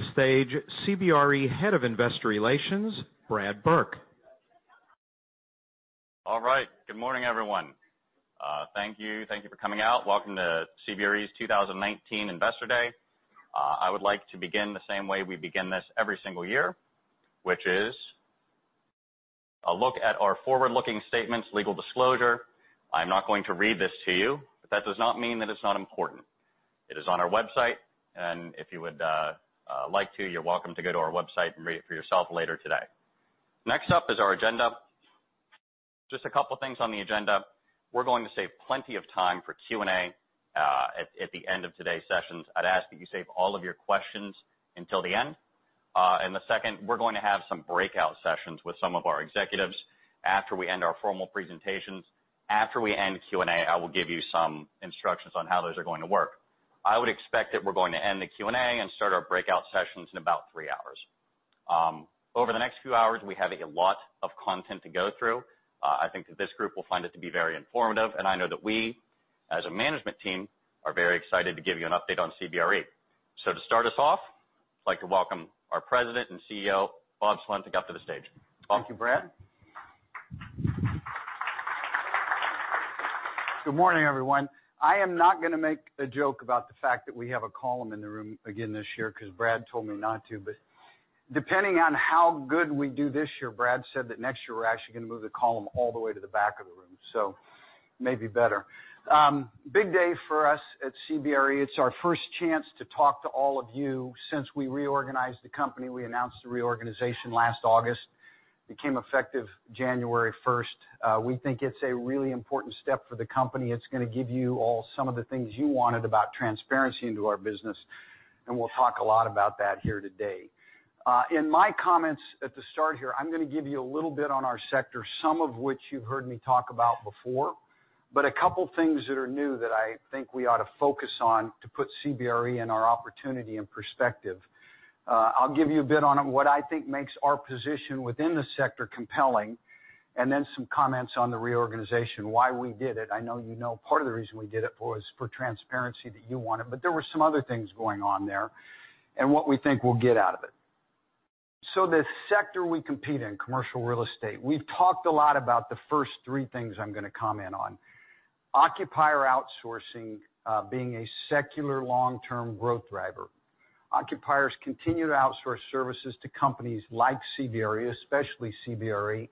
To the stage, CBRE Head of Investor Relations, Brad Burke. All right. Good morning, everyone. Thank you for coming out. Welcome to CBRE's 2019 Investor Day. I would like to begin the same way we begin this every single year, which is a look at our forward-looking statements, legal disclosure. I'm not going to read this to you. That does not mean that it's not important. It is on our website. If you would like to, you're welcome to go to our website and read it for yourself later today. Next up is our agenda. Just a couple of things on the agenda. We're going to save plenty of time for Q&A at the end of today's sessions. I'd ask that you save all of your questions until the end. The second, we're going to have some breakout sessions with some of our executives after we end our formal presentations. After we end Q&A, I will give you some instructions on how those are going to work. I would expect that we're going to end the Q&A and start our breakout sessions in about three hours. Over the next few hours, we have a lot of content to go through. I think that this group will find it to be very informative. I know that we, as a management team, are very excited to give you an update on CBRE. To start us off, I'd like to welcome our President and CEO, Bob Sulentic, up to the stage. Bob. Thank you, Brad. Good morning, everyone. I am not going to make a joke about the fact that we have a column in the room again this year because Brad told me not to. Depending on how good we do this year, Brad said that next year we're actually going to move the column all the way to the back of the room, so it may be better. Big day for us at CBRE. It's our first chance to talk to all of you since we reorganized the company. We announced the reorganization last August, became effective January 1st. We think it's a really important step for the company. It's going to give you all some of the things you wanted about transparency into our business. We'll talk a lot about that here today. In my comments at the start here, I'm going to give you a little bit on our sector, some of which you've heard me talk about before. A couple of things that are new that I think we ought to focus on to put CBRE and our opportunity in perspective. I'll give you a bit on what I think makes our position within the sector compelling, and then some comments on the reorganization, why we did it. I know you know part of the reason we did it was for transparency that you wanted, but there were some other things going on there, and what we think we'll get out of it. The sector we compete in, commercial real estate. We've talked a lot about the first three things I'm going to comment on. Occupier outsourcing being a secular long-term growth driver. Occupiers continue to outsource services to companies like CBRE, especially CBRE,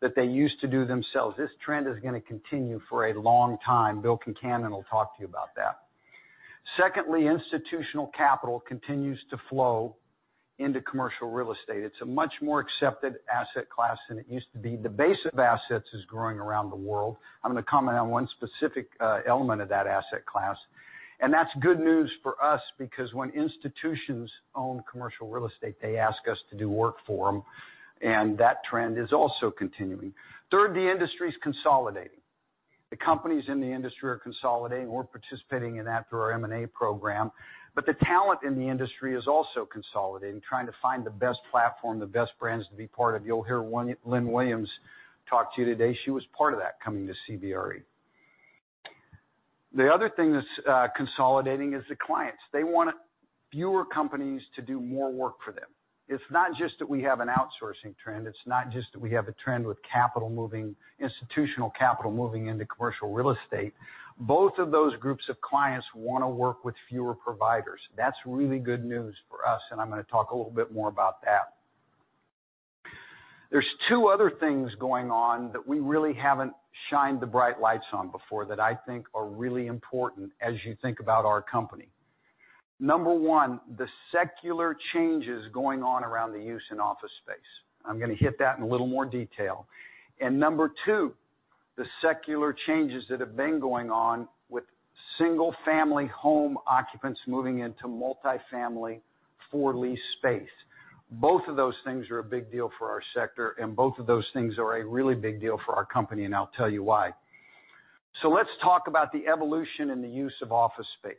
that they used to do themselves. This trend is going to continue for a long time. Bill Concannon will talk to you about that. Secondly, institutional capital continues to flow into commercial real estate. It's a much more accepted asset class than it used to be. The base of assets is growing around the world. I'm going to comment on one specific element of that asset class. That's good news for us because when institutions own commercial real estate, they ask us to do work for them, and that trend is also continuing. Third, the industry's consolidating. The companies in the industry are consolidating. We're participating in that through our M&A program. The talent in the industry is also consolidating, trying to find the best platform, the best brands to be part of. You'll hear Lynn Williams talk to you today. She was part of that coming to CBRE. The other thing that's consolidating is the clients. They want fewer companies to do more work for them. It's not just that we have an outsourcing trend. It's not just that we have a trend with institutional capital moving into commercial real estate. Both of those groups of clients want to work with fewer providers. That's really good news for us, and I'm going to talk a little bit more about that. There's two other things going on that we really haven't shined the bright lights on before that I think are really important as you think about our company. Number one, the secular changes going on around the use in office space. I'm going to hit that in a little more detail. Number two, the secular changes that have been going on with single-family home occupants moving into multi-family for lease space. Both of those things are a big deal for our sector, and both of those things are a really big deal for our company, and I'll tell you why. Let's talk about the evolution in the use of office space.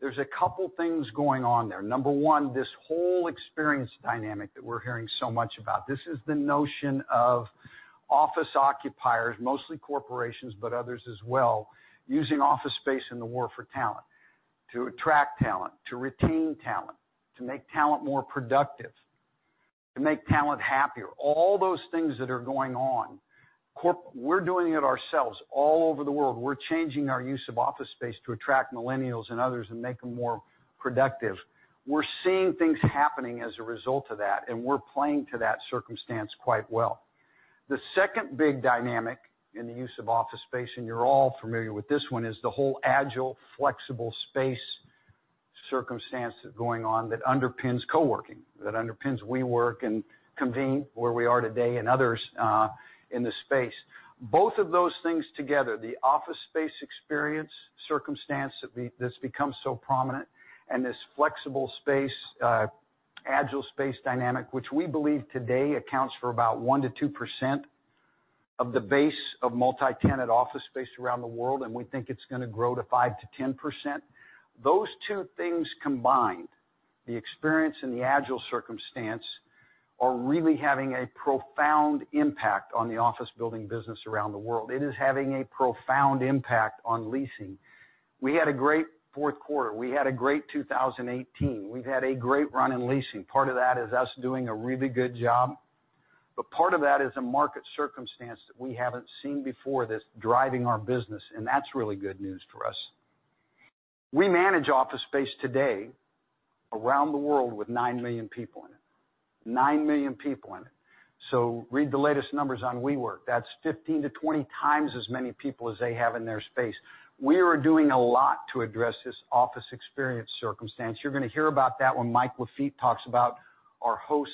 There's a couple things going on there. Number one, this whole experience dynamic that we're hearing so much about. This is the notion of office occupiers, mostly corporations, but others as well, using office space in the war for talent, to attract talent, to retain talent, to make talent more productive, to make talent happier. All those things that are going on. We're doing it ourselves all over the world. We're changing our use of office space to attract millennials and others and make them more productive. We're seeing things happening as a result of that, and we're playing to that circumstance quite well. The second big dynamic in the use of office space, and you're all familiar with this one, is the whole agile, flexible space circumstance that's going on that underpins co-working, that underpins WeWork and Convene, where we are today, and others in the space. Both of those things together, the office space experience circumstance that's become so prominent, and this flexible space, agile space dynamic, which we believe today accounts for about 1%-2% of the base of multi-tenant office space around the world, and we think it's going to grow to 5%-10%. Those two things combined, the experience and the agile circumstance are really having a profound impact on the office building business around the world. It is having a profound impact on leasing. We had a great fourth quarter. We had a great 2018. We've had a great run in leasing. Part of that is us doing a really good job, but part of that is a market circumstance that we haven't seen before that's driving our business, and that's really good news for us. We manage office space today around the world with 9 million people in it. 9 million people in it. Read the latest numbers on WeWork. That's 15-20 times as many people as they have in their space. We are doing a lot to address this office experience circumstance. You're going to hear about that when Mike Lafitte talks about our Host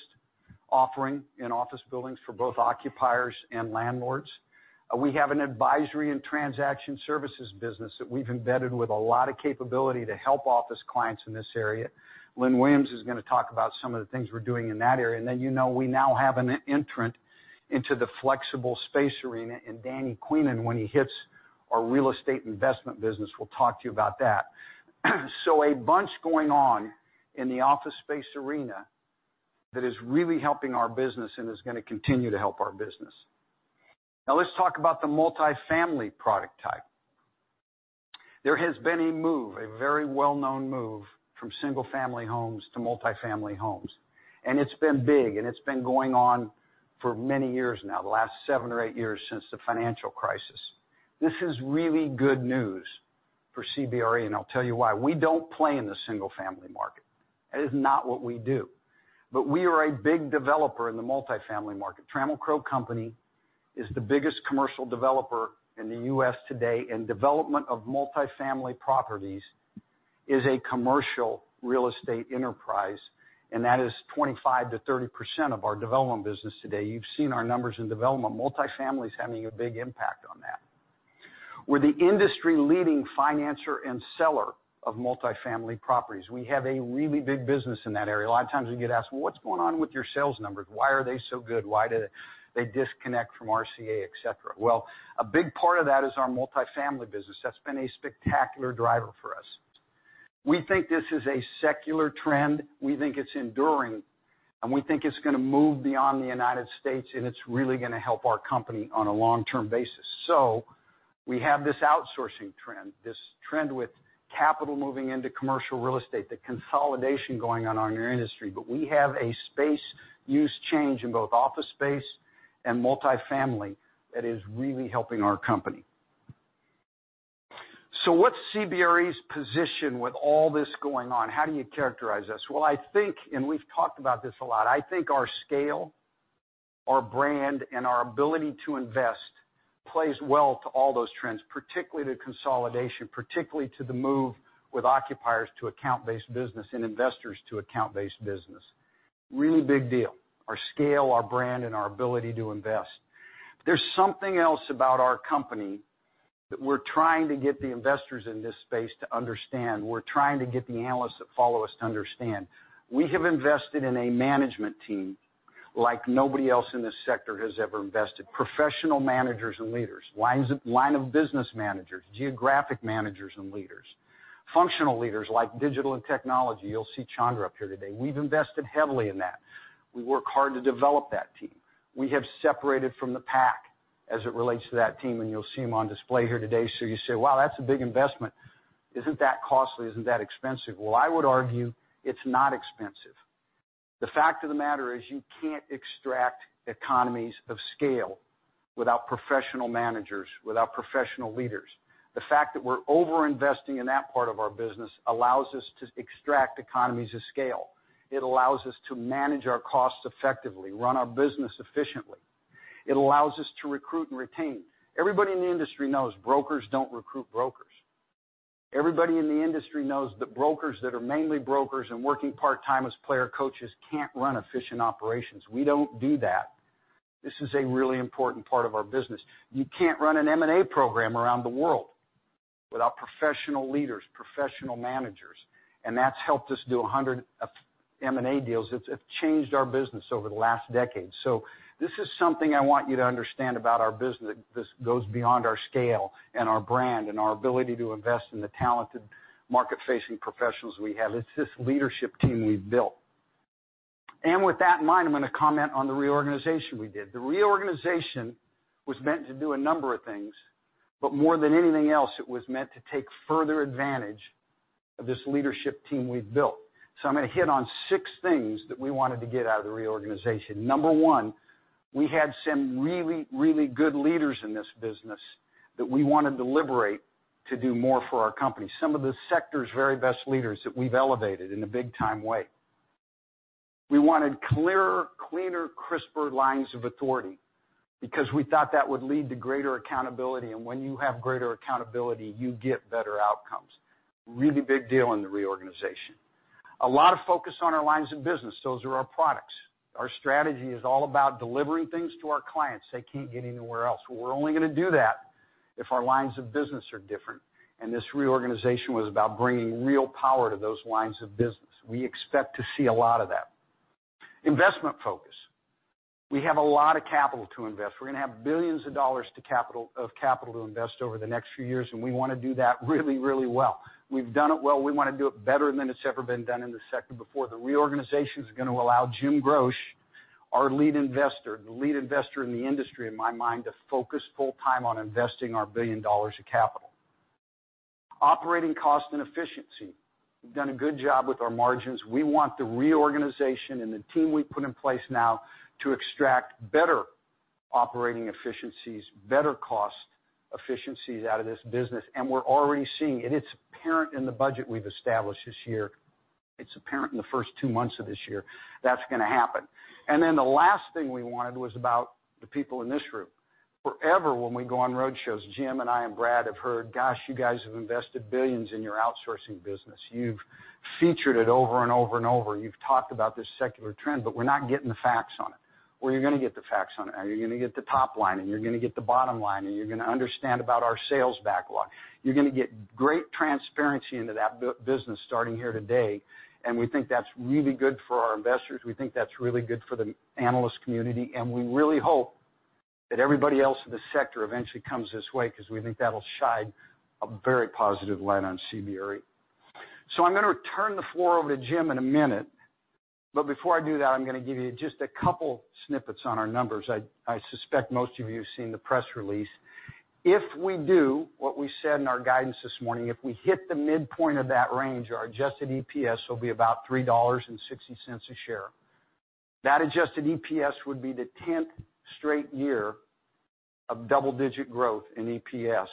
offering in office buildings for both occupiers and landlords. We have an Advisory & Transaction Services business that we've embedded with a lot of capability to help office clients in this area. Lynn Williams is going to talk about some of the things we're doing in that area. You know, we now have an entrant into the flexible space arena in Danny Queenan. When he hits our Real Estate Investments business, we'll talk to you about that. A bunch going on in the office space arena that is really helping our business and is going to continue to help our business. Now let's talk about the multifamily product type. There has been a move, a very well-known move from single-family homes to multifamily homes, and it's been big, and it's been going on for many years now, the last seven or eight years since the financial crisis. This is really good news for CBRE, and I'll tell you why. We don't play in the single-family market. That is not what we do. We are a big developer in the multifamily market. Trammell Crow Company is the biggest commercial developer in the U.S. today. Development of multifamily properties is a commercial real estate enterprise. That is 25%-30% of our development business today. You've seen our numbers in development. Multifamily is having a big impact on that. We're the industry-leading financer and seller of multifamily properties. We have a really big business in that area. A lot of times we get asked, "What's going on with your sales numbers? Why are they so good? Why did they disconnect from RCA?" Et cetera. A big part of that is our multifamily business. That's been a spectacular driver for us. We think this is a secular trend. We think it's enduring, we think it's going to move beyond the United States, it's really going to help our company on a long-term basis. We have this outsourcing trend, this trend with capital moving into commercial real estate, the consolidation going on in our industry. We have a space use change in both office space and multifamily that is really helping our company. What's CBRE's position with all this going on? How do you characterize us? I think, we've talked about this a lot, I think our scale, our brand, and our ability to invest plays well to all those trends, particularly to consolidation, particularly to the move with occupiers to account-based business and investors to account-based business. Really big deal. Our scale, our brand, and our ability to invest. There's something else about our company that we're trying to get the investors in this space to understand. We're trying to get the analysts that follow us to understand. We have invested in a management team like nobody else in this sector has ever invested. Professional managers and leaders, lines of business managers, geographic managers and leaders, functional leaders like digital and technology. You'll see Chandra up here today. We've invested heavily in that. We work hard to develop that team. We have separated from the pack as it relates to that team, you'll see them on display here today. You say, "Wow, that's a big investment. Isn't that costly? Isn't that expensive?" I would argue it's not expensive. The fact of the matter is you can't extract economies of scale without professional managers, without professional leaders. The fact that we're over-investing in that part of our business allows us to extract economies of scale. It allows us to manage our costs effectively, run our business efficiently. It allows us to recruit and retain. Everybody in the industry knows brokers don't recruit brokers. Everybody in the industry knows that brokers that are mainly brokers and working part-time as player coaches can't run efficient operations. We don't do that. This is a really important part of our business. You can't run an M&A program around the world without professional leaders, professional managers, that's helped us do 100 M&A deals. It's changed our business over the last decade. This is something I want you to understand about our business, that this goes beyond our scale and our brand and our ability to invest in the talented market-facing professionals we have. It's this leadership team we've built. With that in mind, I'm going to comment on the reorganization we did. The reorganization was meant to do a number of things, more than anything else, it was meant to take further advantage of this leadership team we've built. I'm going to hit on six things that we wanted to get out of the reorganization. Number one, we had some really, really good leaders in this business that we wanted to liberate to do more for our company. Some of the sector's very best leaders that we've elevated in a big-time way. We wanted clearer, cleaner, crisper lines of authority because we thought that would lead to greater accountability, when you have greater accountability, you get better outcomes. Really big deal in the reorganization. A lot of focus on our lines of business. Those are our products. Our strategy is all about delivering things to our clients they can't get anywhere else. We're only going to do that if our lines of business are different, and this reorganization was about bringing real power to those lines of business. We expect to see a lot of that. Investment focus. We have a lot of capital to invest. We're going to have billions of dollars of capital to invest over the next few years, and we want to do that really, really well. We've done it well. We want to do it better than it's ever been done in the sector before. The reorganization is going to allow Jim Groch, our lead investor, the lead investor in the industry, in my mind, to focus full time on investing our billion dollars of capital. Operating cost and efficiency. We've done a good job with our margins. We want the reorganization and the team we've put in place now to extract better operating efficiencies, better cost efficiencies out of this business, and we're already seeing it. It's apparent in the budget we've established this year. It's apparent in the first two months of this year. That's going to happen. The last thing we wanted was about the people in this room. Forever, when we go on road shows, Jim Groch and I, Brad Burke have heard, "Gosh, you guys have invested billions in your outsourcing business. You've featured it over and over and over. You've talked about this secular trend, but we're not getting the facts on it." You're going to get the facts on it. Now you're going to get the top line, and you're going to get the bottom line, and you're going to understand about our sales backlog. You're going to get great transparency into that business starting here today, and we think that's really good for our investors. We think that's really good for the analyst community, and we really hope that everybody else in the sector eventually comes this way because we think that'll shine a very positive light on CBRE. I'm going to turn the floor over to Jim in a minute, but before I do that, I'm going to give you just a couple snippets on our numbers. I suspect most of you have seen the press release. If we do what we said in our guidance this morning, if we hit the midpoint of that range, our adjusted EPS will be about $3.60 a share. That adjusted EPS would be the 10th straight year of double-digit growth in EPS.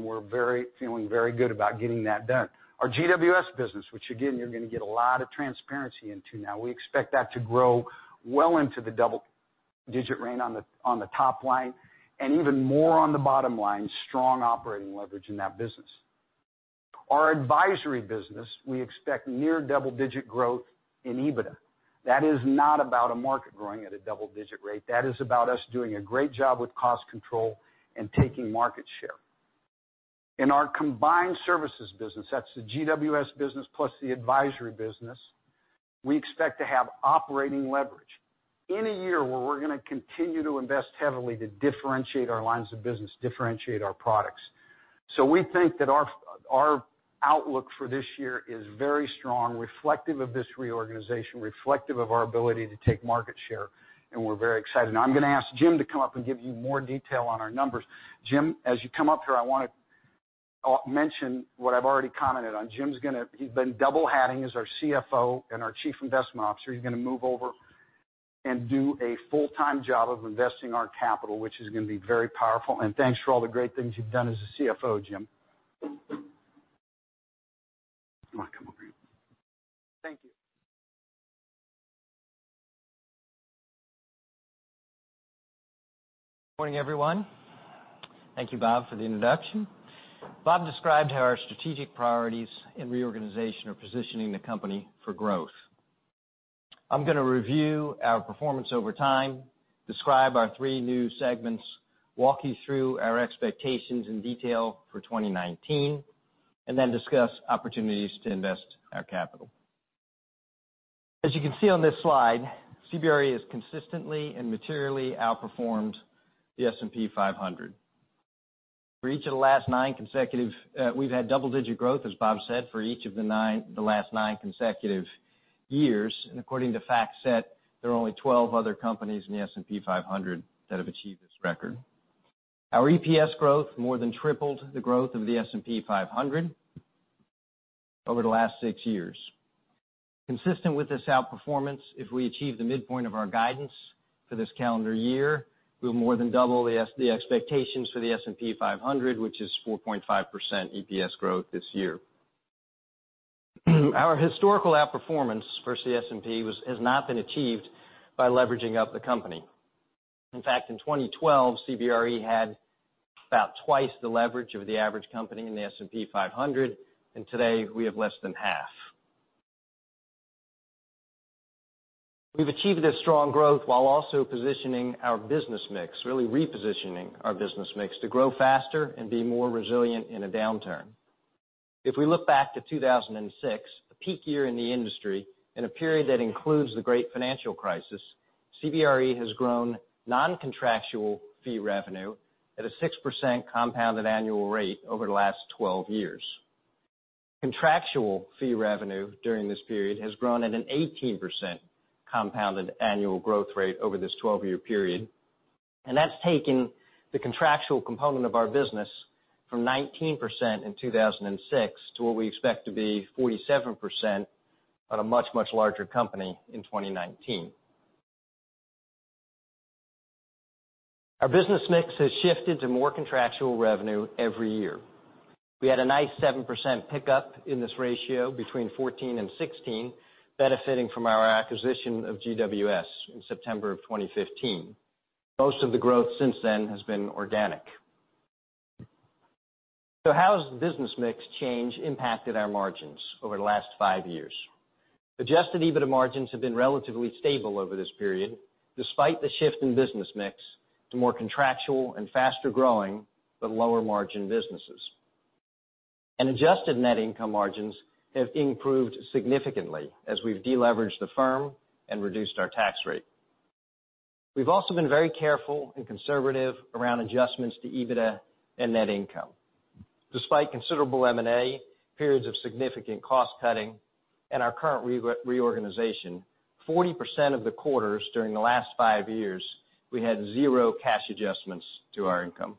We're feeling very good about getting that done. Our GWS business, which again, you're going to get a lot of transparency into now, we expect that to grow well into the double-digit range on the top line and even more on the bottom line. Strong operating leverage in that business. Our advisory business, we expect near double-digit growth in EBITDA. That is not about a market growing at a double-digit rate. That is about us doing a great job with cost control and taking market share. In our combined services business, that's the GWS business plus the advisory business, we expect to have operating leverage in a year where we're going to continue to invest heavily to differentiate our lines of business, differentiate our products. We think that our outlook for this year is very strong, reflective of this reorganization, reflective of our ability to take market share, and we're very excited. I'm going to ask Jim to come up and give you more detail on our numbers. Jim, as you come up here, I want to mention what I've already commented on. Jim's been double-hatting as our CFO and our Chief Investment Officer. He's going to move over and do a full-time job of investing our capital, which is going to be very powerful. Thanks for all the great things you've done as a CFO, Jim. Come on, come over here. Thank you. Morning, everyone. Thank you, Bob, for the introduction. Bob described how our strategic priorities and reorganization are positioning the company for growth. I'm going to review our performance over time, describe our three new segments, walk you through our expectations in detail for 2019, discuss opportunities to invest our capital. As you can see on this slide, CBRE has consistently and materially outperformed the S&P 500. We've had double-digit growth, as Bob said, for each of the last nine consecutive years. According to FactSet, there are only 12 other companies in the S&P 500 that have achieved this record. Our EPS growth more than tripled the growth of the S&P 500 over the last six years. Consistent with this outperformance, if we achieve the midpoint of our guidance for this calendar year, we'll more than double the expectations for the S&P 500, which is 4.5% EPS growth this year. Our historical outperformance versus the S&P has not been achieved by leveraging up the company. In fact, in 2012, CBRE had about twice the leverage of the average company in the S&P 500, and today we have less than half. We've achieved this strong growth while also positioning our business mix, really repositioning our business mix, to grow faster and be more resilient in a downturn. If we look back to 2006, the peak year in the industry, in a period that includes the great financial crisis, CBRE has grown non-contractual fee revenue at a 6% compounded annual rate over the last 12 years. Contractual fee revenue during this period has grown at an 18% compounded annual growth rate over this 12-year period. That's taken the contractual component of our business from 19% in 2006 to what we expect to be 47% on a much, much larger company in 2019. Our business mix has shifted to more contractual revenue every year. We had a nice 7% pickup in this ratio between 2014 and 2016, benefiting from our acquisition of GWS in September of 2015. Most of the growth since then has been organic. How has the business mix change impacted our margins over the last five years? Adjusted EBITDA margins have been relatively stable over this period, despite the shift in business mix to more contractual and faster-growing but lower-margin businesses. Adjusted net income margins have improved significantly as we've deleveraged the firm and reduced our tax rate. We've also been very careful and conservative around adjustments to EBITDA and net income. Despite considerable M&A, periods of significant cost cutting, and our current reorganization, 40% of the quarters during the last five years, we had zero cash adjustments to our income.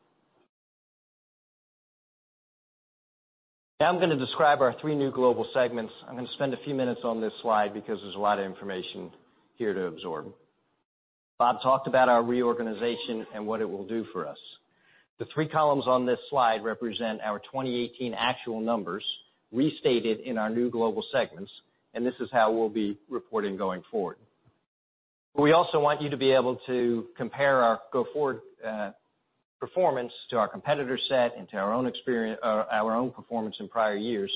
I'm going to describe our three new global segments. I'm going to spend a few minutes on this slide because there's a lot of information here to absorb. Bob talked about our reorganization and what it will do for us. The three columns on this slide represent our 2018 actual numbers restated in our new global segments, and this is how we'll be reporting going forward. We also want you to be able to compare our go-forward performance to our competitor set and to our own performance in prior years.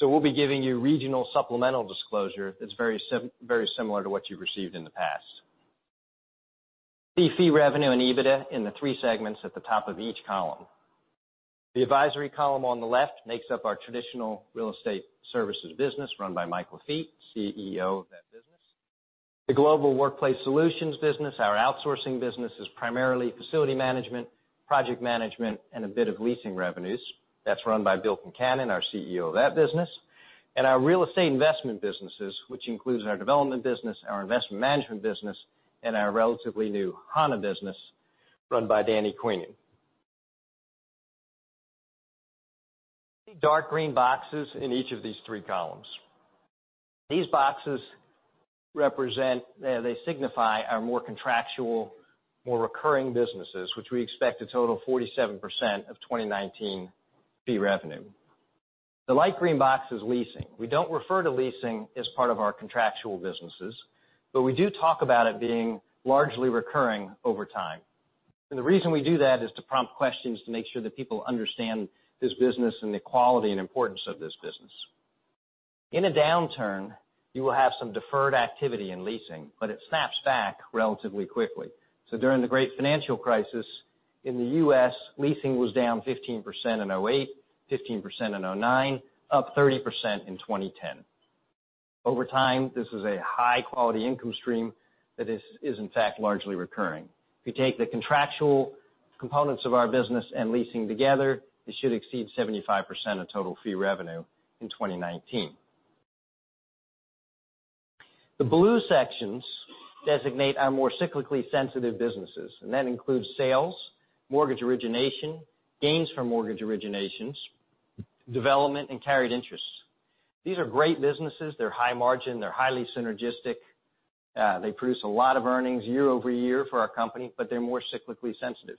We'll be giving you regional supplemental disclosure that's very similar to what you've received in the past. See fee revenue and EBITDA in the three segments at the top of each column. The Advisory column on the left makes up our traditional real estate services business run by Mike Lafitte, CEO of that business. The Global Workplace Solutions business, our outsourcing business, is primarily facility management, project management, and a bit of leasing revenues. That's run by Bill Concannon, our CEO of that business. Our real estate investment businesses, which includes our development business, our investment management business, and our relatively new Hana business run by Danny Queenan. See dark green boxes in each of these three columns. These boxes signify our more contractual, more recurring businesses, which we expect to total 47% of 2019 fee revenue. The light green box is leasing. We don't refer to leasing as part of our contractual businesses, we do talk about it being largely recurring over time. The reason we do that is to prompt questions to make sure that people understand this business and the quality and importance of this business. In a downturn, you will have some deferred activity in leasing, it snaps back relatively quickly. During the great financial crisis in the U.S., leasing was down 15% in 2008, 15% in 2009, up 30% in 2010. Over time, this is a high-quality income stream that is in fact largely recurring. If you take the contractual components of our business and leasing together, it should exceed 75% of total fee revenue in 2019. The blue sections designate our more cyclically sensitive businesses, that includes sales, mortgage origination, gains from mortgage originations, development, and carried interests. These are great businesses. They're high margin. They're highly synergistic. They produce a lot of earnings year-over-year for our company, they're more cyclically sensitive.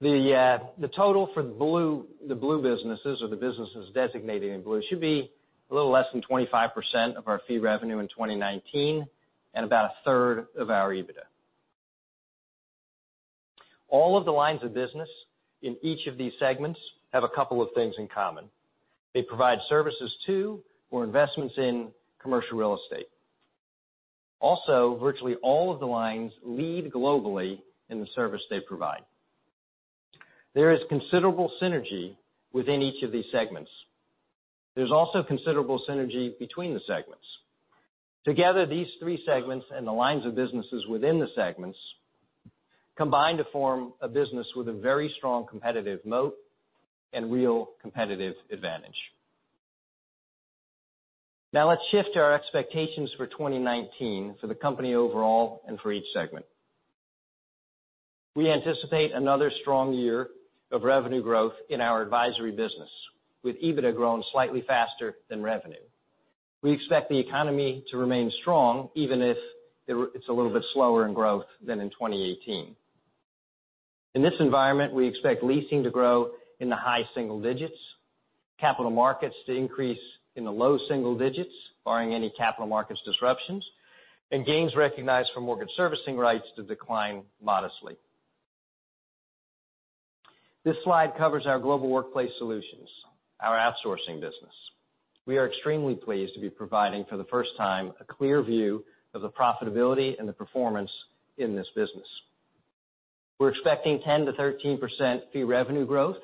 The total for the blue businesses or the businesses designated in blue should be a little less than 25% of our fee revenue in 2019 and about a third of our EBITDA. All of the lines of business in each of these segments have a couple of things in common. They provide services to or investments in commercial real estate. Virtually all of the lines lead globally in the service they provide. There is considerable synergy within each of these segments. There's also considerable synergy between the segments. Together, these three segments and the lines of businesses within the segments combine to form a business with a very strong competitive moat and real competitive advantage. Now let's shift to our expectations for 2019 for the company overall and for each segment. We anticipate another strong year of revenue growth in our advisory business, with EBITDA growing slightly faster than revenue. We expect the economy to remain strong, even if it's a little bit slower in growth than in 2018. In this environment, we expect leasing to grow in the high single digits, capital markets to increase in the low single digits, barring any capital markets disruptions, and gains recognized from mortgage servicing rights to decline modestly. This slide covers our Global Workplace Solutions, our outsourcing business. We are extremely pleased to be providing, for the first time, a clear view of the profitability and the performance in this business. We're expecting 10%-13% fee revenue growth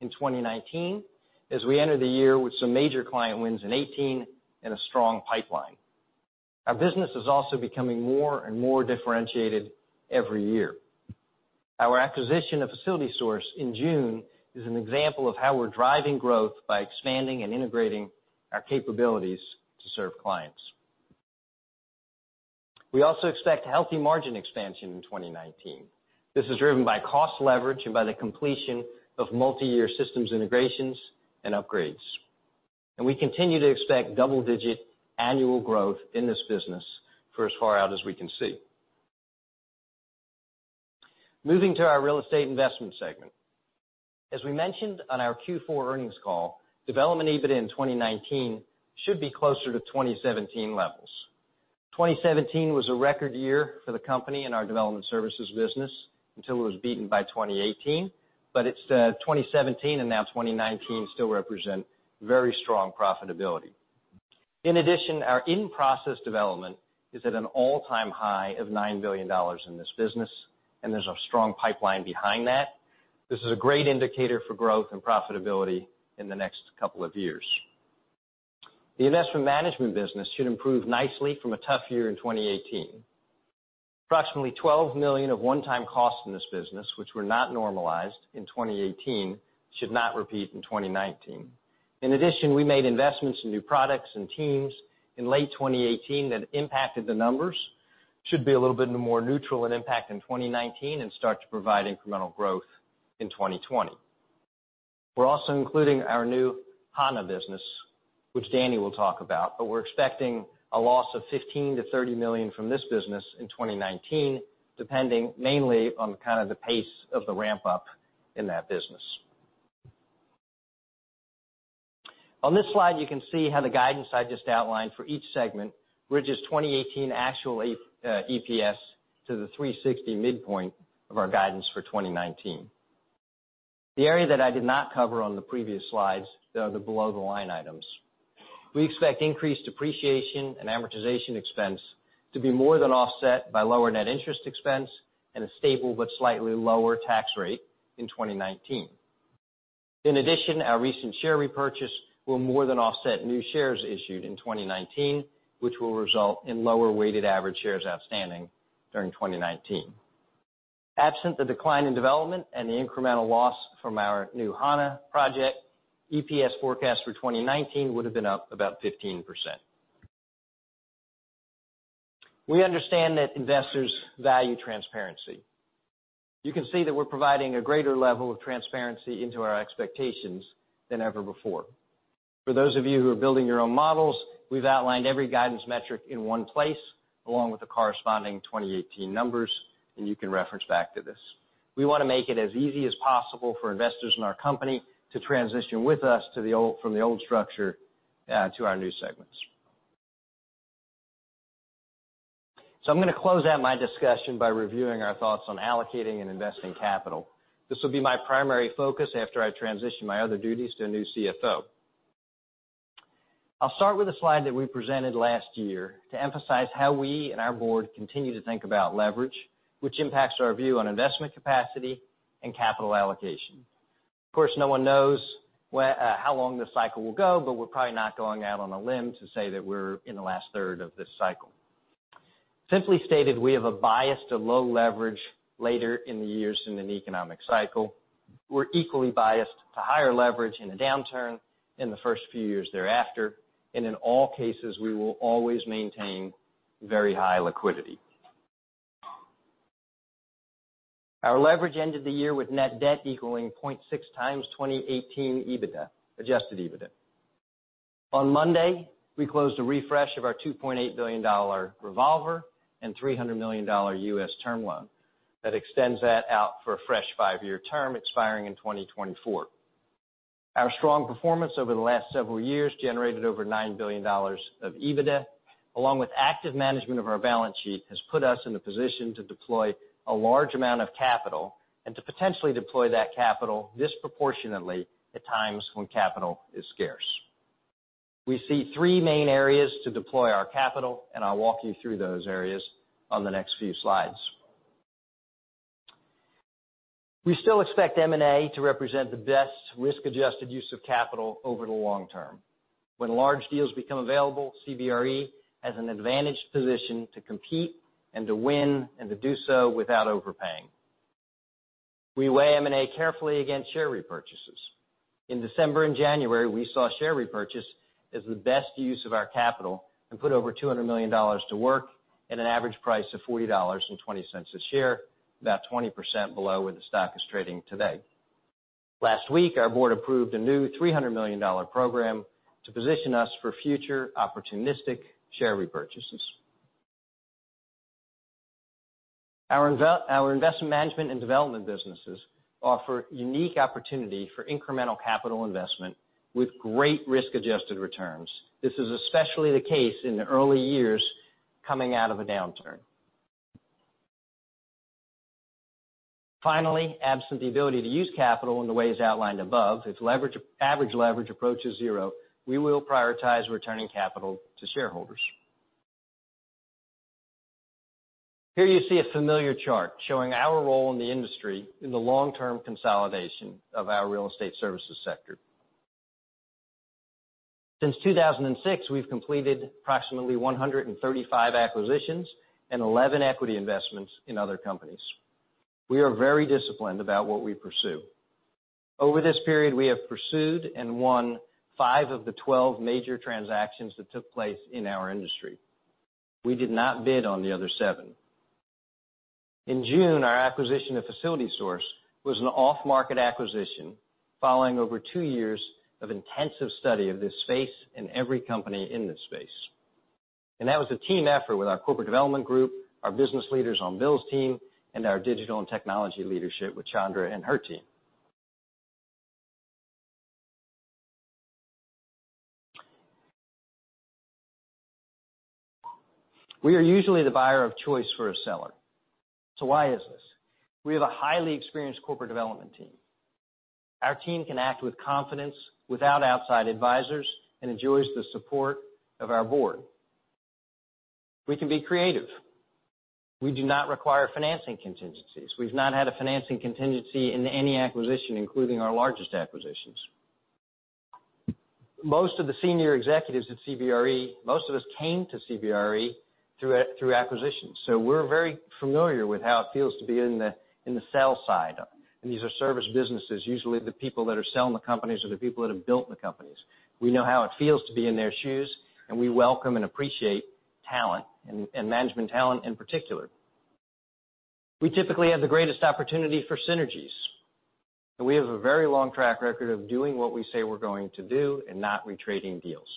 in 2019 as we enter the year with some major client wins in 2018 and a strong pipeline. Our business is also becoming more and more differentiated every year. Our acquisition of FacilitySource in June is an example of how we're driving growth by expanding and integrating our capabilities to serve clients. We also expect healthy margin expansion in 2019. This is driven by cost leverage and by the completion of multi-year systems integrations and upgrades. We continue to expect double-digit annual growth in this business for as far out as we can see. Moving to our real estate investment segment. As we mentioned on our Q4 earnings call, development EBITDA in 2019 should be closer to 2017 levels. 2017 was a record year for the company and our development services business until it was beaten by 2018. It's 2017 and now 2019 still represent very strong profitability. In addition, our in-process development is at an all-time high of $9 billion in this business, and there's a strong pipeline behind that. This is a great indicator for growth and profitability in the next couple of years. The investment management business should improve nicely from a tough year in 2018. Approximately $12 million of one-time costs in this business, which were not normalized in 2018, should not repeat in 2019. In addition, we made investments in new products and teams in late 2018 that impacted the numbers. Should be a little bit more neutral an impact in 2019 and start to provide incremental growth in 2020. We're also including our new Hana business, which Danny will talk about, but we're expecting a loss of $15 million-$30 million from this business in 2019, depending mainly on kind of the pace of the ramp-up in that business. On this slide, you can see how the guidance I just outlined for each segment bridges 2018 actual EPS to the $3.60 midpoint of our guidance for 2019. The area that I did not cover on the previous slides are the below-the-line items. We expect increased depreciation and amortization expense to be more than offset by lower net interest expense and a stable but slightly lower tax rate in 2019. In addition, our recent share repurchase will more than offset new shares issued in 2019, which will result in lower weighted average shares outstanding during 2019. Absent the decline in development and the incremental loss from our new Hana project, EPS forecast for 2019 would have been up about 15%. We understand that investors value transparency. You can see that we're providing a greater level of transparency into our expectations than ever before. For those of you who are building your own models, we've outlined every guidance metric in one place along with the corresponding 2018 numbers, and you can reference back to this. We want to make it as easy as possible for investors in our company to transition with us from the old structure to our new segments. I'm going to close out my discussion by reviewing our thoughts on allocating and investing capital. This will be my primary focus after I transition my other duties to a new CFO. I'll start with a slide that we presented last year to emphasize how we and our board continue to think about leverage, which impacts our view on investment capacity and capital allocation. Of course, no one knows how long this cycle will go, but we're probably not going out on a limb to say that we're in the last third of this cycle. Simply stated, we have a bias to low leverage later in the years in an economic cycle. We're equally biased to higher leverage in a downturn in the first few years thereafter. In all cases, we will always maintain very high liquidity. Our leverage ended the year with net debt equaling 0.6 times 2018 EBITDA, adjusted EBITDA. On Monday, we closed a refresh of our $2.8 billion revolver and $300 million U.S. term loan. That extends that out for a fresh five-year term, expiring in 2024. Our strong performance over the last several years generated over $9 billion of EBITDA, along with active management of our balance sheet has put us in a position to deploy a large amount of capital and to potentially deploy that capital disproportionately at times when capital is scarce. We see three main areas to deploy our capital, and I'll walk you through those areas on the next few slides. We still expect M&A to represent the best risk-adjusted use of capital over the long term. When large deals become available, CBRE has an advantaged position to compete and to win, and to do so without overpaying. We weigh M&A carefully against share repurchases. In December and January, we saw share repurchase as the best use of our capital and put over $200 million to work at an average price of $40.20 a share, about 20% below where the stock is trading today. Last week, our board approved a new $300 million program to position us for future opportunistic share repurchases. Our investment management and development businesses offer unique opportunity for incremental capital investment with great risk-adjusted returns. This is especially the case in the early years coming out of a downturn. Finally, absent the ability to use capital in the ways outlined above, if average leverage approaches zero, we will prioritize returning capital to shareholders. Here you see a familiar chart showing our role in the industry in the long-term consolidation of our real estate services sector. Since 2006, we've completed approximately 135 acquisitions and 11 equity investments in other companies. We are very disciplined about what we pursue. Over this period, we have pursued and won 5 of the 12 major transactions that took place in our industry. We did not bid on the other seven. In June, our acquisition of FacilitySource was an off-market acquisition following over two years of intensive study of this space and every company in this space. That was a team effort with our corporate development group, our business leaders on Bill's team, and our digital and technology leadership with Chandra and her team. We are usually the buyer of choice for a seller. Why is this? We have a highly experienced corporate development team. Our team can act with confidence without outside advisors and enjoys the support of our board. We can be creative. We do not require financing contingencies. We've not had a financing contingency in any acquisition, including our largest acquisitions. Most of the senior executives at CBRE, most of us came to CBRE through acquisitions. We're very familiar with how it feels to be in the sales side. These are service businesses. Usually, the people that are selling the companies are the people that have built the companies. We know how it feels to be in their shoes, and we welcome and appreciate talent and management talent in particular. We typically have the greatest opportunity for synergies, and we have a very long track record of doing what we say we're going to do and not retrading deals.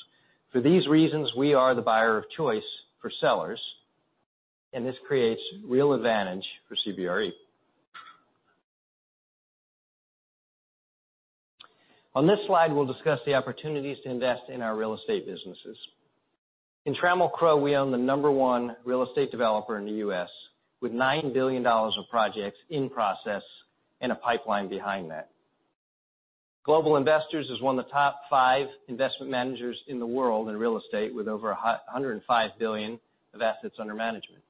For these reasons, we are the buyer of choice for sellers, and this creates real advantage for CBRE. On this slide, we'll discuss the opportunities to invest in our real estate businesses. In Trammell Crow, we own the number one real estate developer in the U.S., with $9 billion of projects in process and a pipeline behind that. Global Investors is one of the top 5 investment managers in the world in real estate, with over $105 billion of assets under management.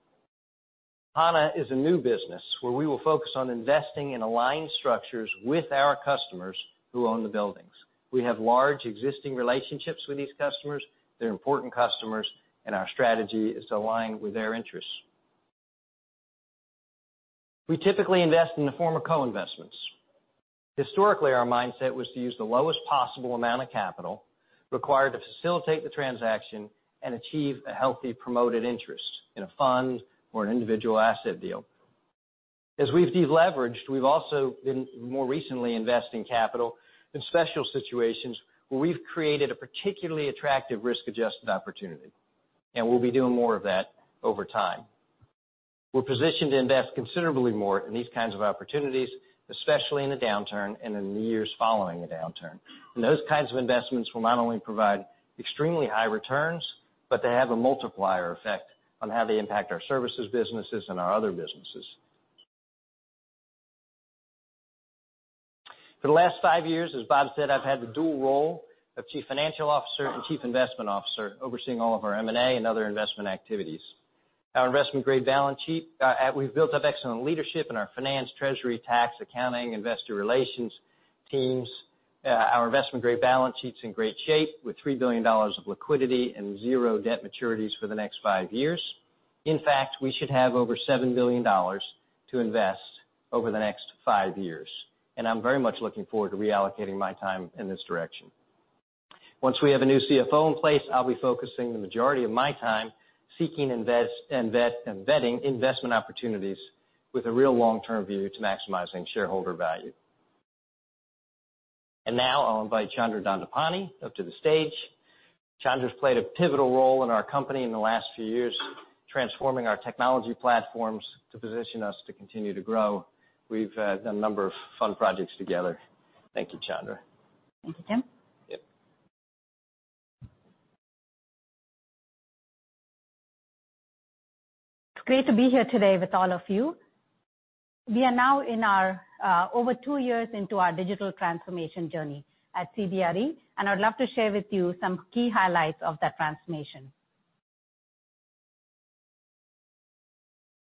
Hana is a new business where we will focus on investing in aligned structures with our customers who own the buildings. We have large existing relationships with these customers. They're important customers, and our strategy is to align with their interests. We typically invest in the form of co-investments. Historically, our mindset was to use the lowest possible amount of capital required to facilitate the transaction and achieve a healthy promoted interest in a fund or an individual asset deal. As we've deleveraged, we've also been more recently investing capital in special situations where we've created a particularly attractive risk-adjusted opportunity, and we'll be doing more of that over time. We're positioned to invest considerably more in these kinds of opportunities, especially in a downturn and in the years following a downturn. Those kinds of investments will not only provide extremely high returns, but they have a multiplier effect on how they impact our services businesses and our other businesses. For the last five years, as Bob said, I've had the dual role of Chief Financial Officer and Chief Investment Officer, overseeing all of our M&A and other investment activities. We've built up excellent leadership in our finance, treasury, tax, accounting, investor relations teams. Our investment grade balance sheet's in great shape, with $3 billion of liquidity and zero debt maturities for the next five years. In fact, we should have over $7 billion to invest over the next five years, and I'm very much looking forward to reallocating my time in this direction. Once we have a new CFO in place, I'll be focusing the majority of my time seeking and vetting investment opportunities with a real long-term view to maximizing shareholder value. Now I'll invite Chandra Dhandapani up to the stage. Chandra's played a pivotal role in our company in the last few years, transforming our technology platforms to position us to continue to grow. We've done a number of fun projects together. Thank you, Chandra. Thank you, Jim. Yep. It's great to be here today with all of you. We are now over two years into our digital transformation journey at CBRE, and I would love to share with you some key highlights of that transformation.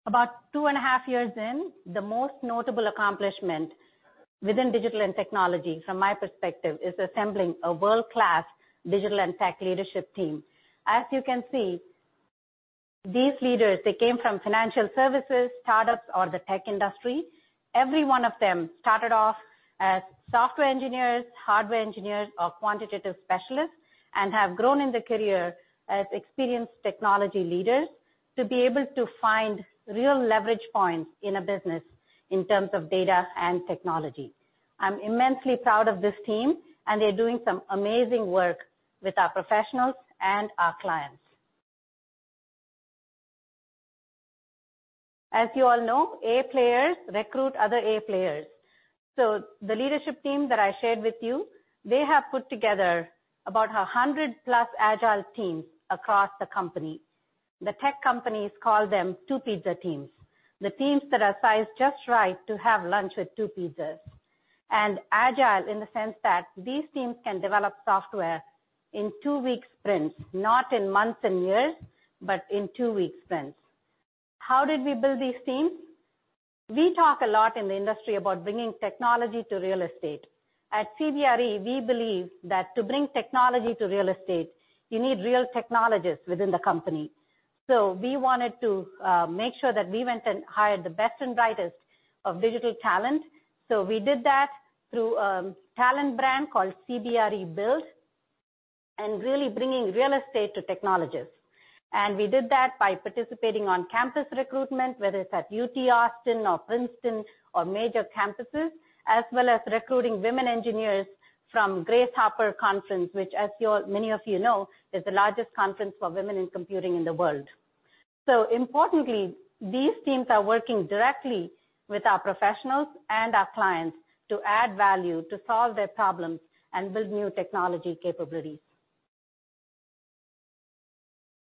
About two and a half years in, the most notable accomplishment within digital and technology, from my perspective, is assembling a world-class digital and tech leadership team. As you can see, these leaders, they came from financial services, startups, or the tech industry. Every one of them started off as software engineers, hardware engineers, or quantitative specialists, and have grown in their career as experienced technology leaders to be able to find real leverage points in a business in terms of data and technology. I'm immensely proud of this team, and they're doing some amazing work with our professionals and our clients. As you all know, A players recruit other A players. The leadership team that I shared with you, they have put together about 100-plus Agile teams across the company. The tech companies call them two-pizza teams, the teams that are sized just right to have lunch with two pizzas. Agile in the sense that these teams can develop software in two-week sprints, not in months and years, but in two-week sprints. How did we build these teams? We talk a lot in the industry about bringing technology to real estate. At CBRE, we believe that to bring technology to real estate, you need real technologists within the company. We wanted to make sure that we went and hired the best and brightest of digital talent. We did that through a talent brand called CBRE Build, really bringing real estate to technologists. We did that by participating on campus recruitment, whether it's at UT Austin or Princeton or major campuses, as well as recruiting women engineers from Grace Hopper Conference, which, as many of you know, is the largest conference for women in computing in the world. Importantly, these teams are working directly with our professionals and our clients to add value, to solve their problems, and build new technology capabilities.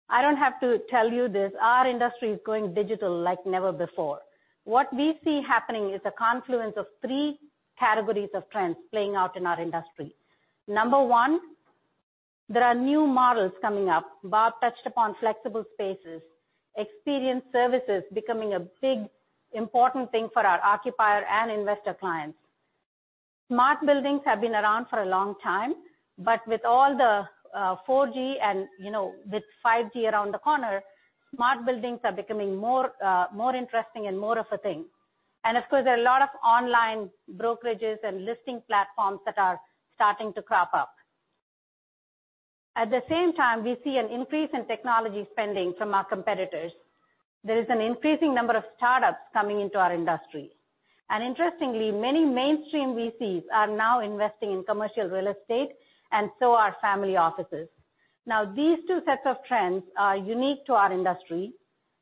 I don't have to tell you this. Our industry is going digital like never before. What we see happening is a confluence of 3 categories of trends playing out in our industry. Number 1, there are new models coming up. Bob touched upon flexible spaces. Experience services becoming a big, important thing for our occupier and investor clients. Smart buildings have been around for a long time, with all the 4G, and with 5G around the corner, smart buildings are becoming more interesting and more of a thing. Of course, there are a lot of online brokerages and listing platforms that are starting to crop up. At the same time, we see an increase in technology spending from our competitors. There is an increasing number of startups coming into our industry. Interestingly, many mainstream VCs are now investing in commercial real estate, and so are family offices. These 2 sets of trends are unique to our industry.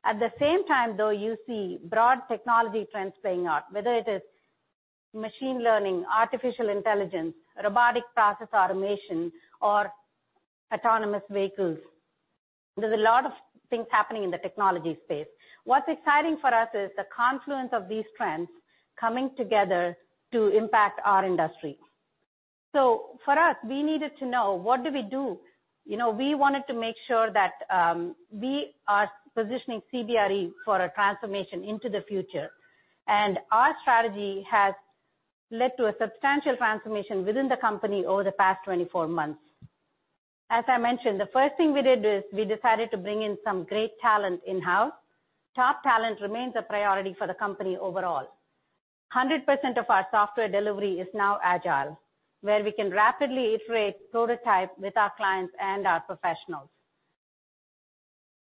At the same time, though, you see broad technology trends playing out, whether it is machine learning, artificial intelligence, robotic process automation, or autonomous vehicles. There's a lot of things happening in the technology space. What's exciting for us is the confluence of these trends coming together to impact our industry. For us, we needed to know what do we do. We wanted to make sure that we are positioning CBRE for a transformation into the future. Our strategy has led to a substantial transformation within the company over the past 24 months. As I mentioned, the first thing we did is we decided to bring in some great talent in-house. Top talent remains a priority for the company overall. 100% of our software delivery is now Agile, where we can rapidly iterate prototypes with our clients and our professionals.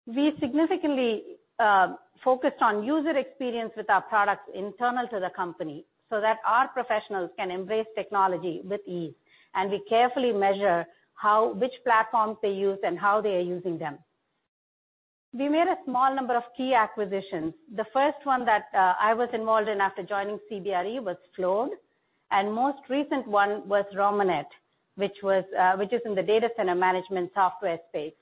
We significantly focused on user experience with our products internal to the company so that our professionals can embrace technology with ease. We carefully measure which platforms they use and how they are using them. We made a small number of key acquisitions. The first one that I was involved in after joining CBRE was Floored, and most recent one was Romonet, which is in the data center management software space.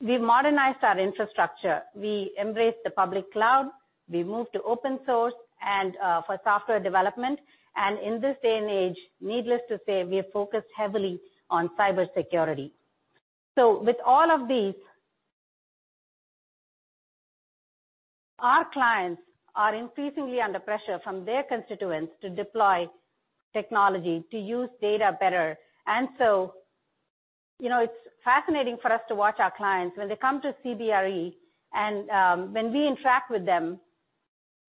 We've modernized our infrastructure. We embrace the public cloud. We moved to open source for software development. In this day and age, needless to say, we are focused heavily on cybersecurity. With all of these, our clients are increasingly under pressure from their constituents to deploy technology, to use data better. It's fascinating for us to watch our clients when they come to CBRE and when we interact with them.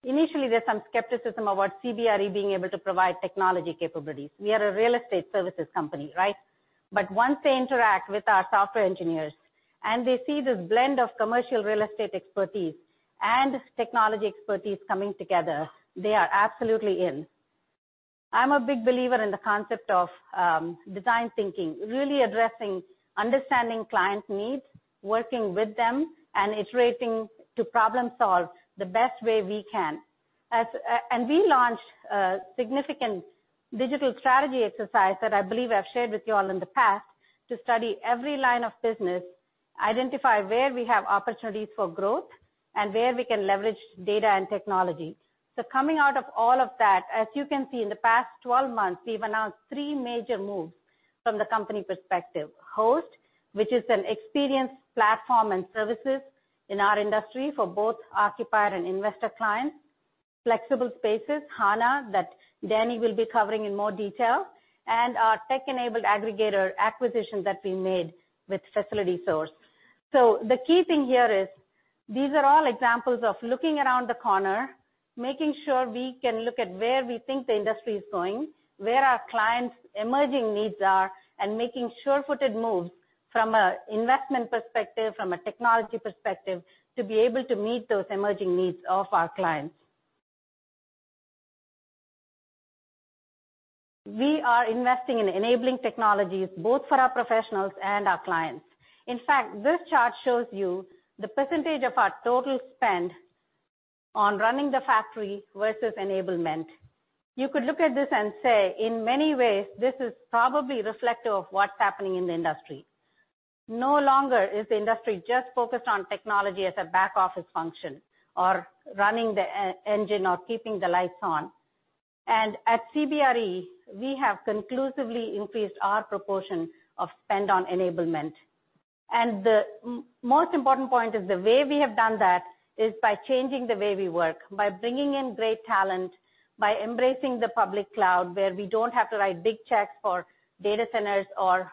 Initially, there's some skepticism about CBRE being able to provide technology capabilities. We are a real estate services company, right? Once they interact with our software engineers and they see this blend of commercial real estate expertise and technology expertise coming together, they are absolutely in. I'm a big believer in the concept of design thinking, really addressing, understanding clients' needs, working with them, and iterating to problem solve the best way we can. We launched a significant digital strategy exercise that I believe I've shared with you all in the past to study every line of business, identify where we have opportunities for growth, and where we can leverage data and technology. Coming out of all of that, as you can see, in the past 12 months, we've announced three major moves from the company perspective. Host, which is an experience platform and services in our industry for both occupier and investor clients. Flexible Spaces, Hana, that Danny will be covering in more detail, and our tech-enabled aggregator acquisition that we made with FacilitySource. The key thing here is these are all examples of looking around the corner, making sure we can look at where we think the industry is going, where our clients' emerging needs are, and making sure-footed moves from an investment perspective, from a technology perspective, to be able to meet those emerging needs of our clients. We are investing in enabling technologies both for our professionals and our clients. In fact, this chart shows you the % of our total spend on running the factory versus enablement. You could look at this and say, in many ways, this is probably reflective of what's happening in the industry. No longer is the industry just focused on technology as a back office function or running the engine or keeping the lights on. At CBRE, we have conclusively increased our proportion of spend on enablement. The most important point is the way we have done that is by changing the way we work, by bringing in great talent, by embracing the public cloud, where we don't have to write big checks for data centers or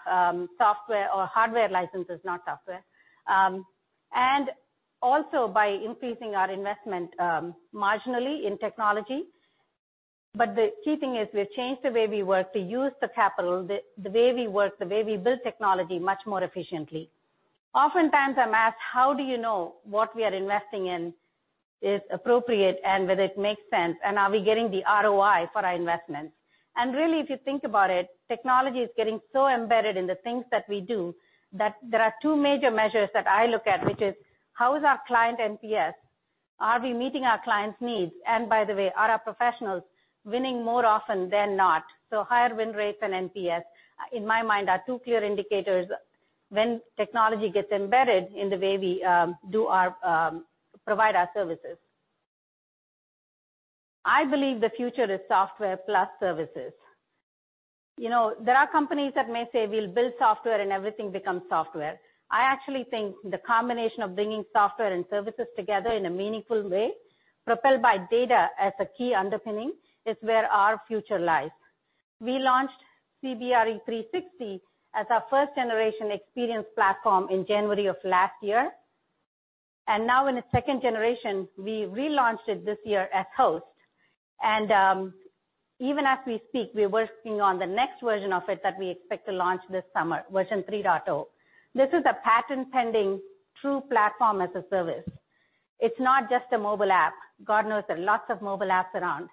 software or hardware licenses, not software. Also by increasing our investment marginally in technology. The key thing is we've changed the way we work to use the capital, the way we work, the way we build technology much more efficiently. Oftentimes I'm asked, how do you know what we are investing in is appropriate and whether it makes sense, and are we getting the ROI for our investments? Really, if you think about it, technology is getting so embedded in the things that we do that there are two major measures that I look at, which is: How is our client NPS? Are we meeting our clients' needs? By the way, are our professionals winning more often than not? Higher win rates and NPS, in my mind, are two clear indicators when technology gets embedded in the way we provide our services. I believe the future is software plus services. There are companies that may say, "We'll build software and everything becomes software." I actually think the combination of bringing software and services together in a meaningful way, propelled by data as a key underpinning, is where our future lies. We launched CBRE 360 as our first generation experience platform in January of last year. Now in the second generation, we relaunched it this year as Host. Even as we speak, we're working on the next version of it that we expect to launch this summer, version 3.0. This is a patent-pending true platform as a service. It's not just a mobile app. God knows there are lots of mobile apps around.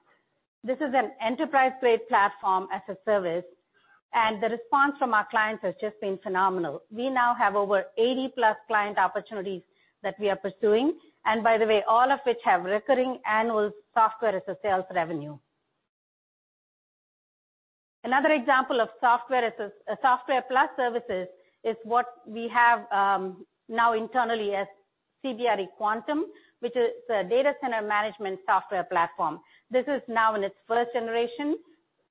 This is an enterprise-grade platform as a service, and the response from our clients has just been phenomenal. We now have over 80+ client opportunities that we are pursuing, all of which have recurring annual software as a sales revenue. Another example of software plus services is what we have now internally as CBRE Quantum, which is a data center management software platform. This is now in its first generation.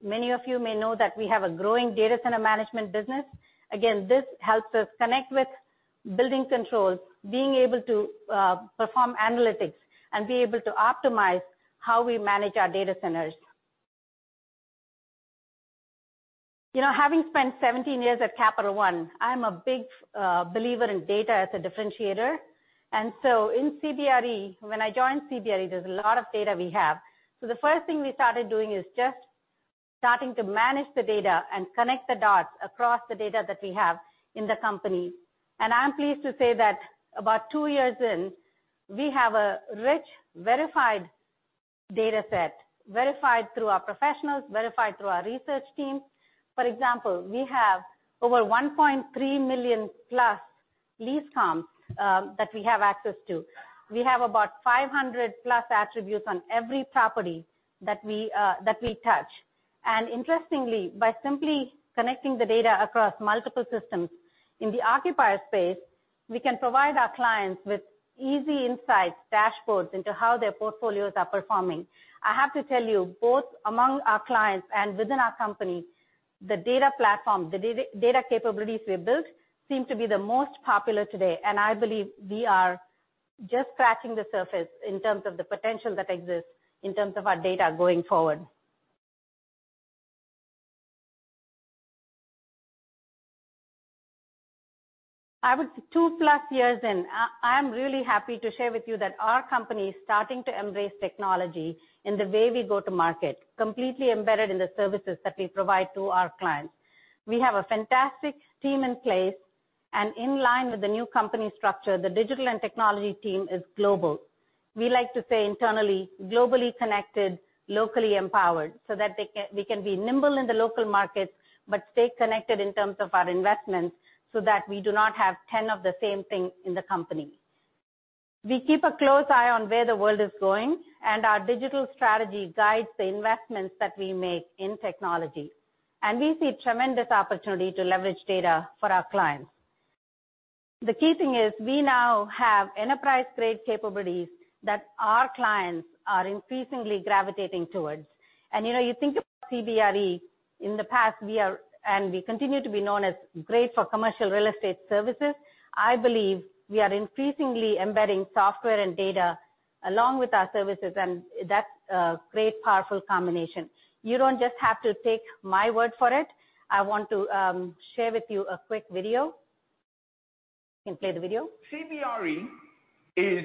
Many of you may know that we have a growing data center management business. This helps us connect with building controls, being able to perform analytics, and be able to optimize how we manage our data centers. Having spent 17 years at Capital One, I'm a big believer in data as a differentiator. In CBRE, when I joined CBRE, there's a lot of data we have. The first thing we started doing is just starting to manage the data and connect the dots across the data that we have in the company. I'm pleased to say that about two years in, we have a rich, verified data set, verified through our professionals, verified through our research team. For example, we have over 1.3 million+ lease comps that we have access to. We have about 500+ attributes on every property that we touch. Interestingly, by simply connecting the data across multiple systems in the occupier space, we can provide our clients with easy insights, dashboards into how their portfolios are performing. I have to tell you, both among our clients and within our company, the data platform, the data capabilities we built seem to be the most popular today. I believe we are just scratching the surface in terms of the potential that exists in terms of our data going forward. I would say two plus years in, I am really happy to share with you that our company is starting to embrace technology in the way we go to market, completely embedded in the services that we provide to our clients. We have a fantastic team in place, and in line with the new company structure, the Digital and Technology team is global. We like to say internally, globally connected, locally empowered, so that we can be nimble in the local markets, but stay connected in terms of our investments so that we do not have 10 of the same thing in the company. We keep a close eye on where the world is going, our digital strategy guides the investments that we make in technology. We see tremendous opportunity to leverage data for our clients. The key thing is we now have enterprise-grade capabilities that our clients are increasingly gravitating towards. You think about CBRE in the past, and we continue to be known as great for commercial real estate services. I believe we are increasingly embedding software and data along with our services, and that's a great, powerful combination. You don't just have to take my word for it. I want to share with you a quick video. You can play the video. CBRE. The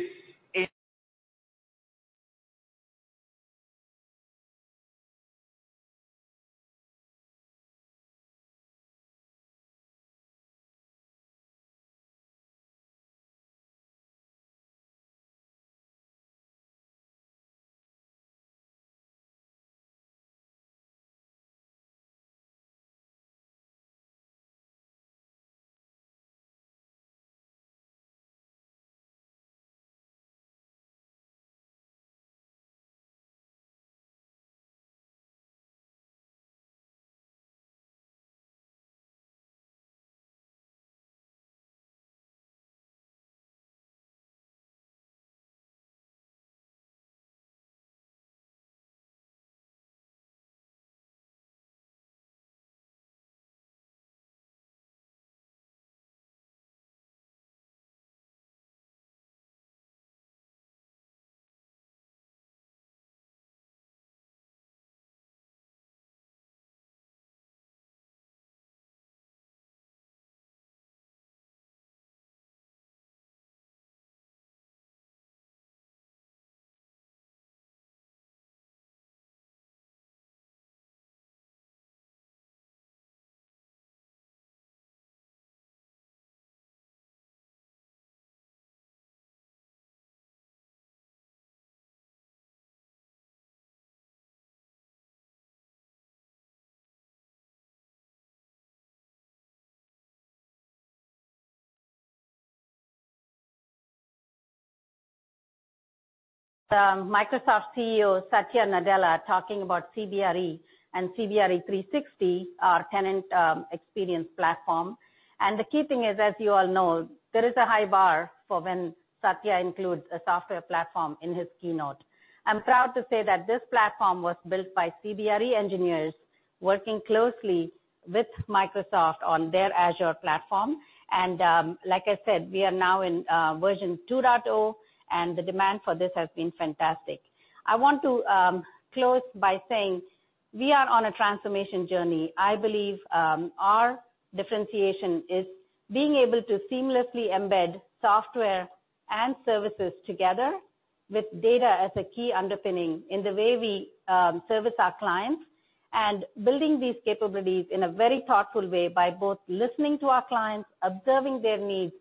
Microsoft CEO, Satya Nadella, talking about CBRE and CBRE 360, our tenant experience platform. The key thing is, as you all know, there is a high bar for when Satya includes a software platform in his keynote. I'm proud to say that this platform was built by CBRE engineers working closely with Microsoft on their Azure platform. Like I said, we are now in version 2.0, and the demand for this has been fantastic. I want to close by saying we are on a transformation journey. I believe our differentiation is being able to seamlessly embed software and services together with data as a key underpinning in the way we service our clients, and building these capabilities in a very thoughtful way by both listening to our clients, observing their needs,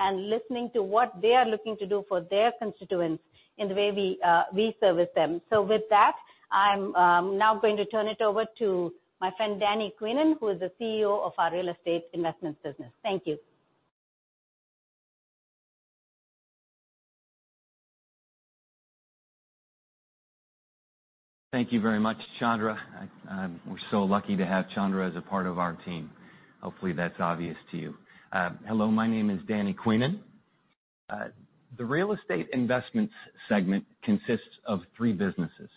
and listening to what they are looking to do for their constituents in the way we service them. With that, I'm now going to turn it over to my friend Danny Queenan, who is the CEO of our Real Estate Investments business. Thank you. Thank you very much, Chandra. We're so lucky to have Chandra as a part of our team. Hopefully, that's obvious to you. Hello, my name is Danny Queenan. The Real Estate Investments segment consists of three businesses,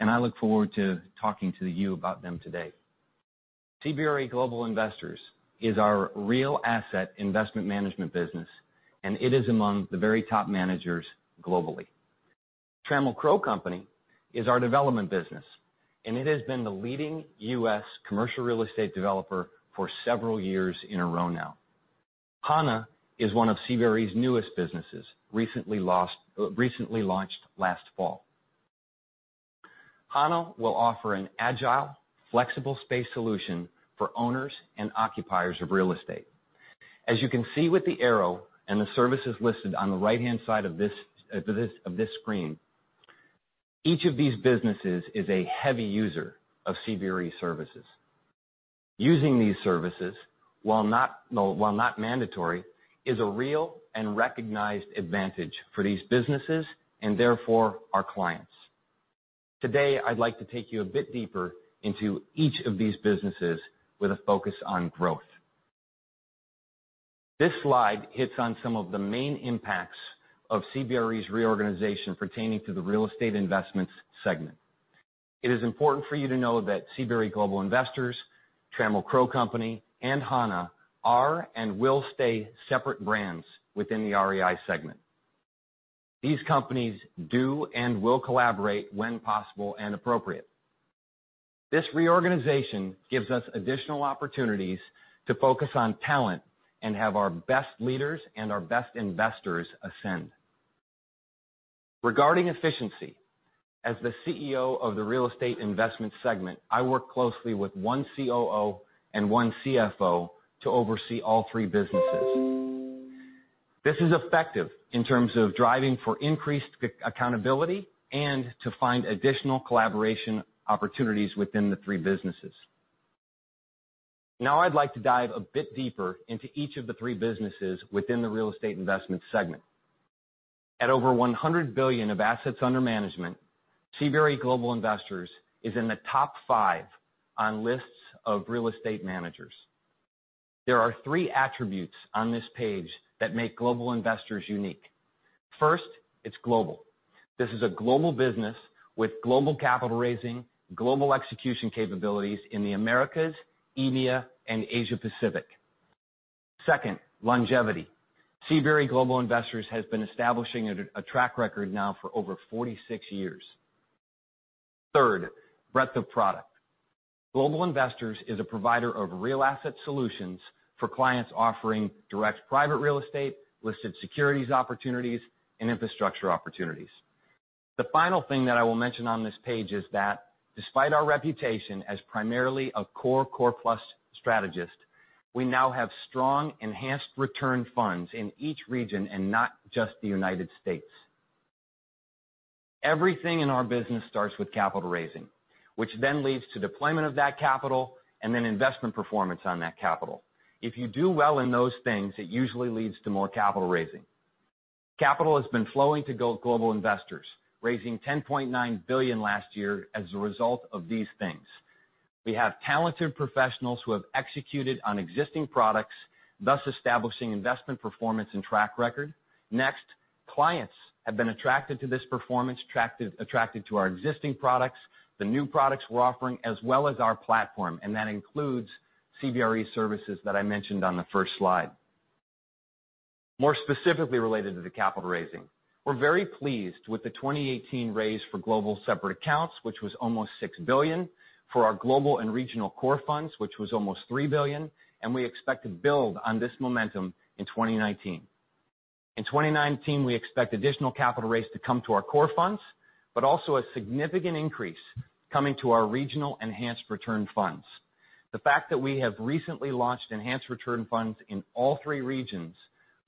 and I look forward to talking to you about them today. CBRE Global Investors is our real asset investment management business, and it is among the very top managers globally. Trammell Crow Company is our development business, and it has been the leading U.S. commercial real estate developer for several years in a row now. Hana is one of CBRE's newest businesses, recently launched last fall. Hana will offer an agile, flexible space solution for owners and occupiers of real estate. As you can see with the arrow and the services listed on the right-hand side of this screen, each of these businesses is a heavy user of CBRE services. Using these services, while not mandatory, is a real and recognized advantage for these businesses and therefore our clients. Today, I'd like to take you a bit deeper into each of these businesses with a focus on growth. This slide hits on some of the main impacts of CBRE's reorganization pertaining to the Real Estate Investments segment. It is important for you to know that CBRE Global Investors, Trammell Crow Company, and Hana are and will stay separate brands within the REI segment. These companies do and will collaborate when possible and appropriate. This reorganization gives us additional opportunities to focus on talent and have our best leaders and our best investors ascend. Regarding efficiency, as the CEO of the Real Estate Investment segment, I work closely with one COO and one CFO to oversee all three businesses. This is effective in terms of driving for increased accountability and to find additional collaboration opportunities within the three businesses. I'd like to dive a bit deeper into each of the three businesses within the Real Estate Investment segment. At over $100 billion of assets under management, CBRE Global Investors is in the top five on lists of real estate managers. There are three attributes on this page that make Global Investors unique. First, it's global. This is a global business with global capital raising, global execution capabilities in the Americas, EMEA, and Asia Pacific. Second, longevity. CBRE Global Investors has been establishing a track record now for over 46 years. Third, breadth of product. Global Investors is a provider of real asset solutions for clients offering direct private real estate, listed securities opportunities, and infrastructure opportunities. The final thing that I will mention on this page is that despite our reputation as primarily a core plus strategist, we now have strong enhanced return funds in each region and not just the U.S. Everything in our business starts with capital raising, which then leads to deployment of that capital and then investment performance on that capital. If you do well in those things, it usually leads to more capital raising. Capital has been flowing to Global Investors, raising $10.9 billion last year as a result of these things. We have talented professionals who have executed on existing products, thus establishing investment performance and track record. Clients have been attracted to this performance, attracted to our existing products, the new products we're offering, as well as our platform, and that includes CBRE services that I mentioned on the first slide. More specifically related to the capital raising, we're very pleased with the 2018 raise for global separate accounts, which was almost $6 billion, for our global and regional core funds, which was almost $3 billion, and we expect to build on this momentum in 2019. In 2019, we expect additional capital raise to come to our core funds, but also a significant increase coming to our regional enhanced return funds. The fact that we have recently launched enhanced return funds in all three regions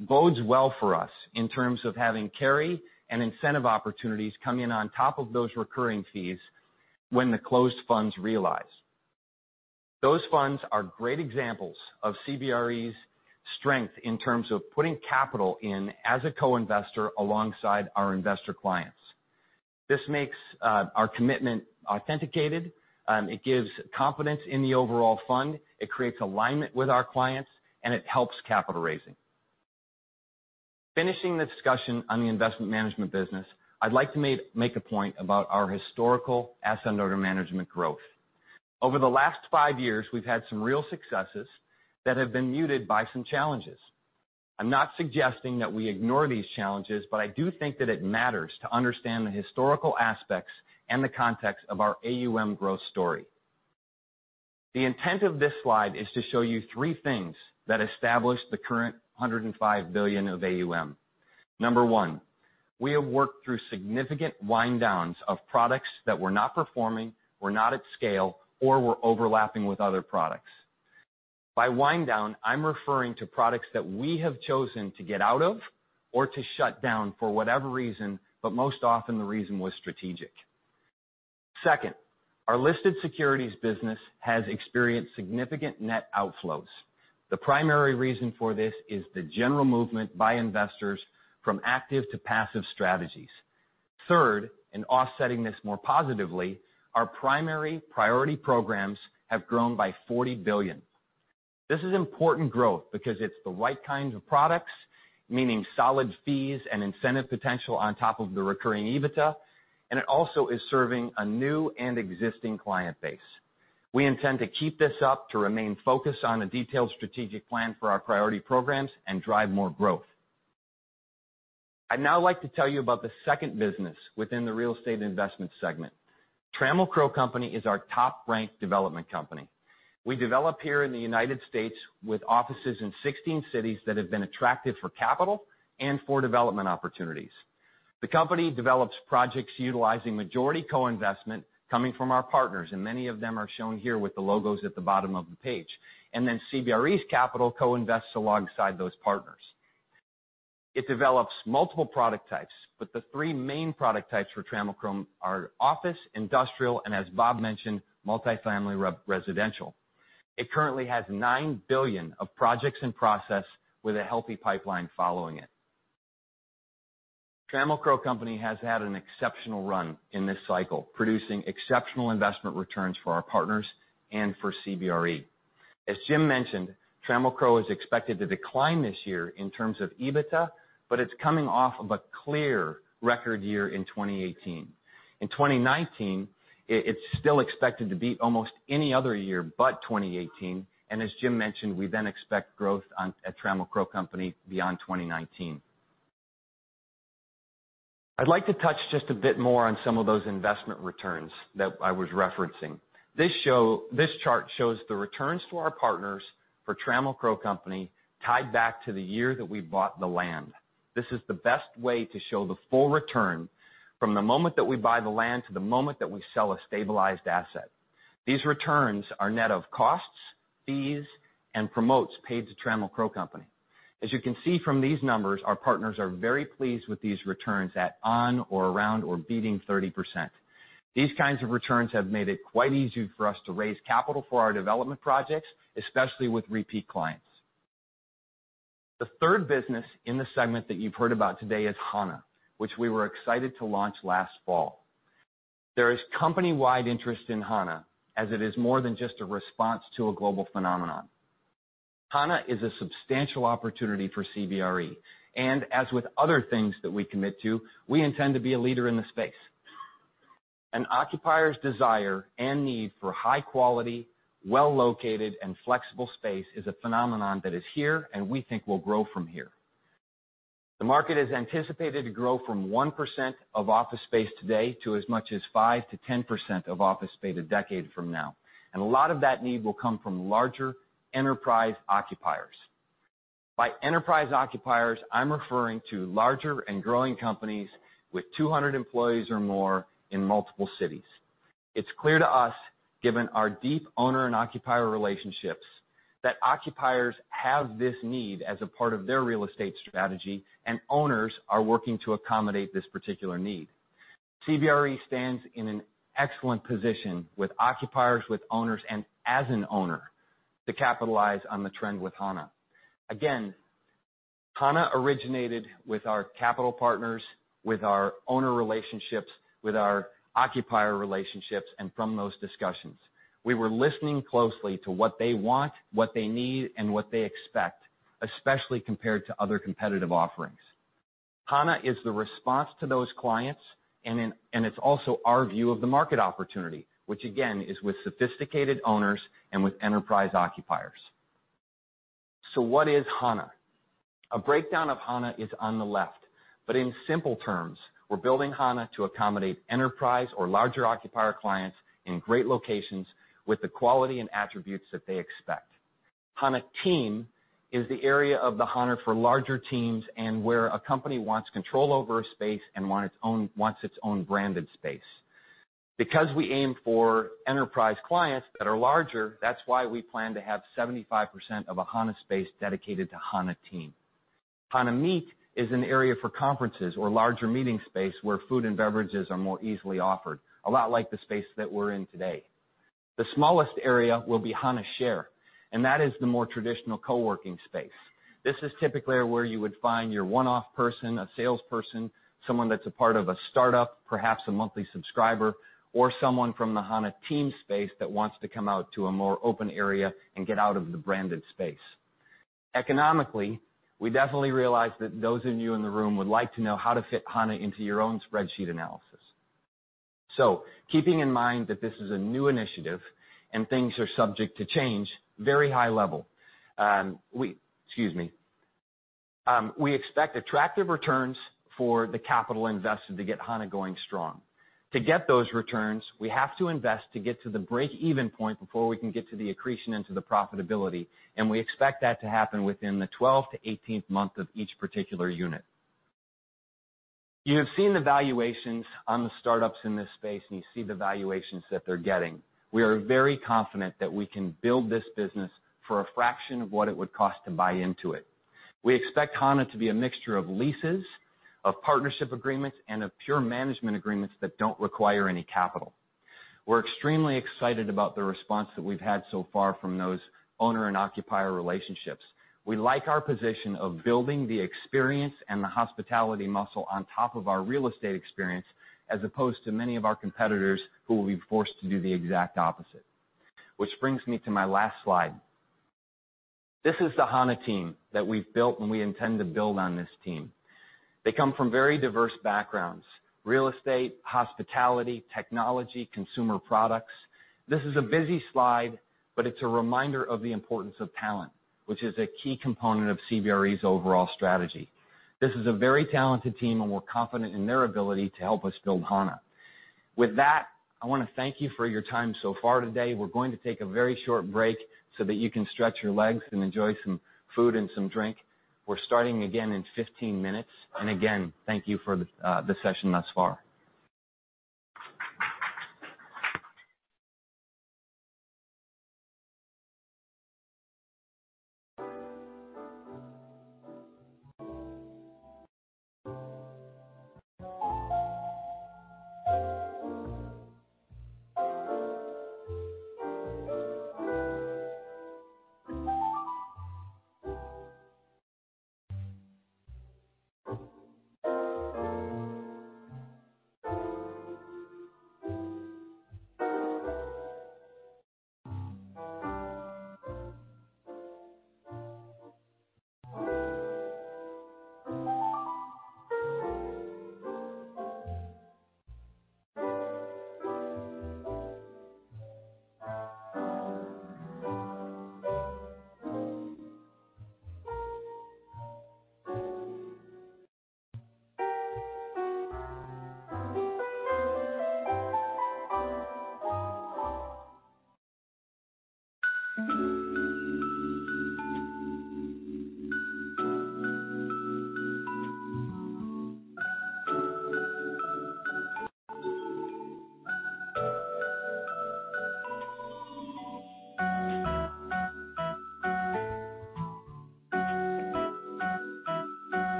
bodes well for us in terms of having carry and incentive opportunities come in on top of those recurring fees when the closed funds realize. Those funds are great examples of CBRE's strength in terms of putting capital in as a co-investor alongside our investor clients. This makes our commitment authenticated, it gives confidence in the overall fund, it creates alignment with our clients, and it helps capital raising. Finishing the discussion on the investment management business, I'd like to make a point about our historical asset under management growth. Over the last five years, we've had some real successes that have been muted by some challenges. I'm not suggesting that we ignore these challenges, but I do think that it matters to understand the historical aspects and the context of our AUM growth story. The intent of this slide is to show you three things that establish the current $105 billion of AUM. Number one, we have worked through significant wind downs of products that were not performing, were not at scale, or were overlapping with other products. By wind down, I'm referring to products that we have chosen to get out of or to shut down for whatever reason, but most often the reason was strategic. Second, our listed securities business has experienced significant net outflows. The primary reason for this is the general movement by investors from active to passive strategies. Third, in offsetting this more positively, our primary priority programs have grown by $40 billion. This is important growth because it's the right kinds of products, meaning solid fees and incentive potential on top of the recurring EBITDA, and it also is serving a new and existing client base. We intend to keep this up to remain focused on a detailed strategic plan for our priority programs and drive more growth. I'd now like to tell you about the second business within the real estate investment segment. Trammell Crow Company is our top-ranked development company. We develop here in the U.S. with offices in 16 cities that have been attractive for capital and for development opportunities. The company develops projects utilizing majority co-investment coming from our partners, and many of them are shown here with the logos at the bottom of the page. CBRE's capital co-invests alongside those partners. It develops multiple product types, but the three main product types for Trammell Crow are office, industrial, and as Bob mentioned, multi-family residential. It currently has $9 billion of projects in process with a healthy pipeline following it. Trammell Crow Company has had an exceptional run in this cycle, producing exceptional investment returns for our partners and for CBRE. As Jim mentioned, Trammell Crow is expected to decline this year in terms of EBITDA, but it's coming off of a clear record year in 2018. In 2019, it's still expected to be almost any other year but 2018, and as Jim mentioned, we then expect growth at Trammell Crow Company beyond 2019. I'd like to touch just a bit more on some of those investment returns that I was referencing. This chart shows the returns to our partners for Trammell Crow Company tied back to the year that we bought the land. This is the best way to show the full return from the moment that we buy the land to the moment that we sell a stabilized asset. These returns are net of costs, fees, and promotes paid to Trammell Crow Company. As you can see from these numbers, our partners are very pleased with these returns at on or around or beating 30%. These kinds of returns have made it quite easy for us to raise capital for our development projects, especially with repeat clients. The third business in the segment that you've heard about today is Hana, which we were excited to launch last fall. There is company-wide interest in Hana, as it is more than just a response to a global phenomenon. Hana is a substantial opportunity for CBRE and as with other things that we commit to, we intend to be a leader in the space. An occupier's desire and need for high quality, well-located, and flexible space is a phenomenon that is here and we think will grow from here. The market is anticipated to grow from 1% of office space today to as much as 5%-10% of office space a decade from now. A lot of that need will come from larger enterprise occupiers. By enterprise occupiers, I'm referring to larger and growing companies with 200 employees or more in multiple cities. It's clear to us, given our deep owner and occupier relationships, that occupiers have this need as a part of their real estate strategy, and owners are working to accommodate this particular need. CBRE stands in an excellent position with occupiers, with owners, and as an owner to capitalize on the trend with Hana. Again, Hana originated with our capital partners, with our owner relationships, with our occupier relationships, and from those discussions. We were listening closely to what they want, what they need, and what they expect, especially compared to other competitive offerings. Hana is the response to those clients, and it's also our view of the market opportunity, which again, is with sophisticated owners and with enterprise occupiers. What is Hana? A breakdown of Hana is on the left. In simple terms, we're building Hana to accommodate enterprise or larger occupier clients in great locations with the quality and attributes that they expect. Hana Team is the area of the Hana for larger teams and where a company wants control over a space and wants its own branded space. Because we aim for enterprise clients that are larger, that's why we plan to have 75% of a Hana space dedicated to Hana Team. Hana Meet is an area for conferences or larger meeting space where food and beverages are more easily offered, a lot like the space that we're in today. The smallest area will be Hana Share, and that is the more traditional co-working space. This is typically where you would find your one-off person, a salesperson, someone that's a part of a startup, perhaps a monthly subscriber, or someone from the Hana Team space that wants to come out to a more open area and get out of the branded space. Economically, we definitely realize that those of you in the room would like to know how to fit Hana into your own spreadsheet analysis. Keeping in mind that this is a new initiative and things are subject to change, very high level. We expect attractive returns for the capital invested to get Hana going strong. To get those returns, we have to invest to get to the break-even point before we can get to the accretion into the profitability, and we expect that to happen within the 12th to 18th month of each particular unit. You have seen the valuations on the startups in this space, and you see the valuations that they're getting. We are very confident that we can build this business for a fraction of what it would cost to buy into it. We expect Hana to be a mixture of leases, of partnership agreements, and of pure management agreements that don't require any capital. We're extremely excited about the response that we've had so far from those owner and occupier relationships. We like our position of building the experience and the hospitality muscle on top of our real estate experience, as opposed to many of our competitors who will be forced to do the exact opposite. This brings me to my last slide. This is the Hana Team that we've built, and we intend to build on this team. They come from very diverse backgrounds, real estate, hospitality, technology, consumer products. This is a busy slide, but it's a reminder of the importance of talent, which is a key component of CBRE's overall strategy. This is a very talented team, and we're confident in their ability to help us build Hana. With that, I want to thank you for your time so far today. We're going to take a very short break so that you can stretch your legs and enjoy some food and some drink. We're starting again in 15 minutes. Again, thank you for the session thus far.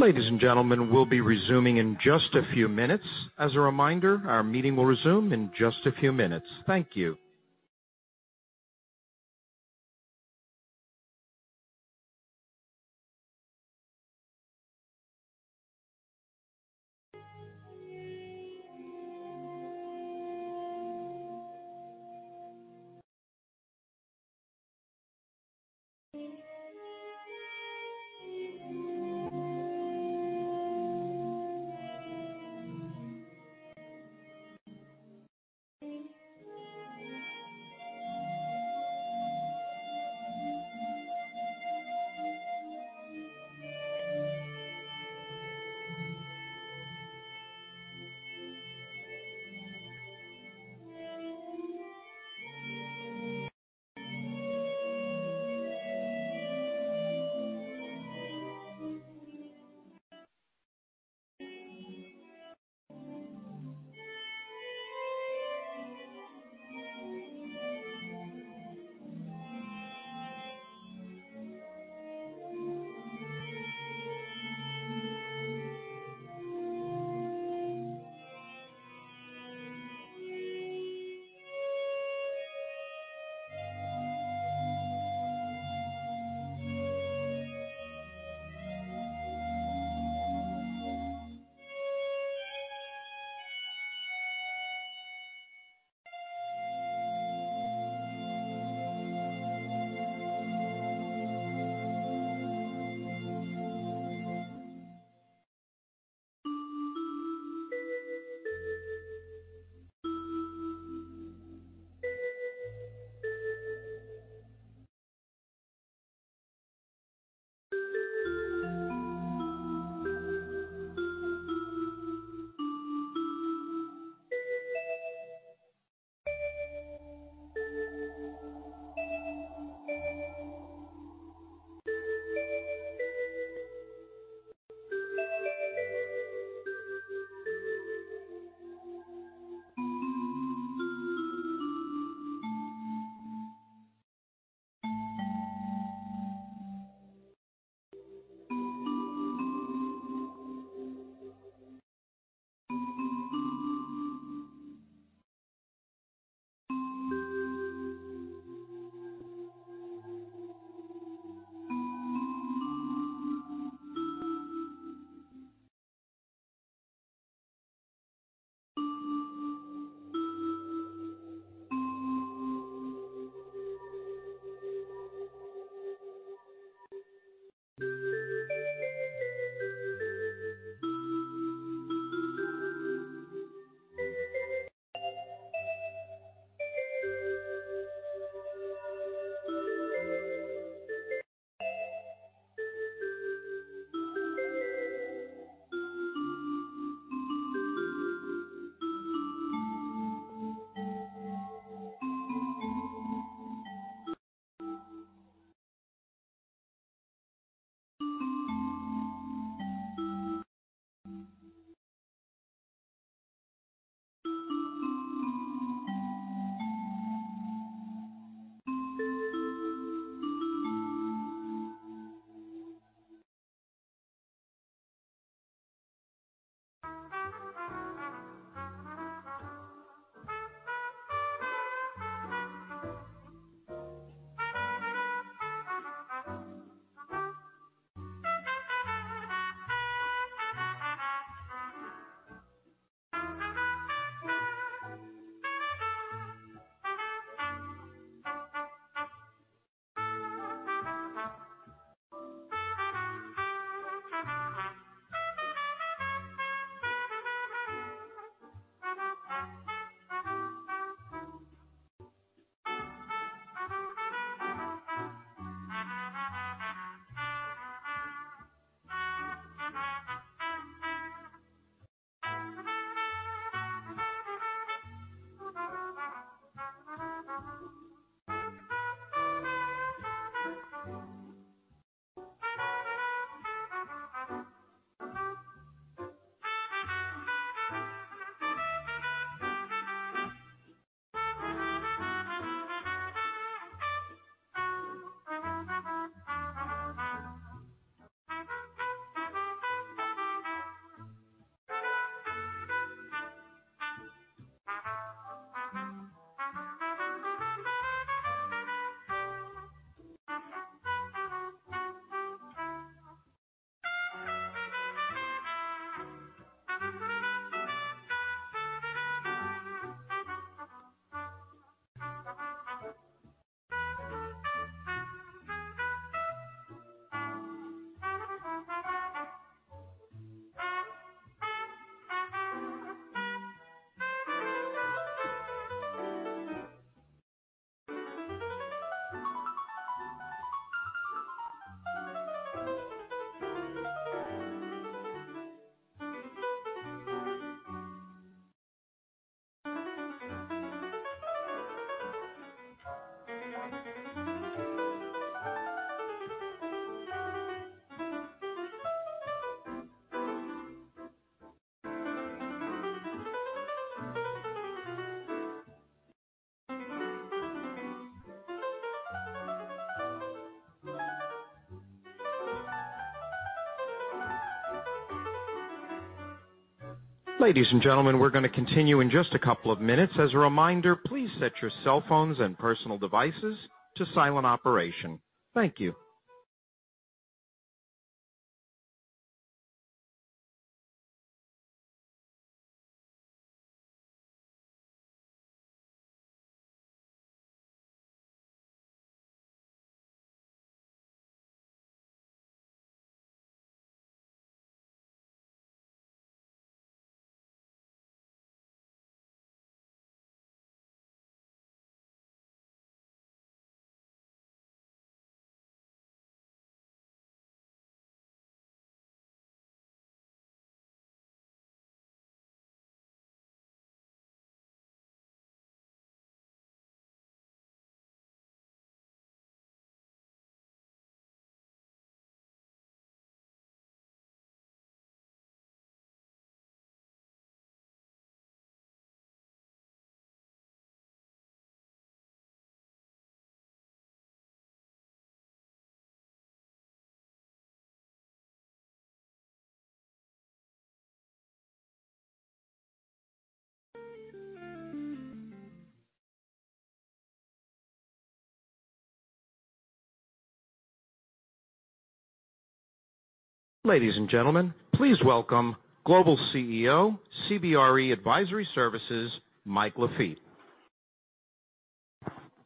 Ladies and gentlemen, we'll be resuming in just a few minutes. As a reminder, our meeting will resume in just a few minutes. Thank you. Ladies and gentlemen, we're going to continue in just a couple of minutes. As a reminder, please set your cell phones and personal devices to silent operation. Thank you. Ladies and gentlemen, please welcome Global CEO, CBRE Advisory Services, Mike Lafitte.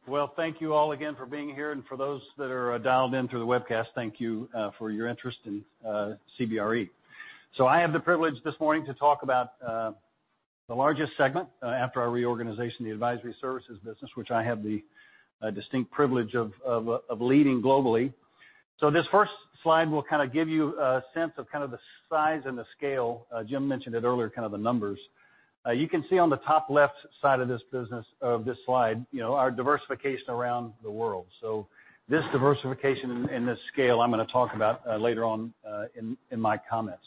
Well, thank you all again for being here, and for those that are dialed in through the webcast, thank you for your interest in CBRE. I have the privilege this morning to talk about the largest segment after our reorganization, the Advisory Services business, which I have the distinct privilege of leading globally. This first slide will kind of give you a sense of the size and the scale. Jim mentioned it earlier, kind of the numbers. You can see on the top left side of this slide our diversification around the world. This diversification and this scale, I'm going to talk about later on in my comments.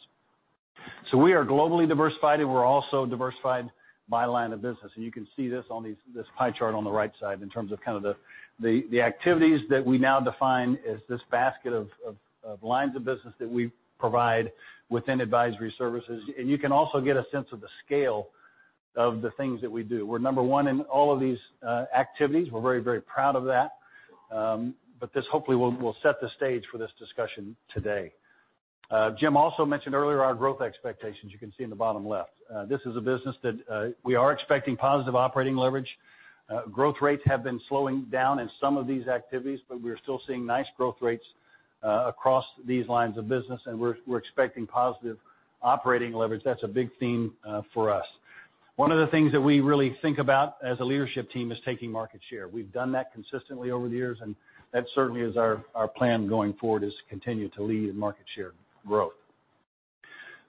We are globally diversified, and we're also diversified by line of business. You can see this on this pie chart on the right side in terms of the activities that we now define as this basket of lines of business that we provide within Advisory Services. You can also get a sense of the scale of the things that we do. We're number one in all of these activities. We're very proud of that. This hopefully will set the stage for this discussion today. Jim also mentioned earlier our growth expectations, you can see in the bottom left. This is a business that we are expecting positive operating leverage. Growth rates have been slowing down in some of these activities, but we're still seeing nice growth rates across these lines of business, and we're expecting positive operating leverage. That's a big theme for us. One of the things that we really think about as a leadership team is taking market share. We've done that consistently over the years, and that certainly is our plan going forward, is to continue to lead in market share growth.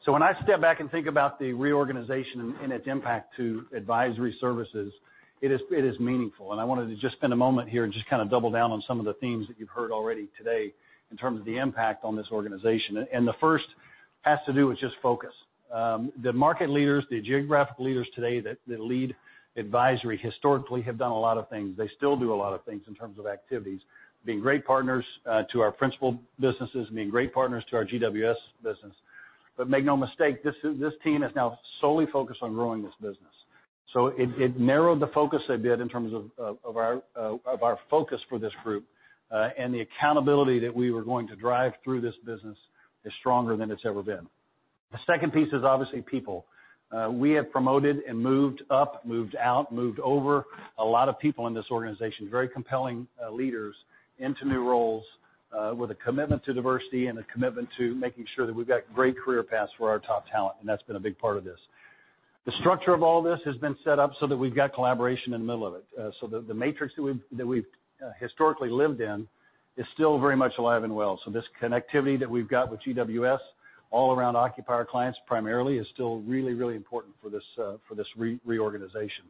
When I step back and think about the reorganization and its impact to Advisory Services, it is meaningful. I wanted to just spend a moment here and just kind of double down on some of the themes that you've heard already today in terms of the impact on this organization. The first has to do with just focus. The market leaders, the geographic leaders today that lead advisory historically have done a lot of things. They still do a lot of things in terms of activities, being great partners to our principal businesses, being great partners to our GWS business. Make no mistake, this team is now solely focused on growing this business. It narrowed the focus a bit in terms of our focus for this group. The accountability that we were going to drive through this business is stronger than it's ever been. The second piece is obviously people. We have promoted and moved up, moved out, moved over a lot of people in this organization, very compelling leaders into new roles, with a commitment to diversity and a commitment to making sure that we've got great career paths for our top talent, and that's been a big part of this. The structure of all this has been set up so that we've got collaboration in the middle of it. The matrix that we've historically lived in is still very much alive and well. This connectivity that we've got with GWS all around Occupier clients primarily is still really important for this reorganization.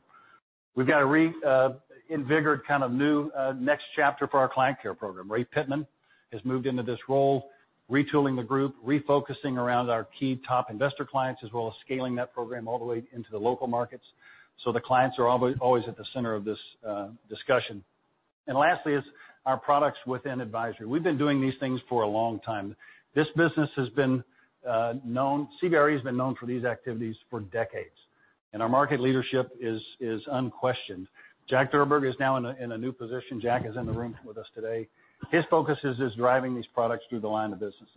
We've got a reinvigorated kind of new next chapter for our client care program. Ray Pittman has moved into this role, retooling the group, refocusing around our key top investor clients, as well as scaling that program all the way into the local markets. The clients are always at the center of this discussion. Lastly is our products within advisory. We've been doing these things for a long time. This business has been known. CBRE has been known for these activities for decades. Our market leadership is unquestioned. Jack Durburg is now in a new position. Jack is in the room with us today. His focus is driving these products through the line of businesses.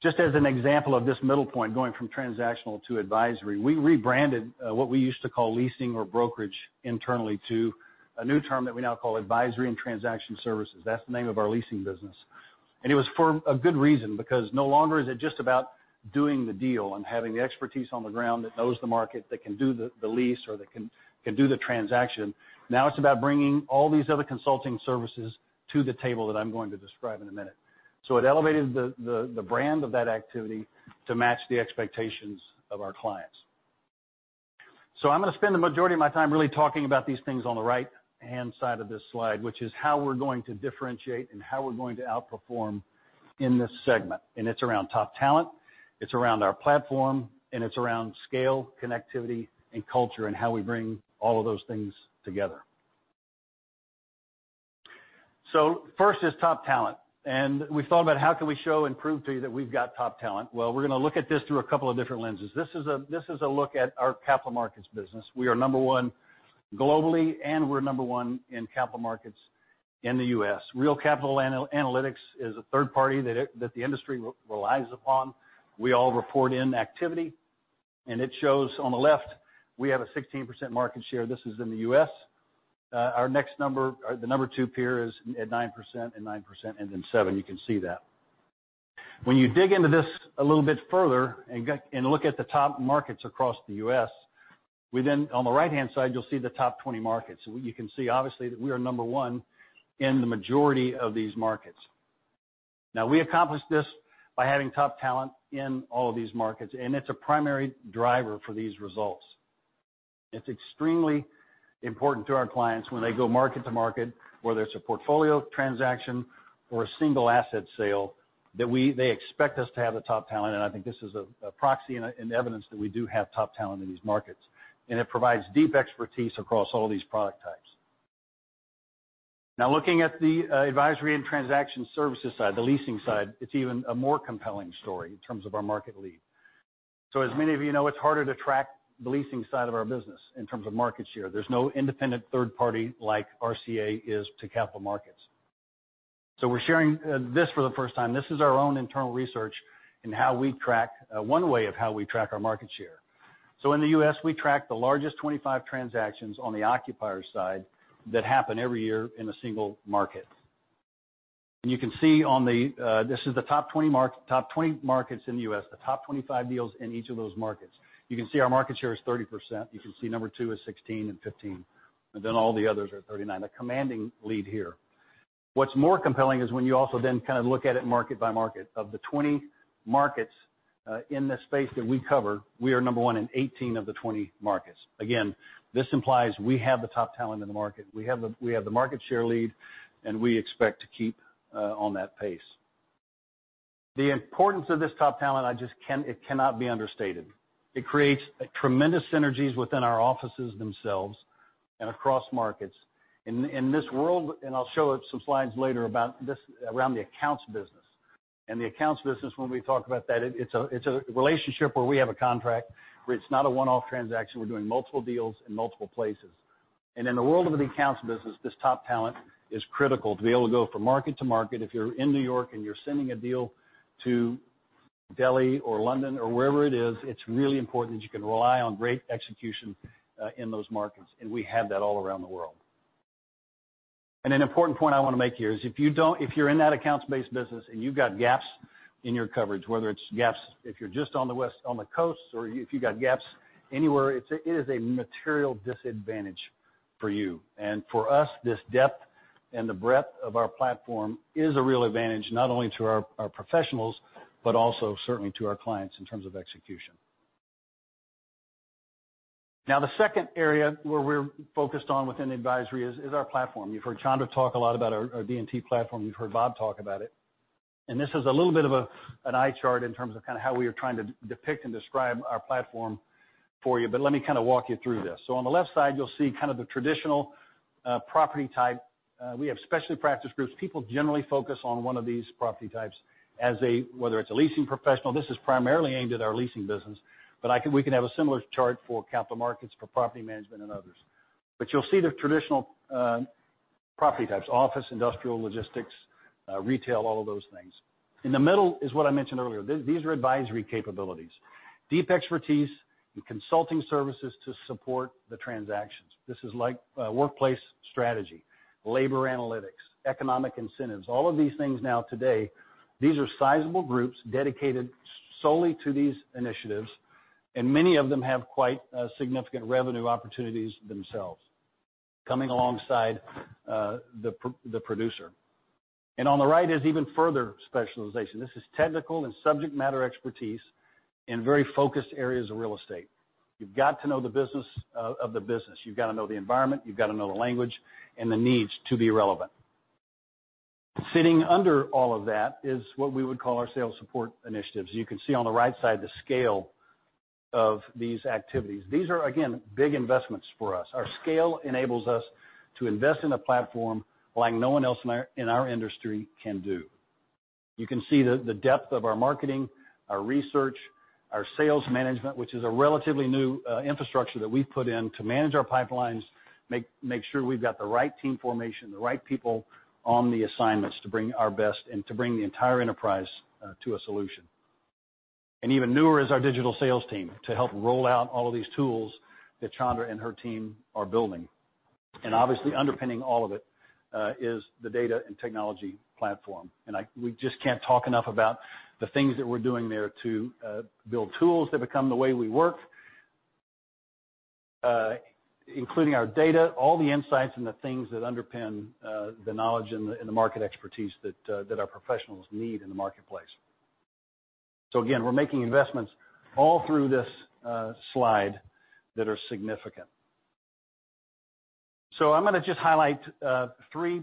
Just as an example of this middle point, going from transactional to advisory, we rebranded what we used to call leasing or brokerage internally to a new term that we now call Advisory & Transaction Services. That's the name of our leasing business. It was for a good reason, because no longer is it just about doing the deal and having the expertise on the ground that knows the market, that can do the lease, or that can do the transaction. Now it's about bringing all these other consulting services to the table that I'm going to describe in a minute. and we've thought about how can we show and prove to you that we've got top talent. We're going to look at this through a couple of different lenses. This is a look at our capital markets business. We are number one globally, and we're number one in capital markets. In the U.S., Real Capital Analytics is a third party that the industry relies upon. We all report in activity, and it shows on the left, we have a 16% market share. This is in the U.S. Our next number, the number 2 peer, is at 9%, 9%, and 7%. When you dig into this a little bit further and look at the top markets across the U.S., on the right-hand side, you'll see the top 20 markets. You can see obviously that we are number 1 in the majority of these markets. We accomplished this by having top talent in all of these markets, and it's a primary driver for these results. It's extremely important to our clients when they go market to market, whether it's a portfolio transaction or a single asset sale, that they expect us to have the top talent, and I think this is a proxy and evidence that we do have top talent in these markets. It provides deep expertise across all these product types. Looking at the Advisory & Transaction Services side, the leasing side, it's even a more compelling story in terms of our market lead. As many of you know, it's harder to track the leasing side of our business in terms of market share. There's no independent third party like RCA is to capital markets. We're sharing this for the first time. This is our own internal research in how we track, one way of how we track our market share. In the U.S., we track the largest 25 transactions on the occupier side that happen every year in a single market. You can see on the-- This is the top 20 markets in the U.S., the top 25 deals in each of those markets. You can see our market share is 30%. You can see number 2 is 16% and 15%, and all the others are 39%. A commanding lead here. What's more compelling is when you also then kind of look at it market by market. Of the 20 markets in the space that we cover, we are number 1 in 18 of the 20 markets. Again, this implies we have the top talent in the market. We have the market share lead, and we expect to keep on that pace. The importance of this top talent, it cannot be understated. It creates tremendous synergies within our offices themselves and across markets. In this world, I'll show some slides later around the accounts business. The accounts business, when we talk about that, it's a relationship where we have a contract, where it's not a one-off transaction. We're doing multiple deals in multiple places. In the world of the accounts business, this top talent is critical to be able to go from market to market. If you're in New York and you're sending a deal to Delhi or London or wherever it is, it's really important that you can rely on great execution in those markets, and we have that all around the world. An important point I want to make here is if you're in that accounts-based business and you've got gaps in your coverage, whether it's gaps if you're just on the West, on the coasts, or if you've got gaps anywhere, it is a material disadvantage for you. For us, this depth and the breadth of our platform is a real advantage not only to our professionals, but also certainly to our clients in terms of execution. The second area where we're focused on within the advisory is our platform. You've heard Chandra talk a lot about our D&T platform. You've heard Bob talk about it. This is a little bit of an eye chart in terms of kind of how we are trying to depict and describe our platform for you, but let me kind of walk you through this. On the left side, you'll see kind of the traditional property type. We have specialty practice groups. People generally focus on one of these property types, whether it's a leasing professional. This is primarily aimed at our leasing business, but we can have a similar chart for capital markets, for property management, and others. You'll see the traditional property types, office, industrial, logistics, retail, all of those things. In the middle is what I mentioned earlier. These are advisory capabilities, deep expertise and consulting services to support the transactions. This is like workplace strategy, labor analytics, economic incentives, all of these things now today, these are sizable groups dedicated solely to these initiatives, and many of them have quite significant revenue opportunities themselves coming alongside the producer. On the right is even further specialization. This is technical and subject matter expertise in very focused areas of real estate. You've got to know the business of the business. You've got to know the environment, you've got to know the language and the needs to be relevant. Sitting under all of that is what we would call our sales support initiatives. You can see on the right side the scale of these activities. These are, again, big investments for us. Our scale enables us to invest in a platform like no one else in our industry can do. You can see the depth of our marketing, our research, our sales management, which is a relatively new infrastructure that we've put in to manage our pipelines, make sure we've got the right team formation, the right people on the assignments to bring our best and to bring the entire enterprise to a solution. Even newer is our digital sales team to help roll out all of these tools that Chandra and her team are building. Obviously, underpinning all of it is the data and technology platform. We just can't talk enough about the things that we're doing there to build tools that become the way we work, including our data, all the insights, and the things that underpin the knowledge and the market expertise that our professionals need in the marketplace. Again, we're making investments all through this slide that are significant. I'm going to just highlight three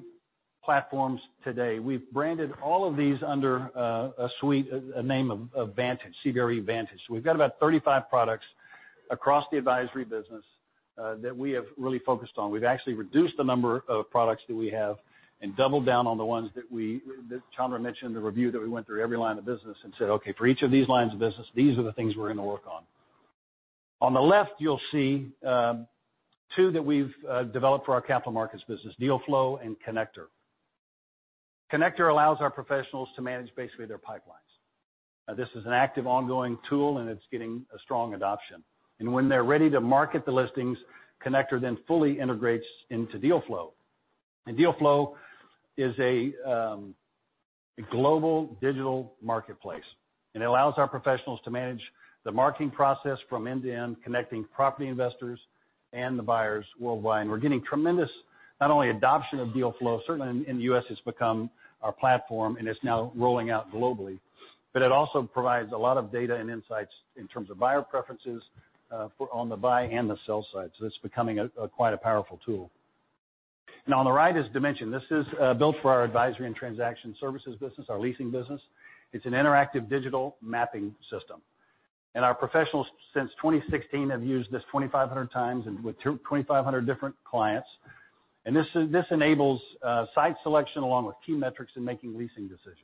platforms today. We've branded all of these under a suite, a name of Vantage, CBRE Vantage. We've got about 35 products across the advisory business that we have really focused on. We've actually reduced the number of products that we have and doubled down on the ones that Chandra mentioned, the review that we went through every line of business and said, "Okay, for each of these lines of business, these are the things we're going to work on. "On the left, you'll see two that we've developed for our capital markets business, Deal Flow and Connector. Connector allows our professionals to manage basically their pipelines. This is an active, ongoing tool, it's getting a strong adoption. When they're ready to market the listings, Connector then fully integrates into Deal Flow. Deal Flow is a global digital marketplace, it allows our professionals to manage the marketing process from end to end, connecting property investors and the buyers worldwide. We're getting tremendous, not only adoption of Deal Flow, certainly in the U.S. it's become our platform, it's now rolling out globally, but it also provides a lot of data and insights in terms of buyer preferences on the buy and the sell side. It's becoming quite a powerful tool. Now, on the right is Dimension. This is built for our Advisory & Transaction Services business, our leasing business. It's an interactive digital mapping system. Our professionals, since 2016, have used this 2,500 times and with 2,500 different clients. This enables site selection along with key metrics in making leasing decisions.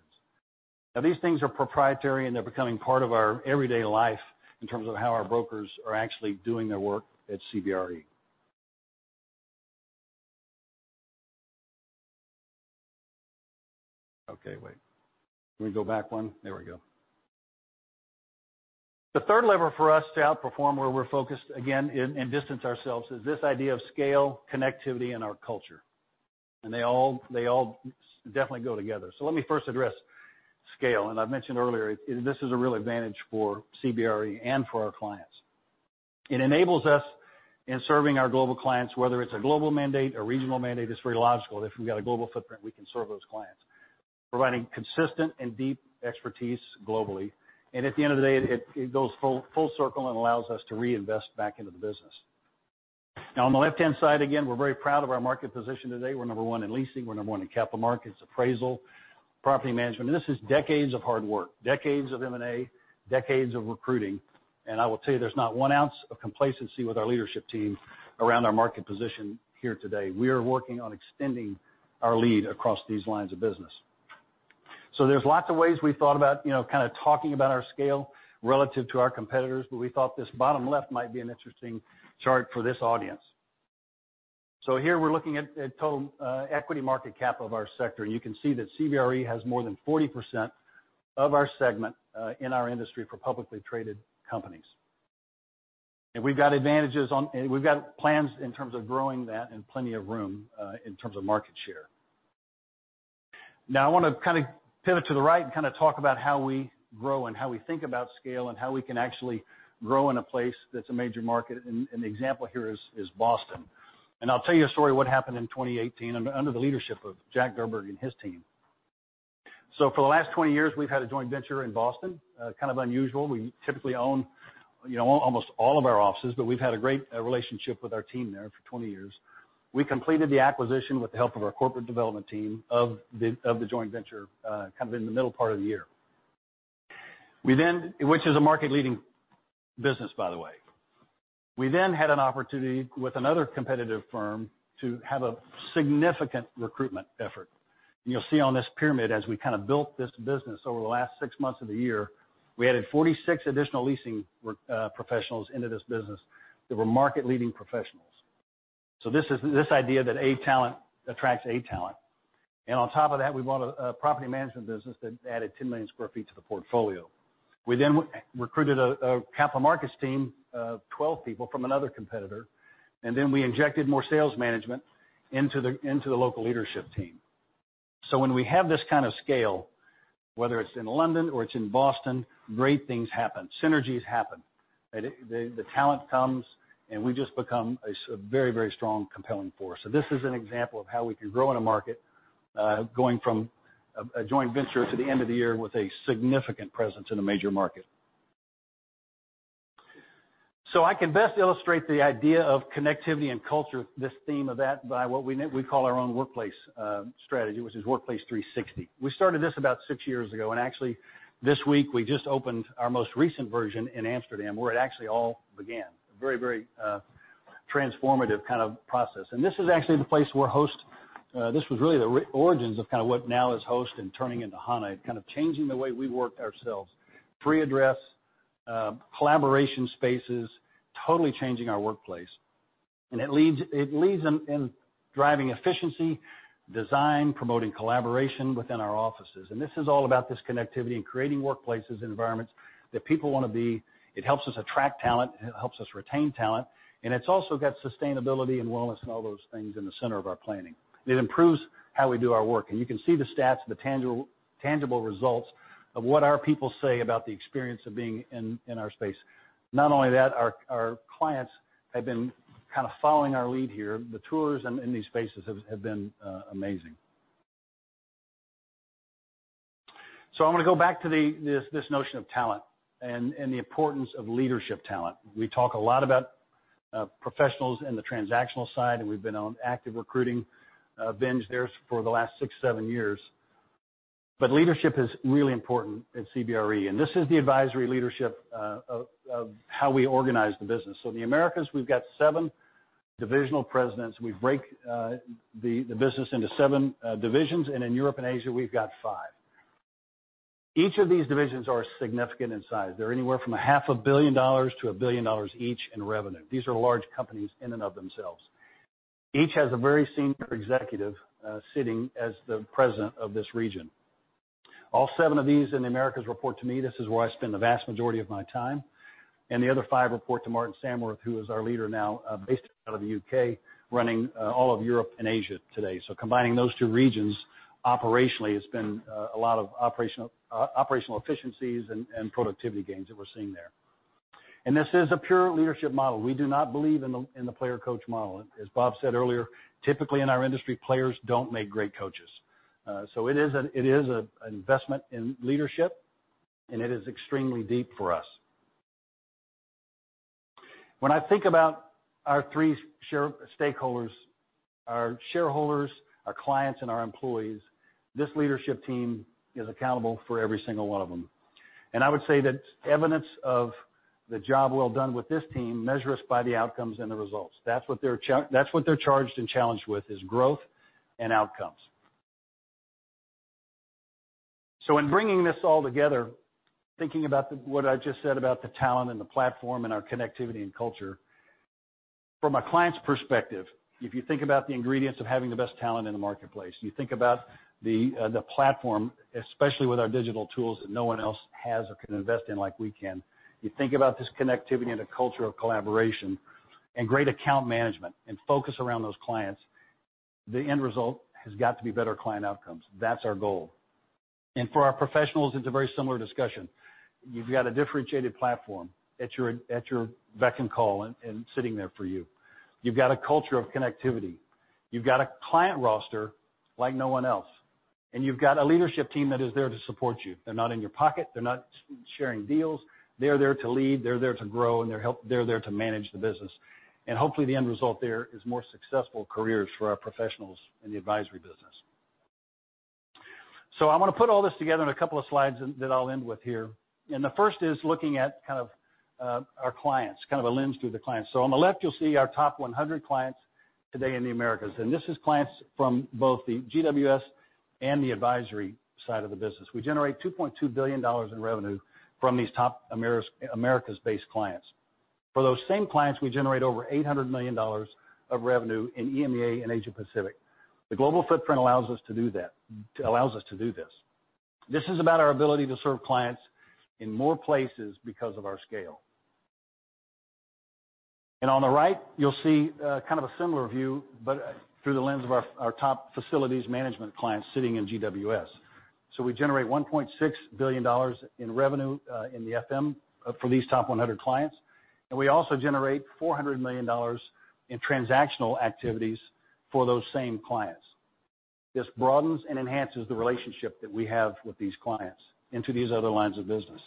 Now, these things are proprietary, and they're becoming part of our everyday life in terms of how our brokers are actually doing their work at CBRE. Okay, wait. Can we go back one? There we go. The third lever for us to outperform where we're focused again and distance ourselves is this idea of scale, connectivity, and our culture. They all definitely go together. Let me first address scale. I've mentioned earlier, this is a real advantage for CBRE and for our clients. It enables us in serving our global clients, whether it's a global mandate, a regional mandate, it's very logical that if we've got a global footprint, we can serve those clients, providing consistent and deep expertise globally. At the end of the day, it goes full circle and allows us to reinvest back into the business. Now, on the left-hand side, again, we're very proud of our market position today. We're number one in leasing, we're number one in capital markets, appraisal, property management. This is decades of hard work, decades of M&A, decades of recruiting. I will tell you, there's not one ounce of complacency with our leadership team around our market position here today. We are working on extending our lead across these lines of business. There's lots of ways we thought about kind of talking about our scale relative to our competitors, but we thought this bottom left might be an interesting chart for this audience. Here we're looking at total equity market cap of our sector, you can see that CBRE has more than 40% of our segment in our industry for publicly traded companies. We've got plans in terms of growing that and plenty of room in terms of market share. I want to kind of pivot to the right and kind of talk about how we grow and how we think about scale, and how we can actually grow in a place that's a major market, and the example here is Boston. I'll tell you a story what happened in 2018 under the leadership of Jack Durburg and his team. For the last 20 years, we've had a joint venture in Boston. Kind of unusual. We typically own almost all of our offices, but we've had a great relationship with our team there for 20 years. We completed the acquisition with the help of our corporate development team of the joint venture kind of in the middle part of the year. Which is a market-leading business, by the way. We had an opportunity with another competitive firm to have a significant recruitment effort. You'll see on this pyramid, as we kind of built this business over the last six months of the year, we added 46 additional leasing professionals into this business that were market-leading professionals. This idea that A talent attracts A talent. On top of that, we bought a property management business that added 10 million sq ft to the portfolio. We recruited a capital markets team of 12 people from another competitor, and we injected more sales management into the local leadership team. When we have this kind of scale, whether it's in London or it's in Boston, great things happen. Synergies happen. The talent comes, and we've just become a very strong, compelling force. This is an example of how we can grow in a market, going from a joint venture to the end of the year with a significant presence in a major market. I can best illustrate the idea of connectivity and culture, this theme of that, by what we call our own workplace strategy, which is Workplace360. We started this about six years ago, and actually this week we just opened our most recent version in Amsterdam, where it actually all began. A very transformative kind of process. This is actually the place where Host, this was really the origins of kind of what now is Host and turning into Hana, kind of changing the way we work ourselves. Free address, collaboration spaces, totally changing our workplace. It leads in driving efficiency, design, promoting collaboration within our offices. This is all about this connectivity and creating workplaces, environments that people want to be. It helps us attract talent, and it helps us retain talent, and it's also got sustainability and wellness and all those things in the center of our planning. It improves how we do our work. You can see the stats of the tangible results of what our people say about the experience of being in our space. Not only that, our clients have been kind of following our lead here. The tours in these spaces have been amazing. I want to go back to this notion of talent and the importance of leadership talent. We talk a lot about professionals in the transactional side, and we've been on an active recruiting binge there for the last six, seven years. Leadership is really important at CBRE, and this is the Advisory leadership of how we organize the business. In the Americas, we've got 7 divisional presidents. We break the business into 7 divisions, and in Europe and Asia, we've got 5. Each of these divisions are significant in size. They're anywhere from a half a billion dollars to $1 billion each in revenue. These are large companies in and of themselves. Each has a very senior executive sitting as the president of this region. All 7 of these in the Americas report to me, this is where I spend the vast majority of my time. The other 5 report to Martin Samworth, who is our leader now, based out of the U.K., running all of Europe and Asia today. Combining those two regions operationally has been a lot of operational efficiencies and productivity gains that we're seeing there. This is a pure leadership model. We do not believe in the player-coach model. As Bob said earlier, typically in our industry, players don't make great coaches. It is an investment in leadership and it is extremely deep for us. When I think about our three stakeholders, our shareholders, our clients, and our employees, this leadership team is accountable for every single one of them. I would say that evidence of the job well done with this team measure us by the outcomes and the results. That's what they're charged and challenged with, is growth and outcomes. In bringing this all together, thinking about what I just said about the talent and the platform and our connectivity and culture. From a client's perspective, if you think about the ingredients of having the best talent in the marketplace, you think about the platform, especially with our digital tools that no one else has or can invest in like we can. You think about this connectivity and a culture of collaboration and great account management and focus around those clients. The end result has got to be better client outcomes. That's our goal. For our professionals, it's a very similar discussion. You've got a differentiated platform at your beck and call and sitting there for you. You've got a culture of connectivity. You've got a client roster like no one else, and you've got a leadership team that is there to support you. They're not in your pocket. They're not sharing deals. They're there to lead, they're there to grow, and they're there to manage the business. Hopefully the end result there is more successful careers for our professionals in the Advisory business. I'm going to put all this together in a couple of slides that I'll end with here. The first is looking at our clients, kind of a lens through the clients. On the left, you'll see our top 100 clients today in the Americas. This is clients from both the GWS and the Advisory side of the business. We generate $2.2 billion in revenue from these top Americas-based clients. For those same clients, we generate over $800 million of revenue in EMEA and Asia Pacific. The global footprint allows us to do this. This is about our ability to serve clients in more places because of our scale. On the right, you'll see kind of a similar view, but through the lens of our top facilities management clients sitting in GWS. We generate $1.6 billion in revenue in the FM for these top 100 clients, and we also generate $400 million in transactional activities for those same clients. This broadens and enhances the relationship that we have with these clients into these other lines of business.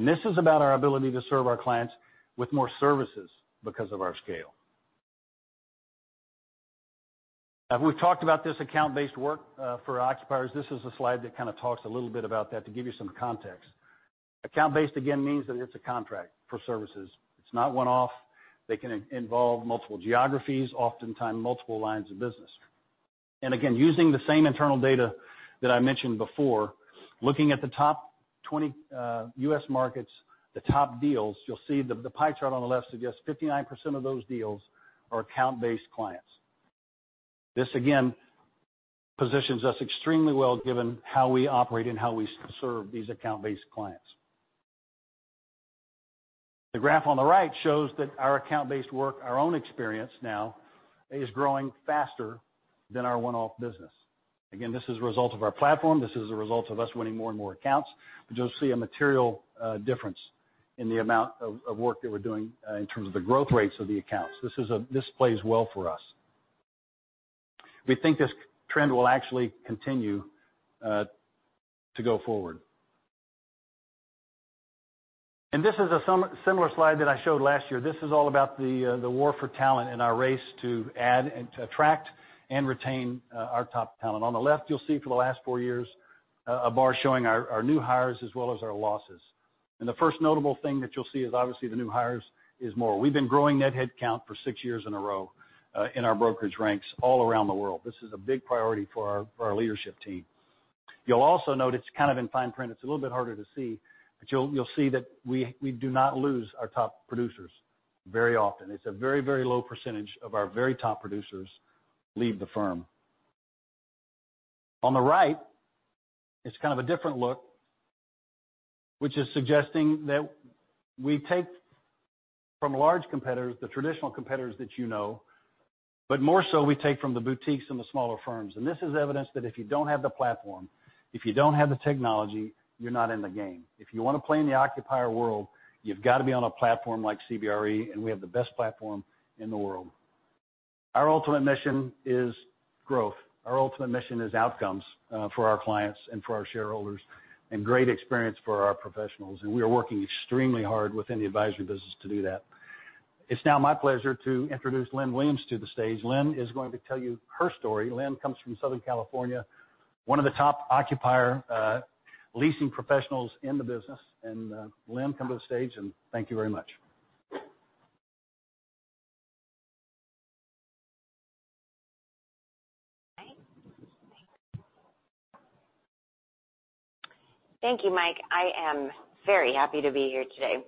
This is about our ability to serve our clients with more services because of our scale. We've talked about this account-based work for our occupiers. This is a slide that kind of talks a little bit about that to give you some context. Account-based, again, means that it's a contract for services. It's not one-off. They can involve multiple geographies, oftentimes multiple lines of business. Again, using the same internal data that I mentioned before, looking at the top 20 U.S. markets, the top deals, you'll see the pie chart on the left suggests 59% of those deals are account-based clients. This, again, positions us extremely well given how we operate and how we serve these account-based clients. The graph on the right shows that our account-based work, our own experience now, is growing faster than our one-off business. Again, this is a result of our platform. This is a result of us winning more and more accounts. You'll see a material difference in the amount of work that we're doing in terms of the growth rates of the accounts. This plays well for us. We think this trend will actually continue to go forward. This is a similar slide that I showed last year. This is all about the war for talent and our race to add and to attract and retain our top talent. On the left, you'll see for the last four years, a bar showing our new hires as well as our losses. The first notable thing that you'll see is obviously the new hires is more. We've been growing net headcount for six years in a row in our brokerage ranks all around the world. This is a big priority for our leadership team. You'll also note it's kind of in fine print, it's a little bit harder to see, you'll see that we do not lose our top producers very often. It's a very low percentage of our very top producers leave the firm. On the right, it's kind of a different look, which is suggesting that we take from large competitors, the traditional competitors that you know, more so we take from the boutiques and the smaller firms. This is evidence that if you don't have the platform, if you don't have the technology, you're not in the game. If you want to play in the occupier world, you've got to be on a platform like CBRE, and we have the best platform in the world. Our ultimate mission is growth. Our ultimate mission is outcomes for our clients and for our shareholders, and great experience for our professionals. We are working extremely hard within the advisory business to do that. It's now my pleasure to introduce Lynn Williams to the stage. Lynn is going to tell you her story. Lynn comes from Southern California, one of the top occupier leasing professionals in the business. Lynn, come to the stage, and thank you very much. Thank you, Mike. I am very happy to be here today.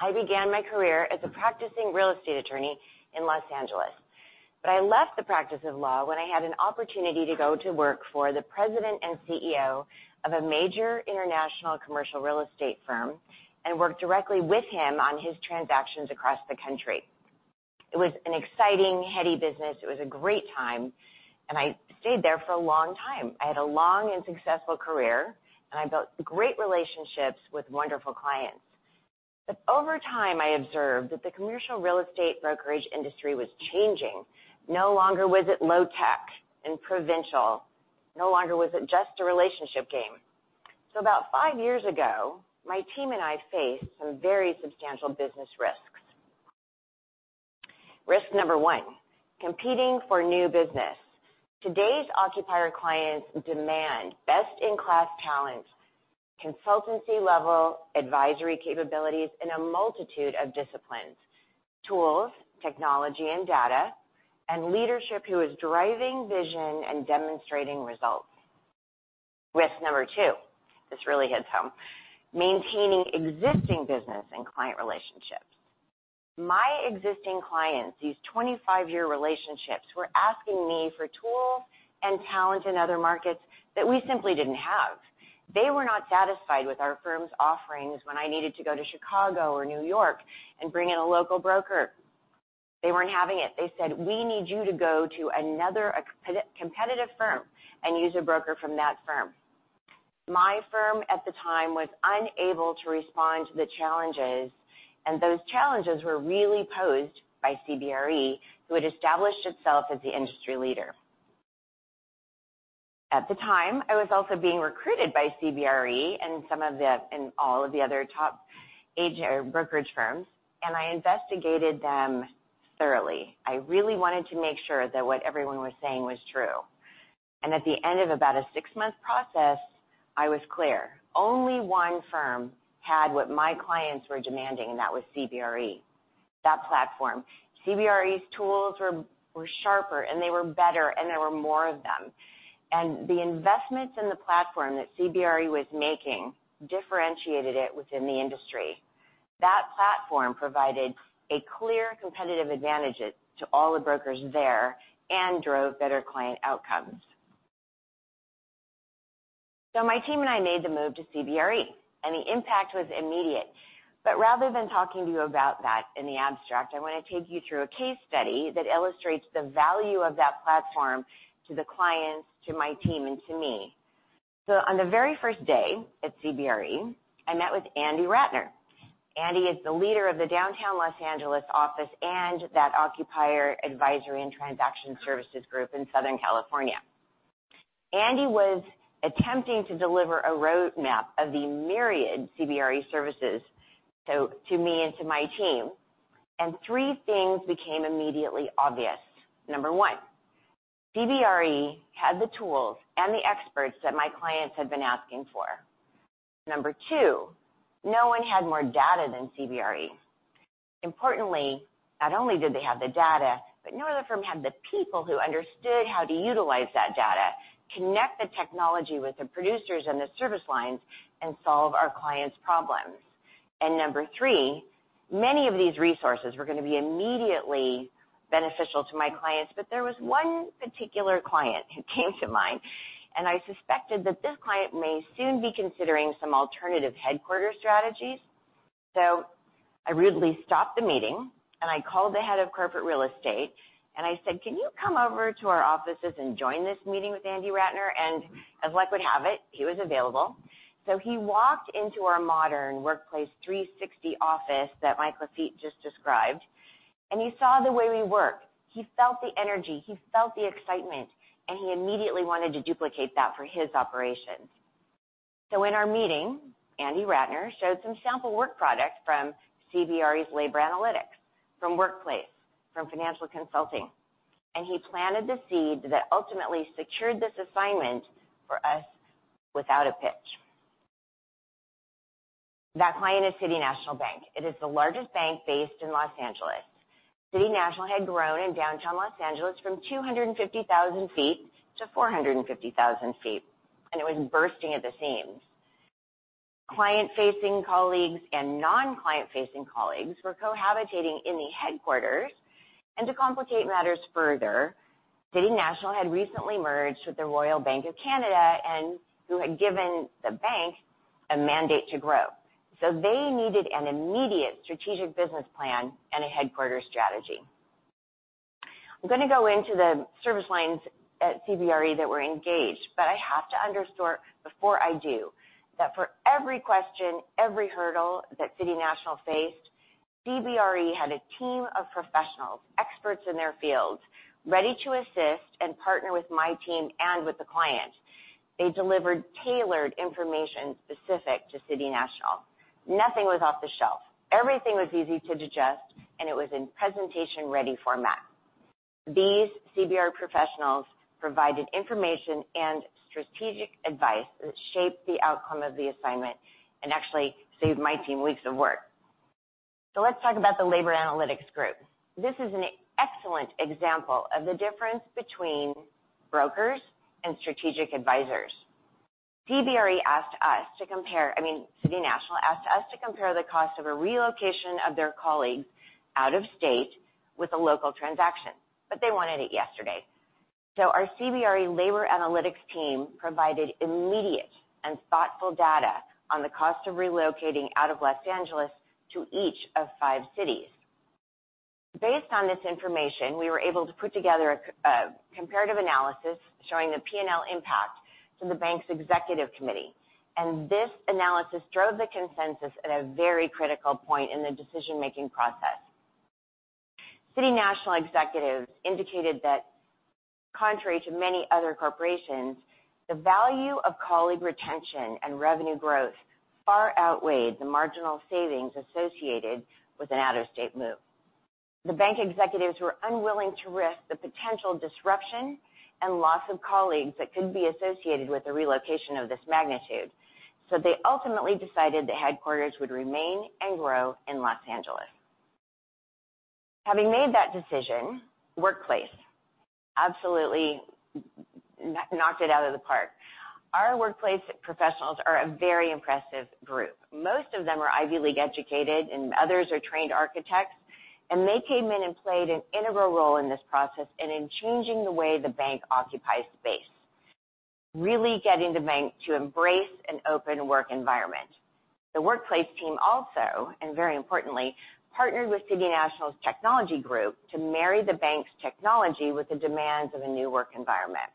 I began my career as a practicing real estate attorney in Los Angeles, but I left the practice of law when I had an opportunity to go to work for the president and CEO of a major international commercial real estate firm and work directly with him on his transactions across the country. It was an exciting, heady business. It was a great time. I stayed there for a long time. I had a long and successful career, and I built great relationships with wonderful clients. Over time, I observed that the commercial real estate brokerage industry was changing. No longer was it low tech and provincial. No longer was it just a relationship game. About five years ago, my team and I faced some very substantial business risks. Risk number one, competing for new business. Today's occupier clients demand best-in-class talent, consultancy level advisory capabilities in a multitude of disciplines, tools, technology and data, and leadership who is driving vision and demonstrating results. Risk number two, this really hits home, maintaining existing business and client relationships. My existing clients, these 25-year relationships, were asking me for tools and talent in other markets that we simply didn't have. They were not satisfied with our firm's offerings when I needed to go to Chicago or New York and bring in a local broker. They weren't having it. They said, "We need you to go to another competitive firm and use a broker from that firm." My firm at the time was unable to respond to the challenges, and those challenges were really posed by CBRE, who had established itself as the industry leader. At the time, I was also being recruited by CBRE and all of the other top brokerage firms. I investigated them thoroughly. I really wanted to make sure that what everyone was saying was true. At the end of about a six-month process, I was clear. Only one firm had what my clients were demanding, and that was CBRE. That platform. CBRE's tools were sharper and they were better, and there were more of them. The investments in the platform that CBRE was making differentiated it within the industry. That platform provided a clear competitive advantage to all the brokers there and drove better client outcomes. My team and I made the move to CBRE, and the impact was immediate. Rather than talking to you about that in the abstract, I want to take you through a case study that illustrates the value of that platform to the clients, to my team, and to me. On the very first day at CBRE, I met with Andy Ratner. Andy is the leader of the downtown L.A. office and that occupier advisory and transaction services group in Southern California. Andy was attempting to deliver a roadmap of the myriad CBRE services, to me and to my team, and three things became immediately obvious. Number one, CBRE had the tools and the experts that my clients had been asking for. Number two, no one had more data than CBRE. Importantly, not only did they have the data, but no other firm had the people who understood how to utilize that data, connect the technology with the producers and the service lines, and solve our clients' problems. Number three, many of these resources were going to be immediately beneficial to my clients, but there was one particular client who came to mind, and I suspected that this client may soon be considering some alternative headquarter strategies. I rudely stopped the meeting, and I called the head of corporate real estate, and I said, "Can you come over to our offices and join this meeting with Andy Ratner?" As luck would have it, he was available. He walked into our modern Workplace360 office that Mike Lafitte just described, and he saw the way we work. He felt the energy, he felt the excitement, and he immediately wanted to duplicate that for his operations. In our meeting, Andy Ratner showed some sample work products from CBRE's labor analytics, from Workplace, from financial consulting, and he planted the seed that ultimately secured this assignment for us without a pitch. That client is City National Bank. It is the largest bank based in L.A. City National had grown in downtown L.A. from 250,000 feet to 450,000 feet, and it was bursting at the seams. Client-facing colleagues and non-client-facing colleagues were cohabitating in the headquarters. To complicate matters further, City National had recently merged with the Royal Bank of Canada and who had given the bank a mandate to grow. They needed an immediate strategic business plan and a headquarter strategy. I'm going to go into the service lines at CBRE that were engaged, I have to underscore before I do that for every question, every hurdle that City National faced, CBRE had a team of professionals, experts in their fields, ready to assist and partner with my team and with the client. They delivered tailored information specific to City National. Nothing was off the shelf. Everything was easy to digest, and it was in presentation-ready format. These CBRE professionals provided information and strategic advice that shaped the outcome of the assignment and actually saved my team weeks of work. Let's talk about the labor analytics group. This is an excellent example of the difference between brokers and strategic advisors. City National asked us to compare the cost of a relocation of their colleagues out of state with a local transaction, but they wanted it yesterday. Our CBRE labor analytics team provided immediate and thoughtful data on the cost of relocating out of Los Angeles to each of five cities. Based on this information, we were able to put together a comparative analysis showing the P&L impact to the bank's executive committee, and this analysis drove the consensus at a very critical point in the decision-making process. City National executives indicated that contrary to many other corporations, the value of colleague retention and revenue growth far outweighed the marginal savings associated with an out-of-state move. The bank executives were unwilling to risk the potential disruption and loss of colleagues that could be associated with the relocation of this magnitude. They ultimately decided the headquarters would remain and grow in Los Angeles. Having made that decision, Workplace absolutely knocked it out of the park. Our Workplace professionals are a very impressive group. Most of them are Ivy League educated, and others are trained architects. They came in and played an integral role in this process and in changing the way the bank occupies space, really getting the bank to embrace an open work environment. The Workplace team also, and very importantly, partnered with City National's technology group to marry the bank's technology with the demands of a new work environment.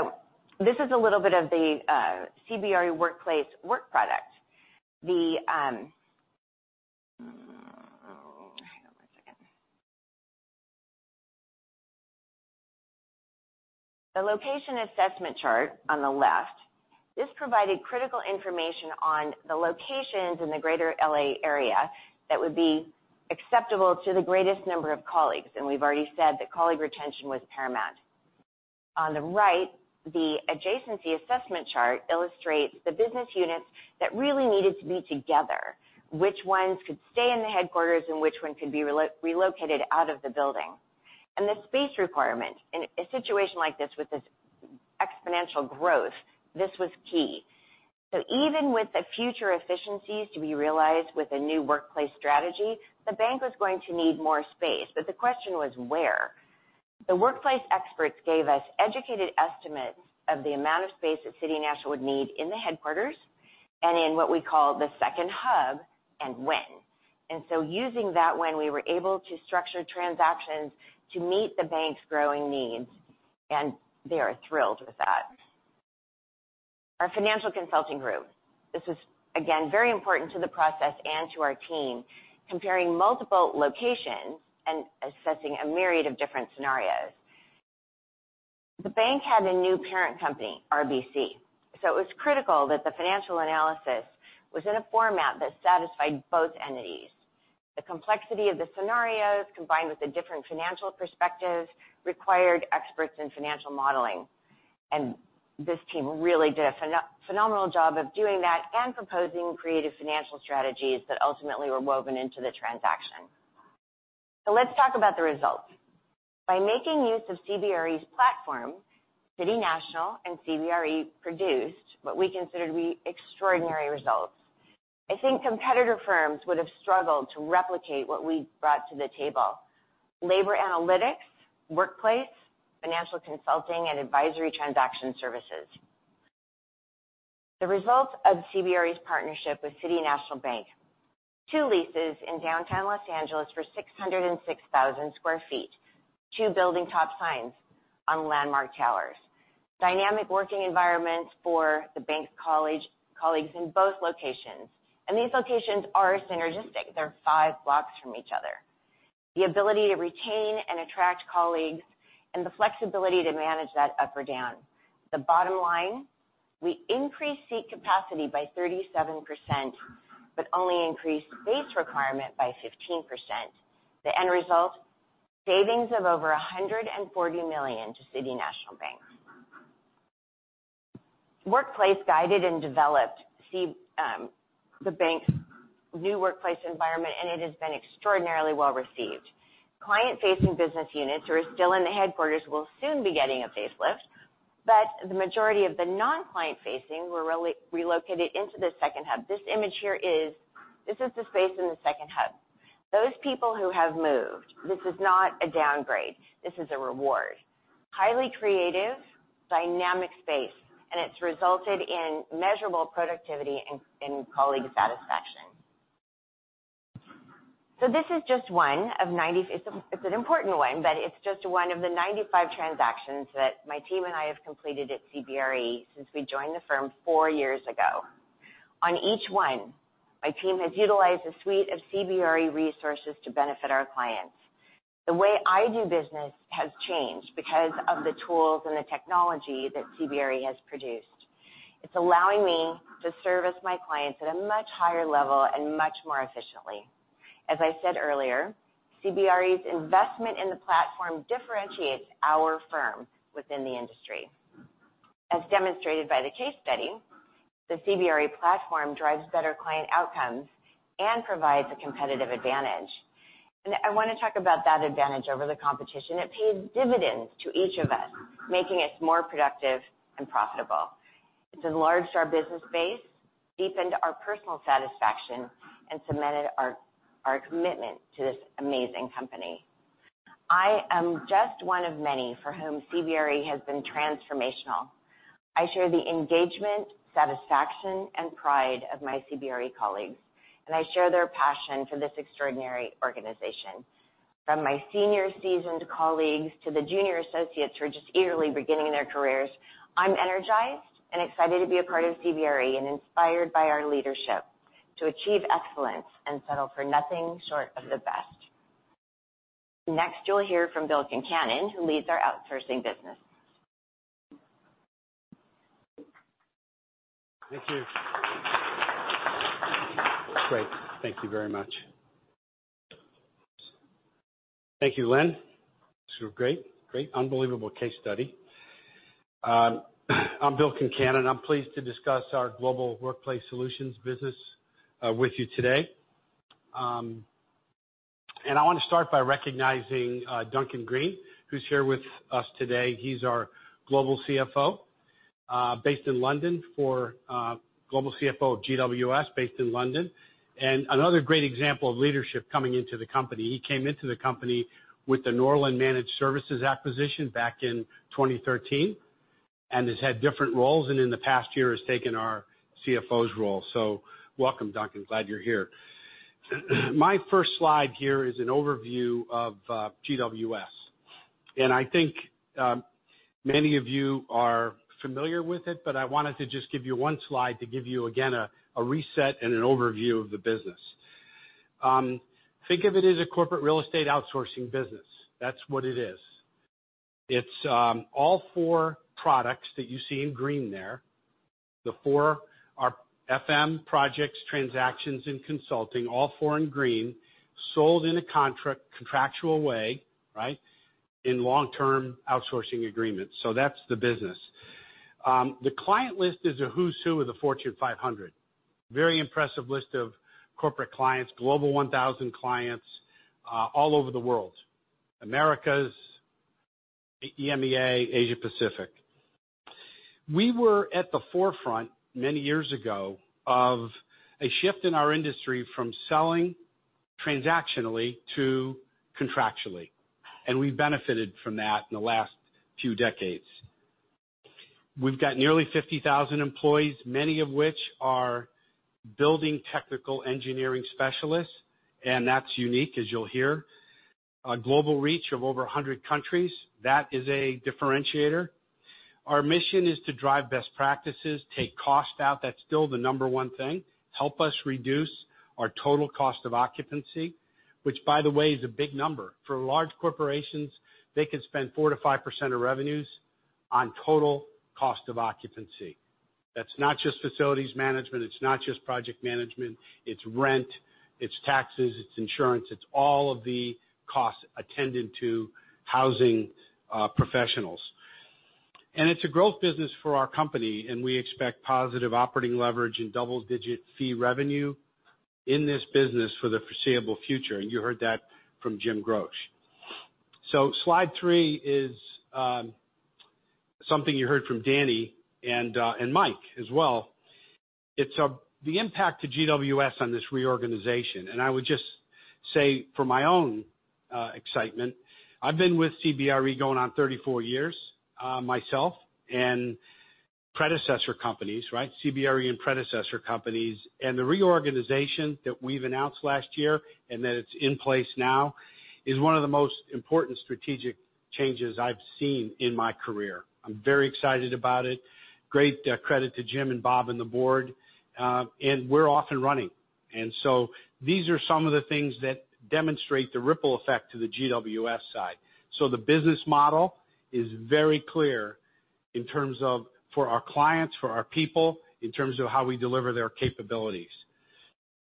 Okay. This is a little bit of the CBRE Workplace work product. Hang on one second. The location assessment chart on the left, this provided critical information on the locations in the Greater L.A. area that would be acceptable to the greatest number of colleagues, and we've already said that colleague retention was paramount. On the right, the adjacency assessment chart illustrates the business units that really needed to be together, which ones could stay in the headquarters and which ones could be relocated out of the building. The space requirement. In a situation like this with this exponential growth, this was key. Even with the future efficiencies to be realized with a new workplace strategy, the bank was going to need more space. But the question was where? The Workplace experts gave us educated estimates of the amount of space that City National would need in the headquarters and in what we call the second hub, and when. Using that when, we were able to structure transactions to meet the bank's growing needs, and they are thrilled with that. Our financial consulting group. This is, again, very important to the process and to our team, comparing multiple locations and assessing a myriad of different scenarios. The bank had a new parent company, RBC, so it was critical that the financial analysis was in a format that satisfied both entities. The complexity of the scenarios, combined with the different financial perspectives, required experts in financial modeling. This team really did a phenomenal job of doing that and proposing creative financial strategies that ultimately were woven into the transaction. Let's talk about the results. By making use of CBRE's platform, City National and CBRE produced what we consider to be extraordinary results. I think competitor firms would have struggled to replicate what we brought to the table. Labor analytics, Workplace, financial consulting, and Advisory & Transaction Services. The results of CBRE's partnership with City National Bank. Two leases in downtown L.A. for 606,000 sq ft. Two building top signs on landmark towers. Dynamic working environments for the bank colleagues in both locations. These locations are synergistic. They are five blocks from each other. The ability to retain and attract colleagues and the flexibility to manage that up or down. The bottom line, we increased seat capacity by 37% but only increased space requirement by 15%. The end result, savings of over $140 million to City National Bank. Workplace guided and developed the bank's new workplace environment, and it has been extraordinarily well-received. Client-facing business units who are still in the headquarters will soon be getting a facelift, but the majority of the non-client-facing were relocated into the second hub. This image here is the space in the second hub. Those people who have moved, this is not a downgrade. This is a reward. Highly creative, dynamic space, and it has resulted in measurable productivity and in colleague satisfaction. This is just one of 90. It is an important one, but it is just one of the 95 transactions that my team and I have completed at CBRE since we joined the firm four years ago. On each one, my team has utilized a suite of CBRE resources to benefit our clients. The way I do business has changed because of the tools and the technology that CBRE has produced. It is allowing me to service my clients at a much higher level and much more efficiently. As I said earlier, CBRE's investment in the platform differentiates our firm within the industry. As demonstrated by the case study, the CBRE platform drives better client outcomes and provides a competitive advantage. I want to talk about that advantage over the competition. It pays dividends to each of us, making us more productive and profitable. It has enlarged our business base, deepened our personal satisfaction, and cemented our commitment to this amazing company. I am just one of many for whom CBRE has been transformational. I share the engagement, satisfaction and pride of my CBRE colleagues, and I share their passion for this extraordinary organization. From my senior seasoned colleagues to the junior associates who are just eagerly beginning their careers, I am energized and excited to be a part of CBRE and inspired by our leadership to achieve excellence and settle for nothing short of the best. Next, you will hear from Bill Concannon, who leads our outsourcing business. Thank you. Great. Thank you very much. Thank you, Lynn. Those were great. Unbelievable case study. I'm Bill Concannon. I'm pleased to discuss our Global Workplace Solutions business with you today. I want to start by recognizing Duncan Green, who's here with us today. He's our Global CFO, based in London, Global CFO of GWS based in London. Another great example of leadership coming into the company. He came into the company with the Norland Managed Services acquisition back in 2013 and has had different roles, and in the past year has taken our CFO's role. Welcome, Duncan, glad you're here. My first slide here is an overview of GWS, and I think many of you are familiar with it, but I wanted to just give you one slide to give you, again, a reset and an overview of the business. Think of it as a corporate real estate outsourcing business. That's what it is. It's all four products that you see in green there. The four are FM, projects, transactions, and consulting, all four in green, sold in a contractual way in long-term outsourcing agreements. That's the business. The client list is a who's who of the Fortune 500. Very impressive list of corporate clients, Global 1000 clients, all over the world. Americas, EMEA, Asia Pacific. We were at the forefront many years ago of a shift in our industry from selling transactionally to contractually, and we've benefited from that in the last few decades. We've got nearly 50,000 employees, many of which are building technical engineering specialists, and that's unique, as you'll hear. A global reach of over 100 countries. That is a differentiator. Our mission is to drive best practices, take cost out. That's still the number one thing. Help us reduce our total cost of occupancy, which, by the way, is a big number. For large corporations, they could spend 4%-5% of revenues on total cost of occupancy. That's not just facilities management. It's not just project management. It's rent, it's taxes, it's insurance. It's all of the costs attendant to housing professionals. It's a growth business for our company, and we expect positive operating leverage and double-digit fee revenue in this business for the foreseeable future, and you heard that from Jim Groch. Slide three is something you heard from Danny and Mike as well. It's the impact to GWS on this reorganization. I would just say for my own excitement, I've been with CBRE going on 34 years myself and predecessor companies. CBRE and predecessor companies. The reorganization that we've announced last year and that it's in place now is one of the most important strategic changes I've seen in my career. I'm very excited about it. Great credit to Jim and Bob and the board. We're off and running. These are some of the things that demonstrate the ripple effect to the GWS side. The business model is very clear in terms of for our clients, for our people, in terms of how we deliver their capabilities.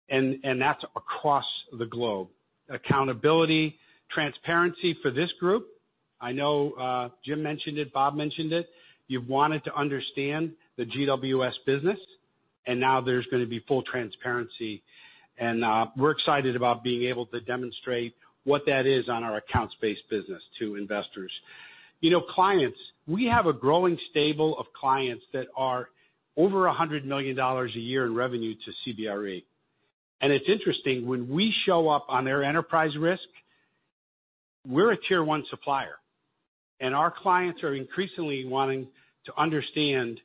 That's across the globe. Accountability, transparency for this group. I know Jim mentioned it, Bob mentioned it. You wanted to understand the GWS business, and now there's going to be full transparency. We're excited about being able to demonstrate what that is on our accounts-based business to investors. Clients. We have a growing stable of clients that are over $100 million a year in revenue to CBRE. It's interesting, when we show up on their enterprise risk, we're a tier 1 supplier, and our clients are increasingly wanting to understand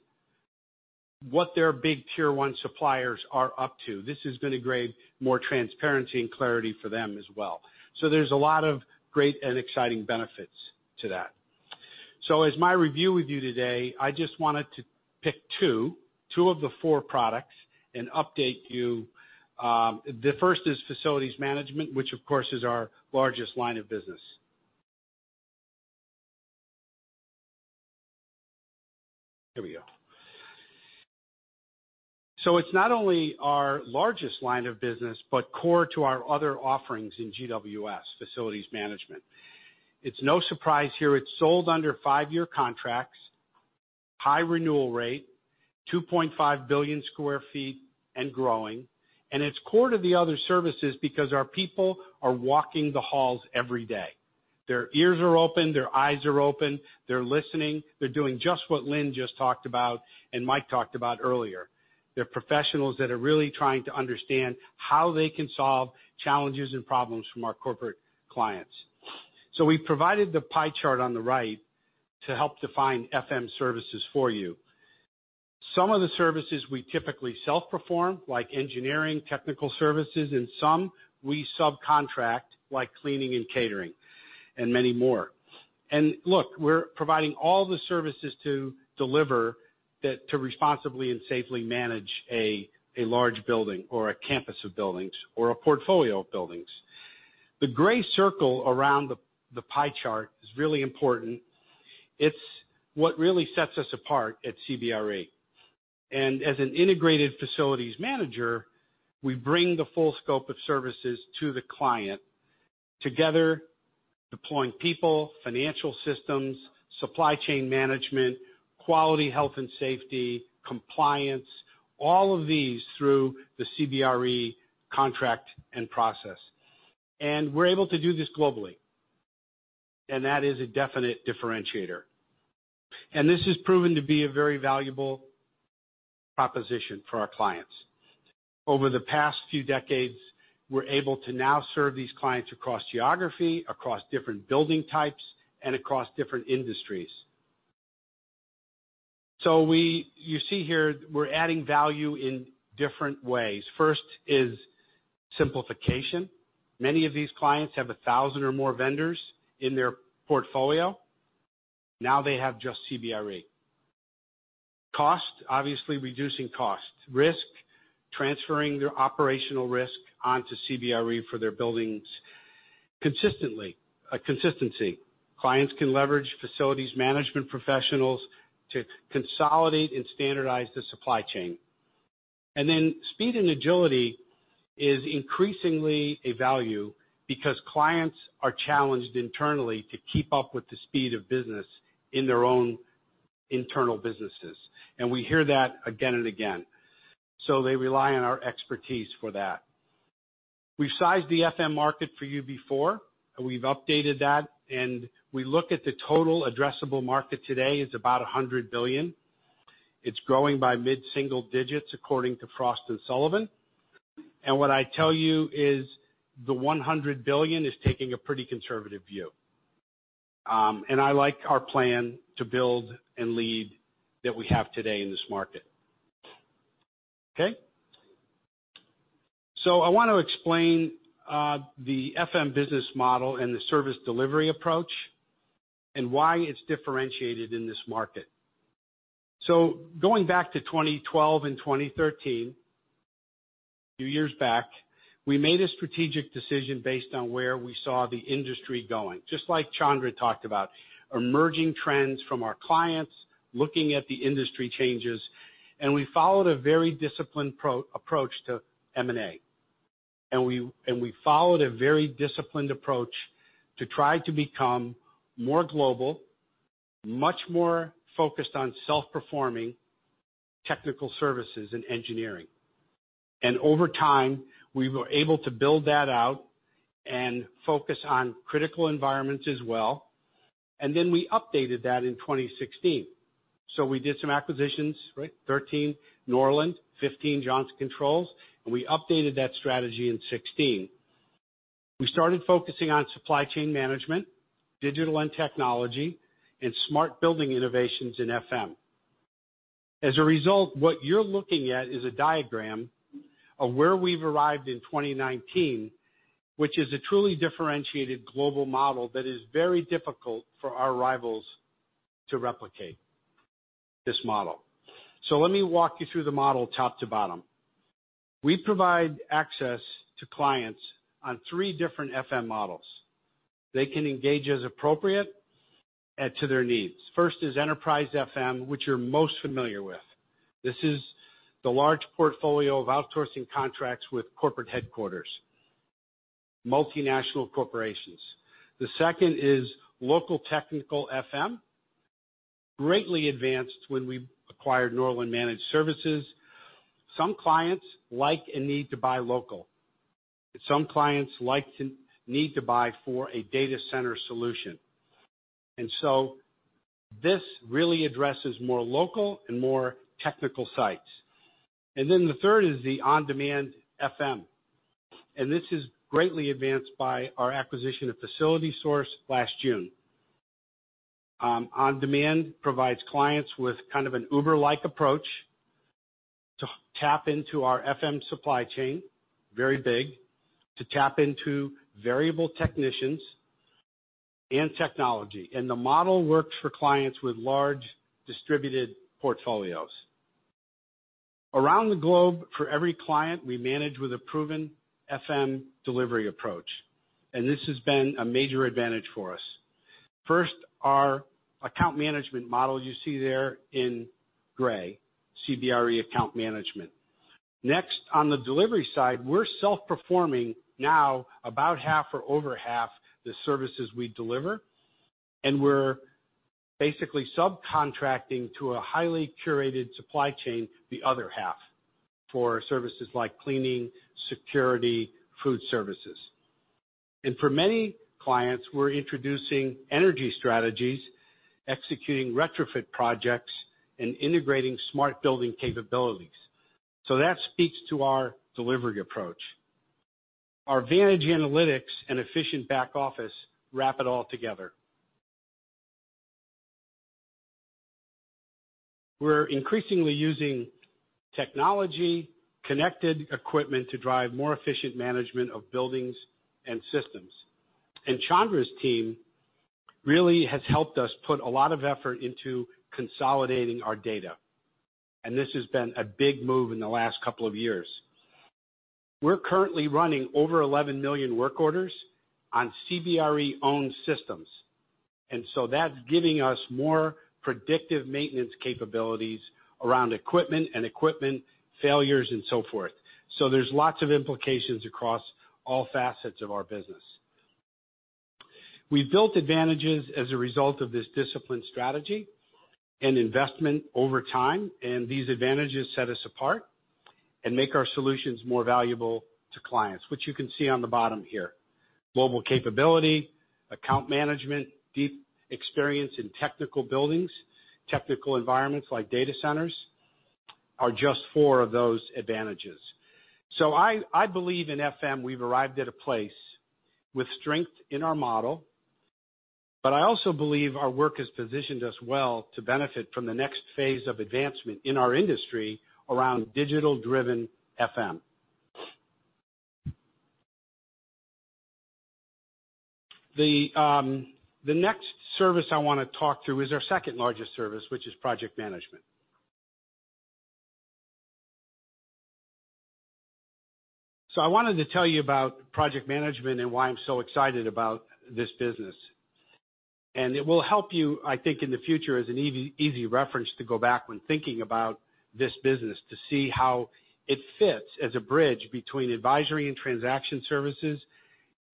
what their big tier 1 suppliers are up to. This is going to create more transparency and clarity for them as well. There's a lot of great and exciting benefits to that. As my review with you today, I just wanted to pick two of the four products and update you. The first is Facilities Management, which of course is our largest line of business. Here we go. It's not only our largest line of business, but core to our other offerings in GWS Facilities Management. It's no surprise here, it's sold under five-year contracts, high renewal rate, 2.5 billion square feet and growing. It's core to the other services because our people are walking the halls every day. Their ears are open, their eyes are open, they're listening. They're doing just what Lynn just talked about and Mike talked about earlier. They're professionals that are really trying to understand how they can solve challenges and problems from our corporate clients. We provided the pie chart on the right to help define FM services for you. Some of the services we typically self-perform, like engineering, technical services, and some we subcontract, like cleaning and catering, and many more. Look, we're providing all the services to deliver, to responsibly and safely manage a large building or a campus of buildings or a portfolio of buildings. The gray circle around the pie chart is really important. It's what really sets us apart at CBRE. As an integrated Facilities Manager, we bring the full scope of services to the client, together deploying people, financial systems, supply chain management, quality, health and safety, compliance, all of these through the CBRE contract and process. We're able to do this globally, and that is a definite differentiator. This has proven to be a very valuable proposition for our clients. Over the past few decades, we're able to now serve these clients across geography, across different building types, and across different industries. You see here, we're adding value in different ways. First is simplification. Many of these clients have 1,000 or more vendors in their portfolio. Now they have just CBRE. Cost, obviously reducing cost. Risk, transferring their operational risk onto CBRE for their buildings consistently. Consistency. Clients can leverage Facilities Management professionals to consolidate and standardize the supply chain. Speed and agility is increasingly a value because clients are challenged internally to keep up with the speed of business in their own internal businesses. We hear that again and again. They rely on our expertise for that. We've sized the FM market for you before, and we've updated that, and we look at the total addressable market today is about $100 billion. It's growing by mid-single digits, according to Frost & Sullivan. What I tell you is the $100 billion is taking a pretty conservative view. I like our plan to build and lead that we have today in this market. Okay? I want to explain the FM business model and the service delivery approach and why it's differentiated in this market. Going back to 2012 and 2013, a few years back, we made a strategic decision based on where we saw the industry going, just like Chandra talked about. Emerging trends from our clients, looking at the industry changes, we followed a very disciplined approach to M&A. We followed a very disciplined approach to try to become more global, much more focused on self-performing technical services and engineering. Over time, we were able to build that out and focus on critical environments as well. We updated that in 2016. We did some acquisitions, right, 2013 Norland, 2015 Johnson Controls, and we updated that strategy in 2016. We started focusing on supply chain management, digital and technology, and smart building innovations in FM. As a result, what you're looking at is a diagram of where we've arrived in 2019, which is a truly differentiated global model that is very difficult for our rivals to replicate this model. Let me walk you through the model top to bottom. We provide access to clients on three different FM models. They can engage as appropriate to their needs. First is enterprise FM, which you're most familiar with. This is the large portfolio of outsourcing contracts with corporate headquarters, multinational corporations. The second is local technical FM, greatly advanced when we acquired Norland Managed Services. Some clients like and need to buy local. Some clients like and need to buy for a data center solution. This really addresses more local and more technical sites. The third is the on-demand FM, and this is greatly advanced by our acquisition of FacilitySource last June. On-demand provides clients with kind of an Uber-like approach to tap into our FM supply chain, very big, to tap into variable technicians and technology. The model works for clients with large distributed portfolios around the globe, for every client, we manage with a proven FM delivery approach, and this has been a major advantage for us. First, our account management model you see there in gray, CBRE account management. Next, on the delivery side, we're self-performing now about half or over half the services we deliver, and we're basically subcontracting to a highly curated supply chain the other half for services like cleaning, security, food services. For many clients, we're introducing energy strategies, executing retrofit projects, and integrating smart building capabilities. That speaks to our delivery approach. Our vantage analytics and efficient back office wrap it all together. We're increasingly using technology, connected equipment to drive more efficient management of buildings and systems. Chandra's team really has helped us put a lot of effort into consolidating our data, and this has been a big move in the last couple of years. We're currently running over 11 million work orders on CBRE-owned systems, that's giving us more predictive maintenance capabilities around equipment and equipment failures and so forth. There's lots of implications across all facets of our business. We've built advantages as a result of this disciplined strategy and investment over time, these advantages set us apart and make our solutions more valuable to clients, which you can see on the bottom here. Global capability, account management, deep experience in technical buildings, technical environments like data centers, are just four of those advantages. I believe in FM, we've arrived at a place with strength in our model, but I also believe our work has positioned us well to benefit from the next phase of advancement in our industry around digital-driven FM. The next service I want to talk through is our second largest service, which is project management. I wanted to tell you about project management and why I'm so excited about this business. It will help you, I think, in the future as an easy reference to go back when thinking about this business to see how it fits as a bridge between Advisory & Transaction Services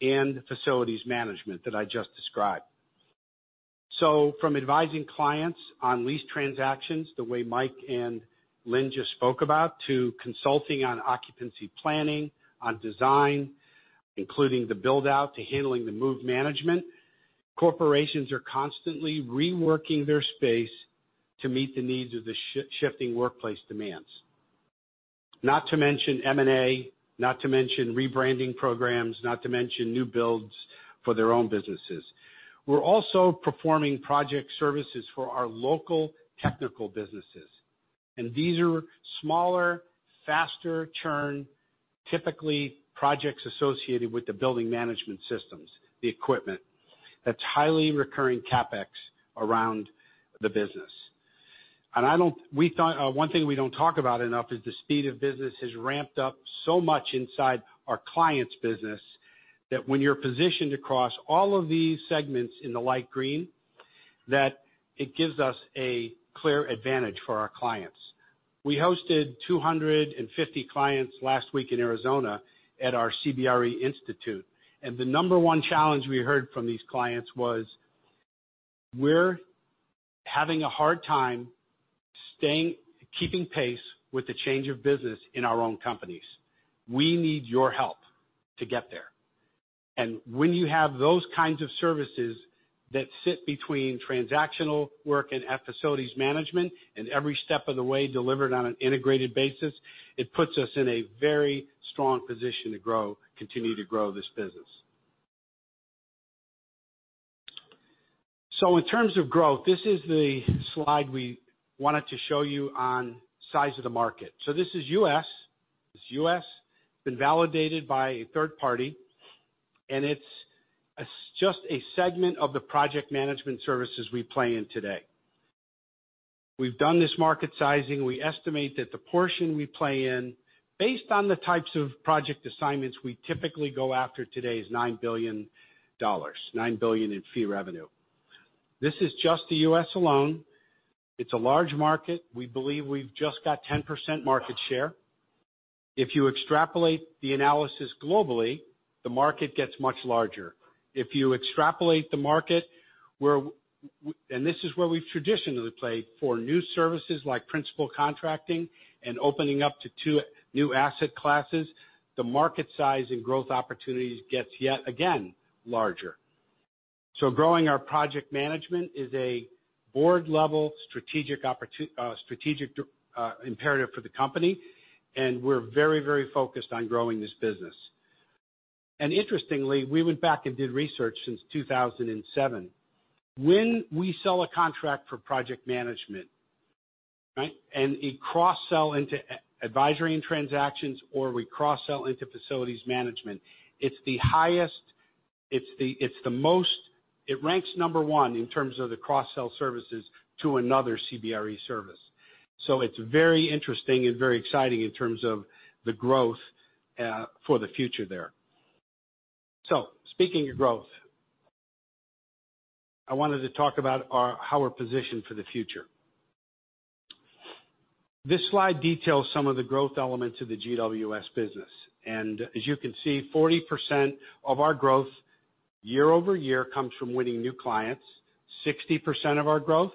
and Facilities Management that I just described. From advising clients on lease transactions, the way Mike and Lynn just spoke about, to consulting on occupancy planning, on design, including the build-out to handling the move management, corporations are constantly reworking their space to meet the needs of the shifting workplace demands. Not to mention M&A, not to mention rebranding programs, not to mention new builds for their own businesses. We're also performing project services for our local technical businesses, and these are smaller, faster churn, typically projects associated with the building management systems, the equipment. That's highly recurring CapEx around the business. One thing we don't talk about enough is the speed of business has ramped up so much inside our clients' business, that when you're positioned across all of these segments in the light green, that it gives us a clear advantage for our clients. We hosted 250 clients last week in Arizona at our CBRE Institute, and the number one challenge we heard from these clients was, "We're having a hard time keeping pace with the change of business in our own companies. We need your help to get there." When you have those kinds of services that sit between transactional work and Facilities Management, and every step of the way delivered on an integrated basis, it puts us in a very strong position to continue to grow this business. In terms of growth, this is the slide we wanted to show you on size of the market. This is U.S. It's been validated by a third party, and it's just a segment of the project management services we play in today. We've done this market sizing. We estimate that the portion we play in, based on the types of project assignments we typically go after today, is $9 billion, $9 billion in fee revenue. This is just the U.S. alone. It's a large market. We believe we've just got 10% market share. If you extrapolate the analysis globally, the market gets much larger. If you extrapolate the market where-- this is where we've traditionally played for new services like principal contracting and opening up to two new asset classes, the market size and growth opportunities gets, yet again, larger. Growing our project management is a board-level strategic imperative for the company, and we're very focused on growing this business. Interestingly, we went back and did research since 2007. When we sell a contract for project management and it cross-sell into Advisory & Transaction Services or we cross-sell into facilities management, it's the highest. It ranks number 1 in terms of the cross-sell services to another CBRE service. It's very interesting and very exciting in terms of the growth for the future there. Speaking of growth, I wanted to talk about how we're positioned for the future. This slide details some of the growth elements of the GWS business. As you can see, 40% of our growth year-over-year comes from winning new clients. 60% of our growth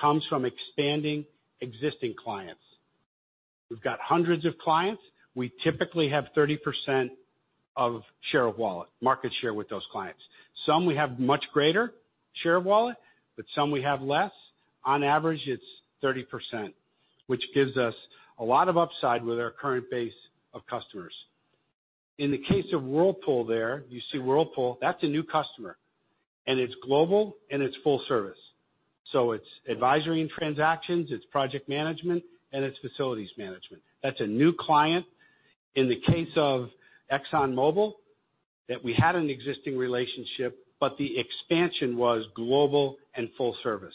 comes from expanding existing clients. We've got hundreds of clients. We typically have 30% of share of wallet, market share with those clients. Some we have much greater share of wallet, but some we have less. On average, it's 30%, which gives us a lot of upside with our current base of customers. In the case of Whirlpool there, you see Whirlpool, that's a new customer, and it's global and it's full service. It's Advisory & Transaction Services, it's project management, and it's facilities management. That's a new client. In the case of ExxonMobil, that we had an existing relationship, but the expansion was global and full service.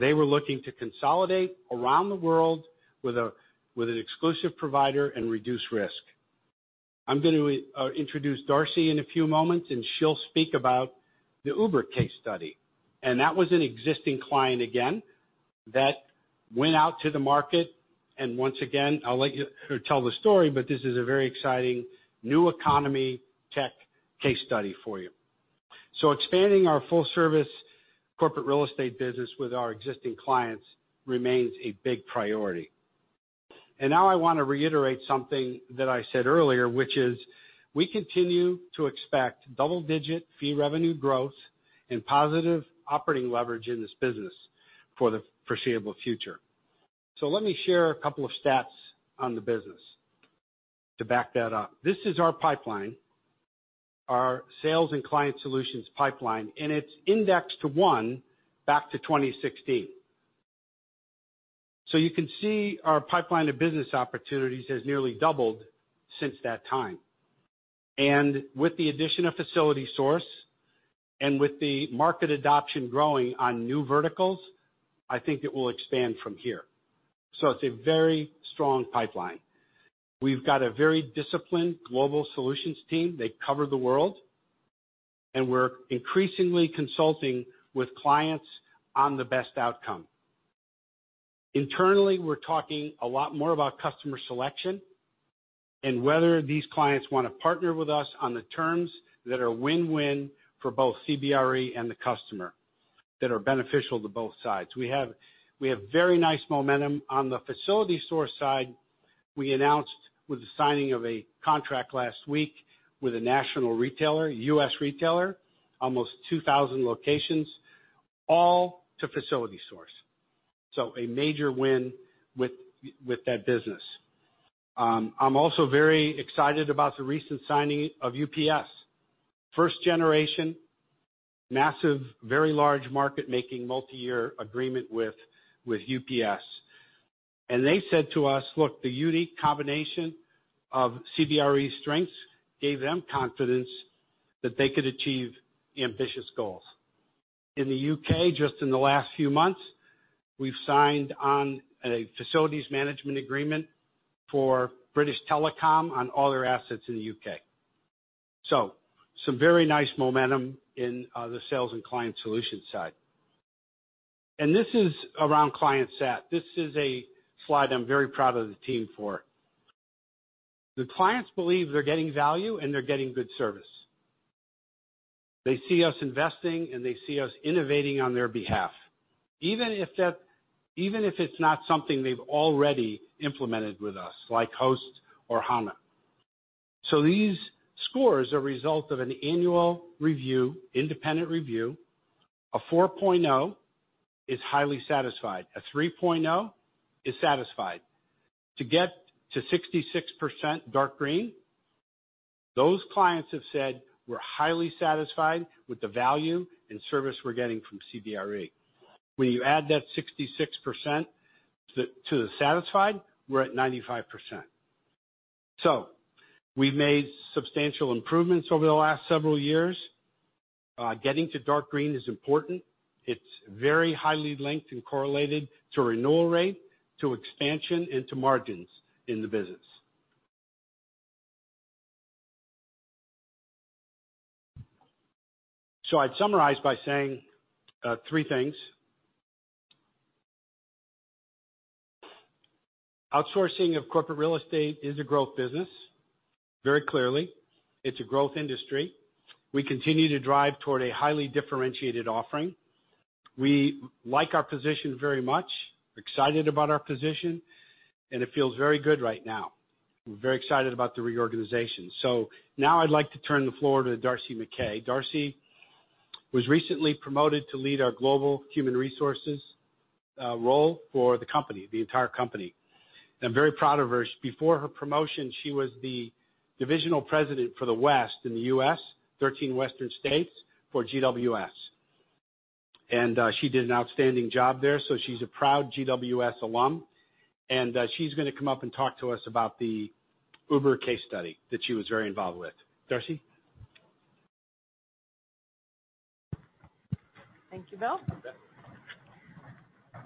They were looking to consolidate around the world with an exclusive provider and reduce risk. I'm going to introduce Darcy in a few moments, and she'll speak about the Uber case study. That was an existing client again, that went out to the market. Once again, I'll let you tell the story, but this is a very exciting new economy tech case study for you. Expanding our full service corporate real estate business with our existing clients remains a big priority. Now I want to reiterate something that I said earlier, which is we continue to expect double-digit fee revenue growth and positive operating leverage in this business for the foreseeable future. Let me share a couple of stats on the business to back that up. This is our pipeline, our sales and client solutions pipeline, and it's indexed to 1 back to 2016. You can see our pipeline of business opportunities has nearly doubled since that time. With the addition of FacilitySource and with the market adoption growing on new verticals, I think it will expand from here. It's a very strong pipeline. We've got a very disciplined global solutions team. They cover the world, and we're increasingly consulting with clients on the best outcome. Internally, we're talking a lot more about customer selection and whether these clients want to partner with us on the terms that are win-win for both CBRE and the customer that are beneficial to both sides. We have very nice momentum. On the FacilitySource side, we announced with the signing of a contract last week with a national retailer, U.S. retailer, almost 2,000 locations, all to FacilitySource. A major win with that business. I'm also very excited about the recent signing of UPS. First generation, massive, very large market making multi-year agreement with UPS. And they said to us, "Look, the unique combination of CBRE's strengths," gave them confidence that they could achieve ambitious goals. In the U.K., just in the last few months, we've signed on a facilities management agreement for British Telecom on all their assets in the U.K. Some very nice momentum in the sales and client solutions side. This is around client sat. This is a slide I'm very proud of the team for. The clients believe they're getting value and they're getting good service. They see us investing, and they see us innovating on their behalf. Even if it's not something they've already implemented with us, like Host or Hana. These scores are a result of an annual review, independent review. A 4.0 is highly satisfied. A 3.0 is satisfied. To get to 66% dark green, those clients have said we're highly satisfied with the value and service we're getting from CBRE. When you add that 66% to the satisfied, we're at 95%. We've made substantial improvements over the last several years. Getting to dark green is important. It's very highly linked and correlated to renewal rate, to expansion, and to margins in the business. I'd summarize by saying three things. Outsourcing of corporate real estate is a growth business, very clearly. It's a growth industry. We continue to drive toward a highly differentiated offering. We like our position very much, excited about our position, and it feels very good right now. We're very excited about the reorganization. Now I'd like to turn the floor to Darcy Mackay. Darcy was recently promoted to lead our global human resources role for the company, the entire company. I'm very proud of her. Before her promotion, she was the divisional president for the West in the U.S., 13 western states for GWS. She did an outstanding job there, so she's a proud GWS alum, and she's going to come up and talk to us about the Uber case study that she was very involved with. Darcy? Thank you, Bill. You bet.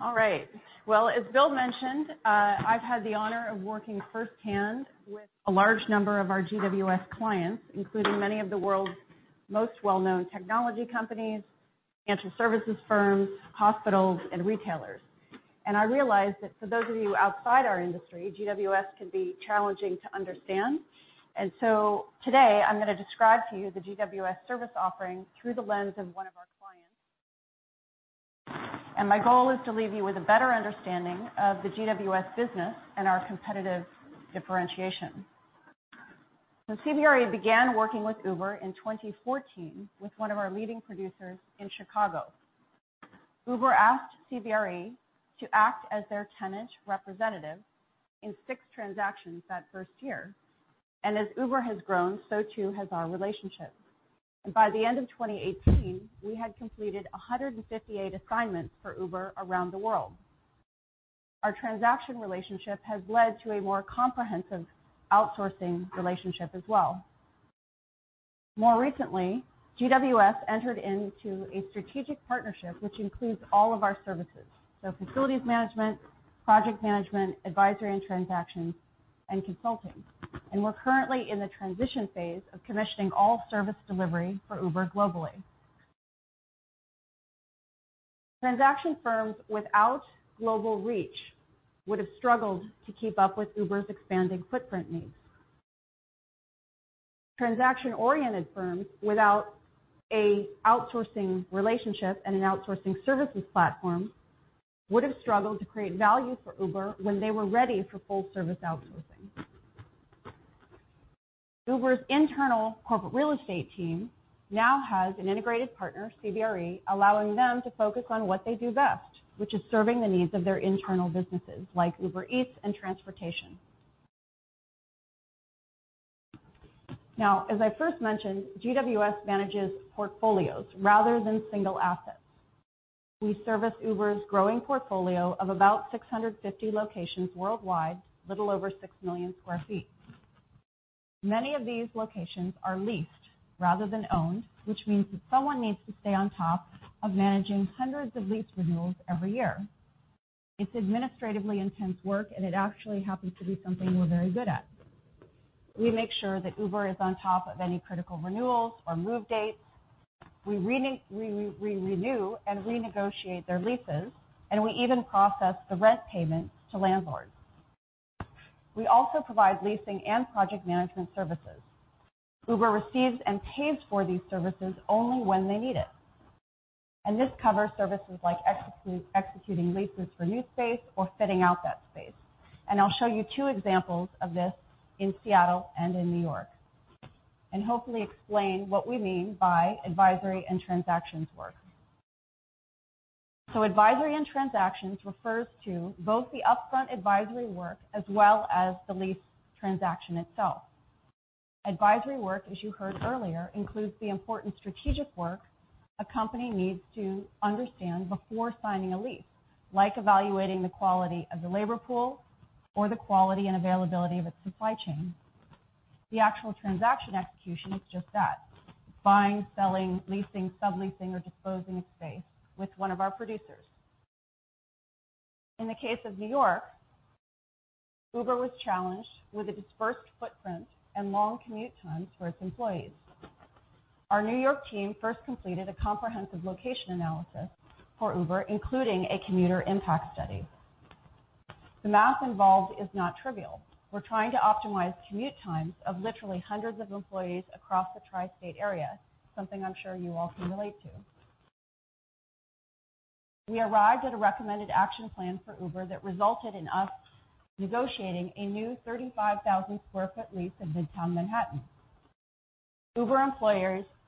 All right. Well, as Bill mentioned, I've had the honor of working firsthand with a large number of our GWS clients, including many of the world's most well-known technology companies, financial services firms, hospitals, and retailers. I realize that for those of you outside our industry, GWS can be challenging to understand. Today, I'm going to describe to you the GWS service offering through the lens of one of our clients. My goal is to leave you with a better understanding of the GWS business and our competitive differentiation. CBRE began working with Uber in 2014 with one of our leading producers in Chicago. Uber asked CBRE to act as their tenant representative in six transactions that first year. As Uber has grown, so too has our relationship. By the end of 2018, we had completed 158 assignments for Uber around the world. Our transaction relationship has led to a more comprehensive outsourcing relationship as well. More recently, GWS entered into a strategic partnership which includes all of our services, so facilities management, project management, Advisory and Transactions, and consulting. We're currently in the transition phase of commissioning all service delivery for Uber globally. Transaction firms without global reach would have struggled to keep up with Uber's expanding footprint needs. Transaction-oriented firms without an outsourcing relationship and an outsourcing services platform would have struggled to create value for Uber when they were ready for full-service outsourcing. Uber's internal corporate real estate team now has an integrated partner, CBRE, allowing them to focus on what they do best, which is serving the needs of their internal businesses like Uber Eats and transportation. Now, as I first mentioned, GWS manages portfolios rather than single assets. We service Uber's growing portfolio of about 650 locations worldwide, a little over six million square feet. Many of these locations are leased rather than owned, which means that someone needs to stay on top of managing hundreds of lease renewals every year. It's administratively intense work, it actually happens to be something we're very good at. We make sure that Uber is on top of any critical renewals or move dates. We renew and renegotiate their leases, we even process the rent payments to landlords. We also provide leasing and project management services. Uber receives and pays for these services only when they need it. This covers services like executing leases for new space or fitting out that space. I'll show you two examples of this in Seattle and in New York and hopefully explain what we mean by Advisory and Transactions work. Advisory and transactions refers to both the upfront advisory work as well as the lease transaction itself. Advisory work, as you heard earlier, includes the important strategic work a company needs to understand before signing a lease, like evaluating the quality of the labor pool or the quality and availability of its supply chain. The actual transaction execution is just that, buying, selling, leasing, subleasing, or disposing of space with one of our producers. In the case of N.Y., Uber was challenged with a dispersed footprint and long commute times for its employees. Our N.Y. team first completed a comprehensive location analysis for Uber, including a commuter impact study. The math involved is not trivial. We're trying to optimize commute times of literally hundreds of employees across the tri-state area, something I'm sure you all can relate to. We arrived at a recommended action plan for Uber that resulted in us negotiating a new 35,000 sq ft lease in Midtown Manhattan. Uber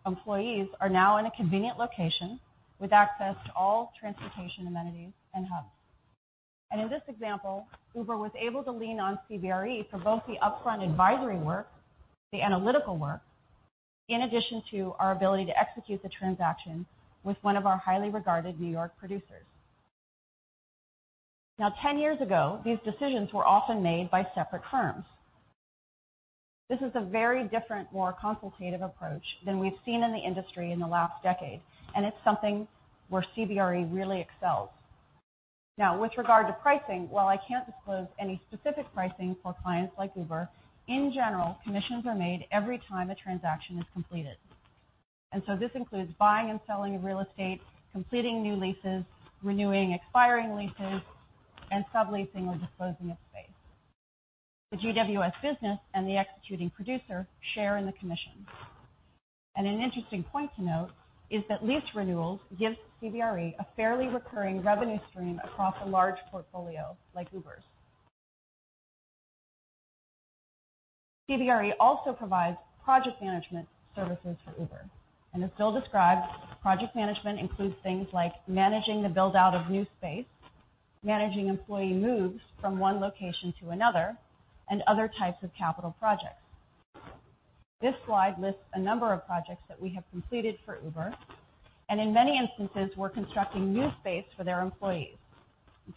employees are now in a convenient location with access to all transportation amenities and hubs. In this example, Uber was able to lean on CBRE for both the upfront advisory work, the analytical work, in addition to our ability to execute the transaction with one of our highly regarded N.Y. producers. Now, 10 years ago, these decisions were often made by separate firms. This is a very different, more consultative approach than we've seen in the industry in the last decade, and it's something where CBRE really excels. Now, with regard to pricing, while I can't disclose any specific pricing for clients like Uber, in general, commissions are made every time a transaction is completed. This includes buying and selling of real estate, completing new leases, renewing expiring leases, and subleasing or disposing of space. The GWS business and the executing producer share in the commissions. An interesting point to note is that lease renewals gives CBRE a fairly recurring revenue stream across a large portfolio like Uber's. CBRE also provides project management services for Uber. As Bill described, project management includes things like managing the build-out of new space, managing employee moves from one location to another, and other types of capital projects. This slide lists a number of projects that we have completed for Uber, and in many instances, we're constructing new space for their employees.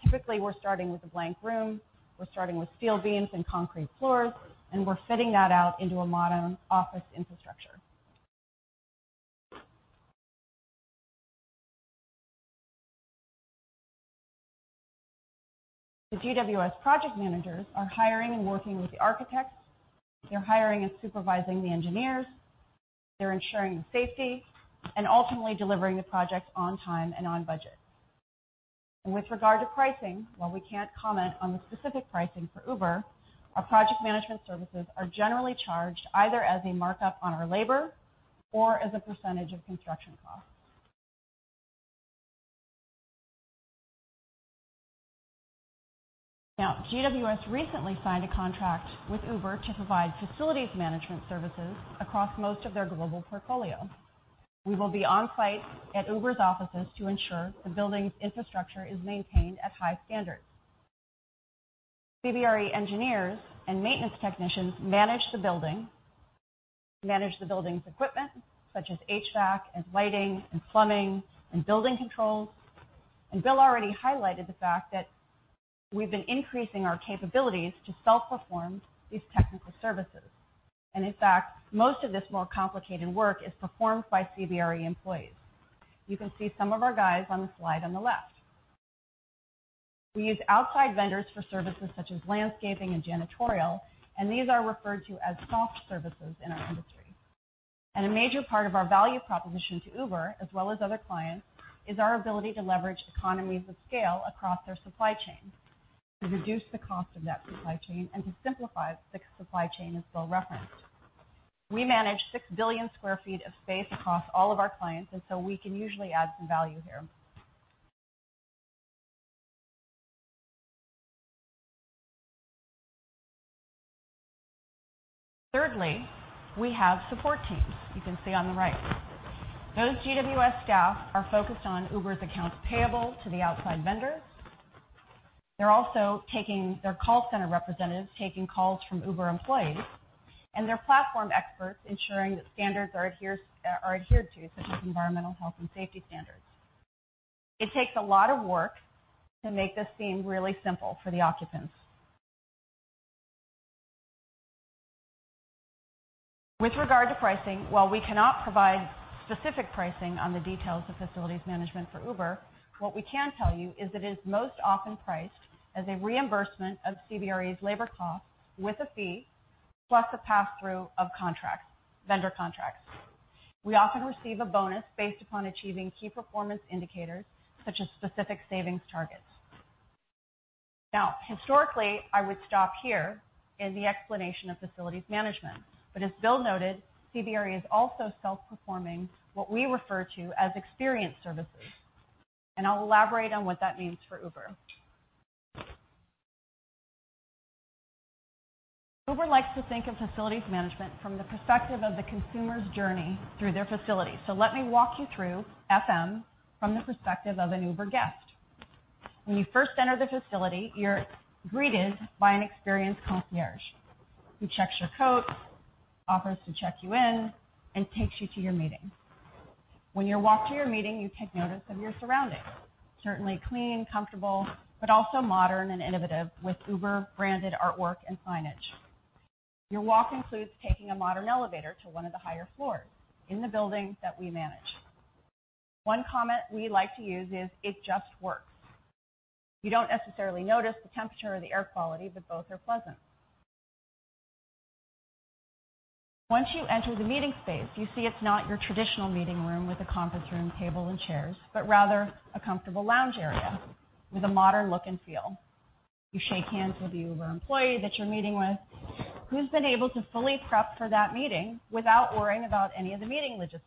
Typically, we're starting with a blank room. We're starting with steel beams and concrete floors, and we're fitting that out into a modern office infrastructure. The GWS project managers are hiring and working with the architects. They're hiring and supervising the engineers. They're ensuring the safety and ultimately delivering the projects on time and on budget. With regard to pricing, while we can't comment on the specific pricing for Uber, our project management services are generally charged either as a markup on our labor or as a percentage of construction costs. Now, GWS recently signed a contract with Uber to provide facilities management services across most of their global portfolio. We will be on-site at Uber's offices to ensure the building's infrastructure is maintained at high standards. CBRE engineers and maintenance technicians manage the building, manage the building's equipment, such as HVAC and lighting and plumbing and building controls. Bill already highlighted the fact that we've been increasing our capabilities to self-perform these technical services. In fact, most of this more complicated work is performed by CBRE employees. You can see some of our guys on the slide on the left. We use outside vendors for services such as landscaping and janitorial, and these are referred to as soft services in our industry. A major part of our value proposition to Uber, as well as other clients, is our ability to leverage economies of scale across their supply chain to reduce the cost of that supply chain and to simplify the supply chain, as Bill referenced. We manage 6 billion square feet of space across all of our clients, so we can usually add some value here. Thirdly, we have support teams. You can see on the right. Those GWS staff are focused on Uber's accounts payable to the outside vendors. They're also their call center representatives taking calls from Uber employees, and they're platform experts ensuring that standards are adhered to, such as environmental health and safety standards. It takes a lot of work to make this seem really simple for the occupants. With regard to pricing, while we cannot provide specific pricing on the details of facilities management for Uber, what we can tell you is it is most often priced as a reimbursement of CBRE's labor cost with a fee, plus a passthrough of vendor contracts. We often receive a bonus based upon achieving key performance indicators such as specific savings targets. Historically, I would stop here in the explanation of facilities management. As Bill noted, CBRE is also self-performing what we refer to as experience services. I'll elaborate on what that means for Uber. Uber likes to think of facilities management from the perspective of the consumer's journey through their facility. Let me walk you through FM from the perspective of an Uber guest. When you first enter the facility, you're greeted by an experienced concierge who checks your coat, offers to check you in, and takes you to your meeting. When you walk to your meeting, you take notice of your surroundings. Certainly clean, comfortable, but also modern and innovative, with Uber branded artwork and signage. Your walk includes taking a modern elevator to one of the higher floors in the building that we manage. One comment we like to use is, "It just works." You don't necessarily notice the temperature or the air quality, but both are pleasant. Once you enter the meeting space, you see it's not your traditional meeting room with a conference room table and chairs, but rather a comfortable lounge area with a modern look and feel. You shake hands with the Uber employee that you're meeting with who's been able to fully prep for that meeting without worrying about any of the meeting logistics,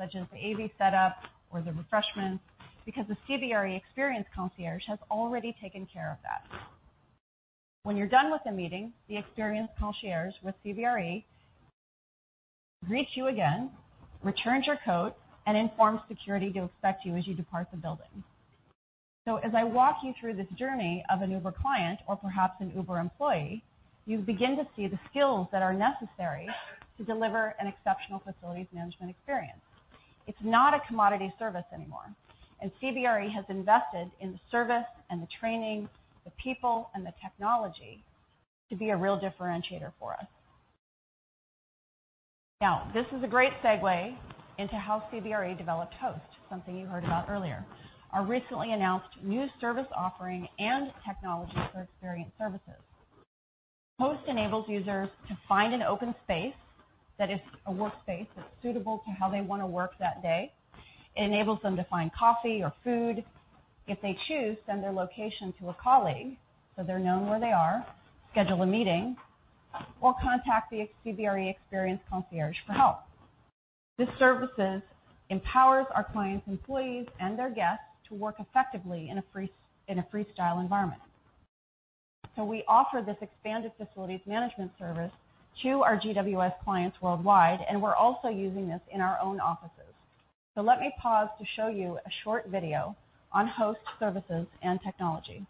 such as the AV setup or the refreshments, because the CBRE experience concierge has already taken care of that. When you're done with the meeting, the experienced concierge with CBRE greets you again, returns your coat, and informs security to expect you as you depart the building. As I walk you through this journey of an Uber client or perhaps an Uber employee, you begin to see the skills that are necessary to deliver an exceptional facilities management experience. It's not a commodity service anymore. CBRE has invested in the service and the training, the people, and the technology to be a real differentiator for us. This is a great segue into how CBRE developed Host, something you heard about earlier. Our recently announced new service offering and technology for experience services. Host enables users to find an open space that is a workspace that's suitable to how they want to work that day. It enables them to find coffee or food. If they choose, send their location to a colleague so they're known where they are, schedule a meeting, or contact the CBRE experience concierge for help. This service empowers our clients' employees and their guests to work effectively in a freestyle environment. We offer this expanded facilities management service to our GWS clients worldwide, and we're also using this in our own offices. Let me pause to show you a short video on Host services and technology.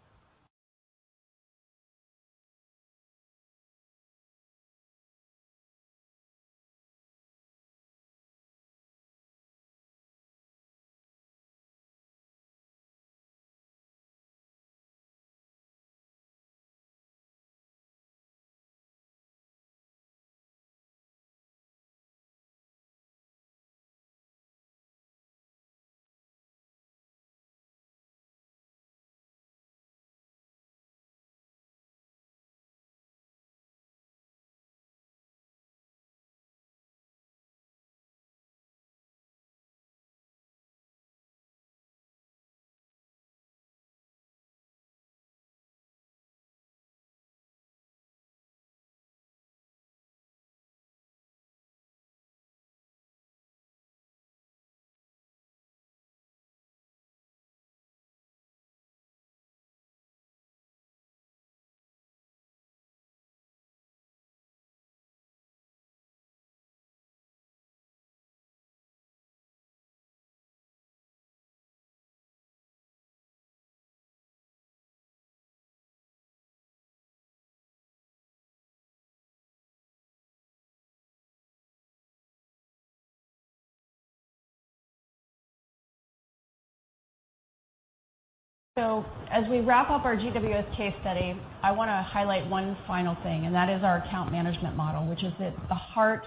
As we wrap up our GWS case study, I want to highlight one final thing, and that is our account management model, which is at the heart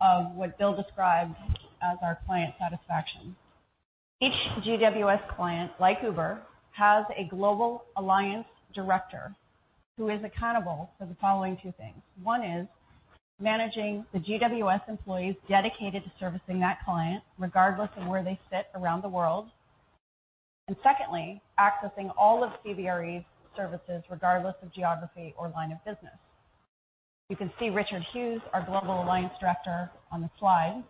of what Bill described as our client satisfaction. Each GWS client, like Uber, has a global alliance director who is accountable for the following two things. One is managing the GWS employees dedicated to servicing that client, regardless of where they sit around the world. Secondly, accessing all of CBRE's services regardless of geography or line of business. You can see Richard Hughes, our global alliance director, on the slide.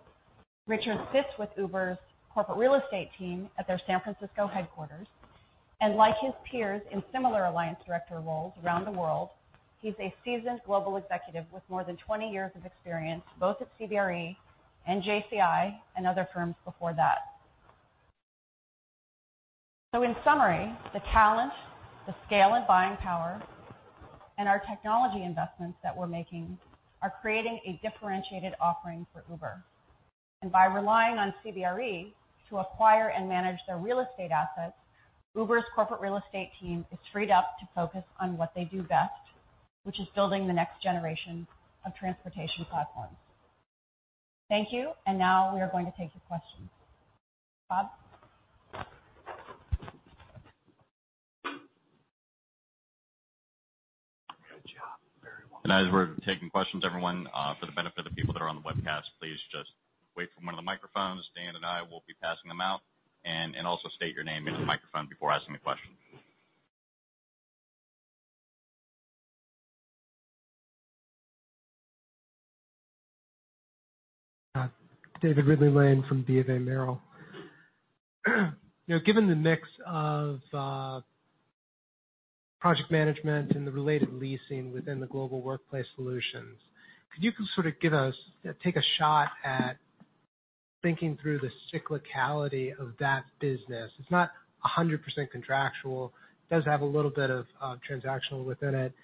Richard sits with Uber's corporate real estate team at their San Francisco headquarters. Like his peers in similar alliance director roles around the world, he's a seasoned global executive with more than 20 years of experience, both at CBRE and JCI and other firms before that. In summary, the talent, the scale and buying power, and our technology investments that we're making are creating a differentiated offering for Uber. By relying on CBRE to acquire and manage their real estate assets, Uber's corporate real estate team is freed up to focus on what they do best, which is building the next generation of transportation platforms. Thank you. Now we are going to take your questions. Bob? Good job. Very well. As we're taking questions, everyone, for the benefit of the people that are on the webcast, please just wait for one of the microphones. Dan and I will be passing them out. Also state your name in the microphone before asking the question. David Ridley-Lane from BofA Merrill. Given the mix of project management and the related leasing within the Global Workplace Solutions, could you sort of give us, take a shot at thinking through the cyclicality of that business? It's not 100% contractual, it does have a little bit of transactional within it.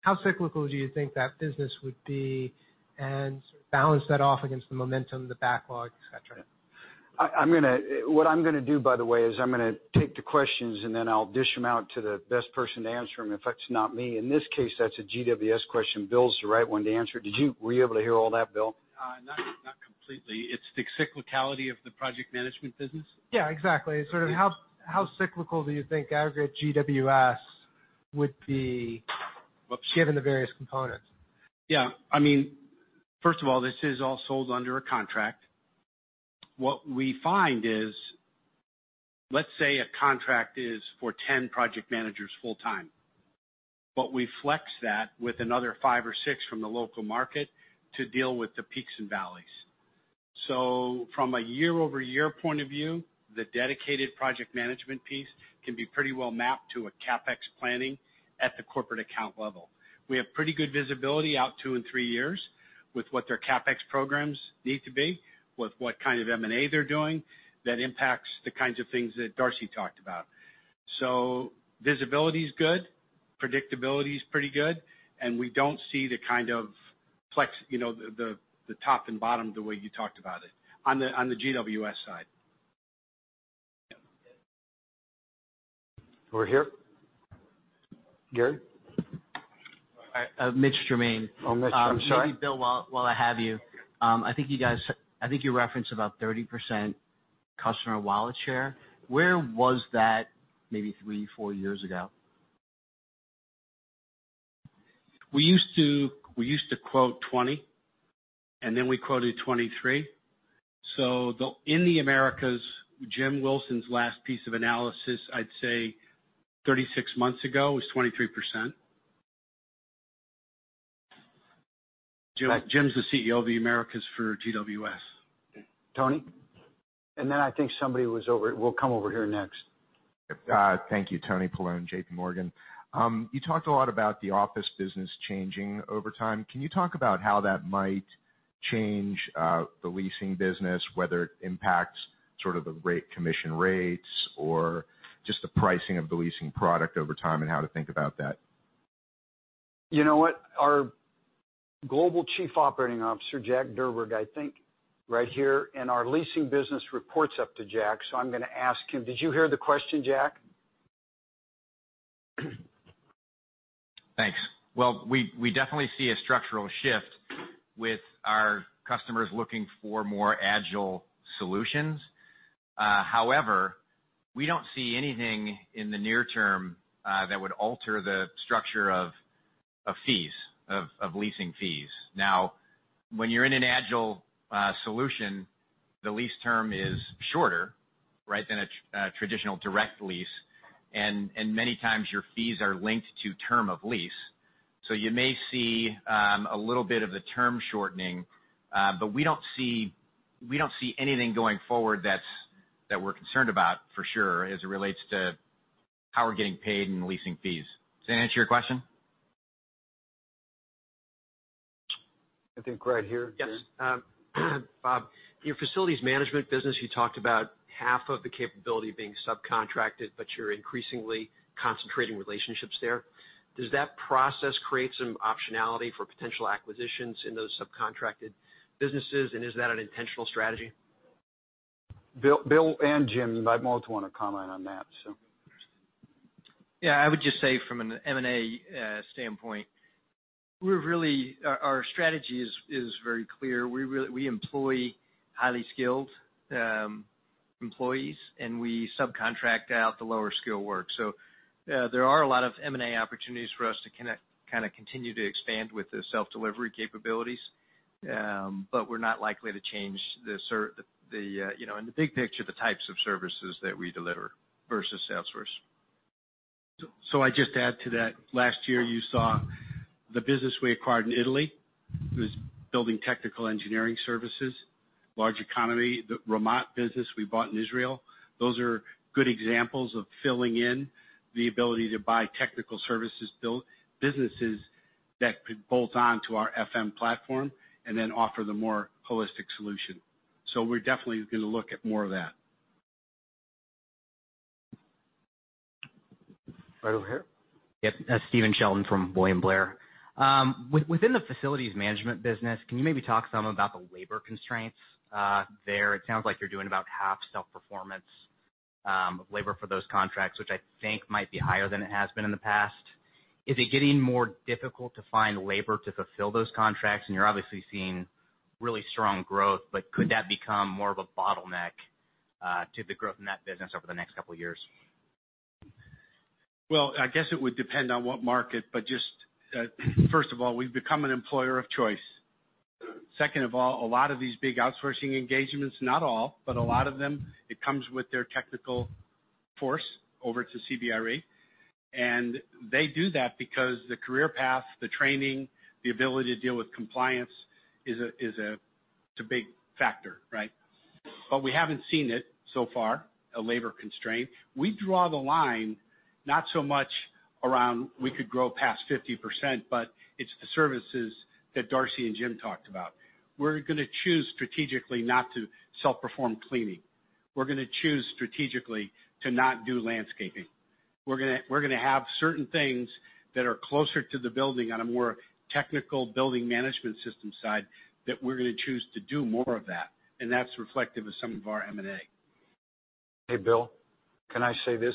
How cyclical do you think that business would be, and balance that off against the momentum, the backlog, et cetera? What I'm going to do, by the way, is I'm going to take the questions, then I'll dish them out to the best person to answer them if that's not me. In this case, that's a GWS question. Bill's the right one to answer. Were you able to hear all that, Bill? Not completely. It's the cyclicality of the project management business? Yeah, exactly. Sort of how cyclical do you think aggregate GWS would be given the various components? Yeah. First of all, this is all sold under a contract. What we find is, let's say a contract is for 10 project managers full-time. We flex that with another five or six from the local market to deal with the peaks and valleys. From a year-over-year point of view, the dedicated project management piece can be pretty well mapped to a CapEx planning at the corporate account level. We have pretty good visibility out two and three years with what their CapEx programs need to be, with what kind of M&A they're doing that impacts the kinds of things that Darcy talked about. Visibility's good, predictability's pretty good, and we don't see the kind of flex, the top and bottom the way you talked about it on the GWS side. Over here. Gary? Mitch Germain. Oh, Mitch. I'm sorry. Maybe Bill, while I have you. I think you referenced about 30% customer wallet share. Where was that maybe three, four years ago? We used to quote 20, and then we quoted 23. In the Americas, Jim Wilson's last piece of analysis, I'd say 36 months ago was 23%. Jim's the CEO of the Americas for GWS. Tony? I think we'll come over here next. Thank you. Tony Paolone, JPMorgan. You talked a lot about the office business changing over time. Can you talk about how that might change the leasing business, whether it impacts sort of the commission rates or just the pricing of the leasing product over time, and how to think about that. You know what? Our Global Chief Operating Officer, Jack Durburg, I think, right here, our leasing business reports up to Jack, I'm going to ask him. Did you hear the question, Jack? Thanks. Well, we definitely see a structural shift with our customers looking for more Agile solutions. However, we don't see anything in the near term that would alter the structure of leasing fees. When you're in an Agile solution, the lease term is shorter than a traditional direct lease. Many times your fees are linked to term of lease. You may see a little bit of the term shortening. We don't see anything going forward that we're concerned about for sure as it relates to how we're getting paid in leasing fees. Does that answer your question? I think right here. Yes. Bob, your facilities management business, you talked about half of the capability being subcontracted, you're increasingly concentrating relationships there. Does that process create some optionality for potential acquisitions in those subcontracted businesses, and is that an intentional strategy? Bill and Jim might both want to comment on that. I would just say from an M&A standpoint, our strategy is very clear. We employ highly skilled employees, and we subcontract out the lower skill work. There are a lot of M&A opportunities for us to kind of continue to expand with the self-delivery capabilities. We're not likely to change, in the big picture, the types of services that we deliver versus outsource. I just add to that. Last year, you saw the business we acquired in Italy was building technical engineering services, large economy. The Ramot business we bought in Israel. Those are good examples of filling in the ability to buy technical services businesses that could bolt on to our FM platform and then offer the more holistic solution. We're definitely going to look at more of that. Right over here. Yep. Stephen Sheldon from William Blair. Within the facilities management business, can you maybe talk some about the labor constraints there? It sounds like you're doing about half self-performance of labor for those contracts, which I think might be higher than it has been in the past. Is it getting more difficult to find labor to fulfill those contracts? You're obviously seeing really strong growth, but could that become more of a bottleneck to the growth in that business over the next couple of years? I guess it would depend on what market, but just, first of all, we've become an employer of choice. Second of all, a lot of these big outsourcing engagements, not all, but a lot of them, it comes with their technical force over to CBRE. They do that because the career path, the training, the ability to deal with compliance is a big factor, right? We haven't seen it so far, a labor constraint. We draw the line not so much around we could grow past 50%, but it's the services that Darcy and Jim talked about. We're going to choose strategically not to self-perform cleaning. We're going to choose strategically to not do landscaping. We're going to have certain things that are closer to the building on a more technical building management system side that we're going to choose to do more of that, and that's reflective of some of our M&A. Hey, Bill. Can I say this?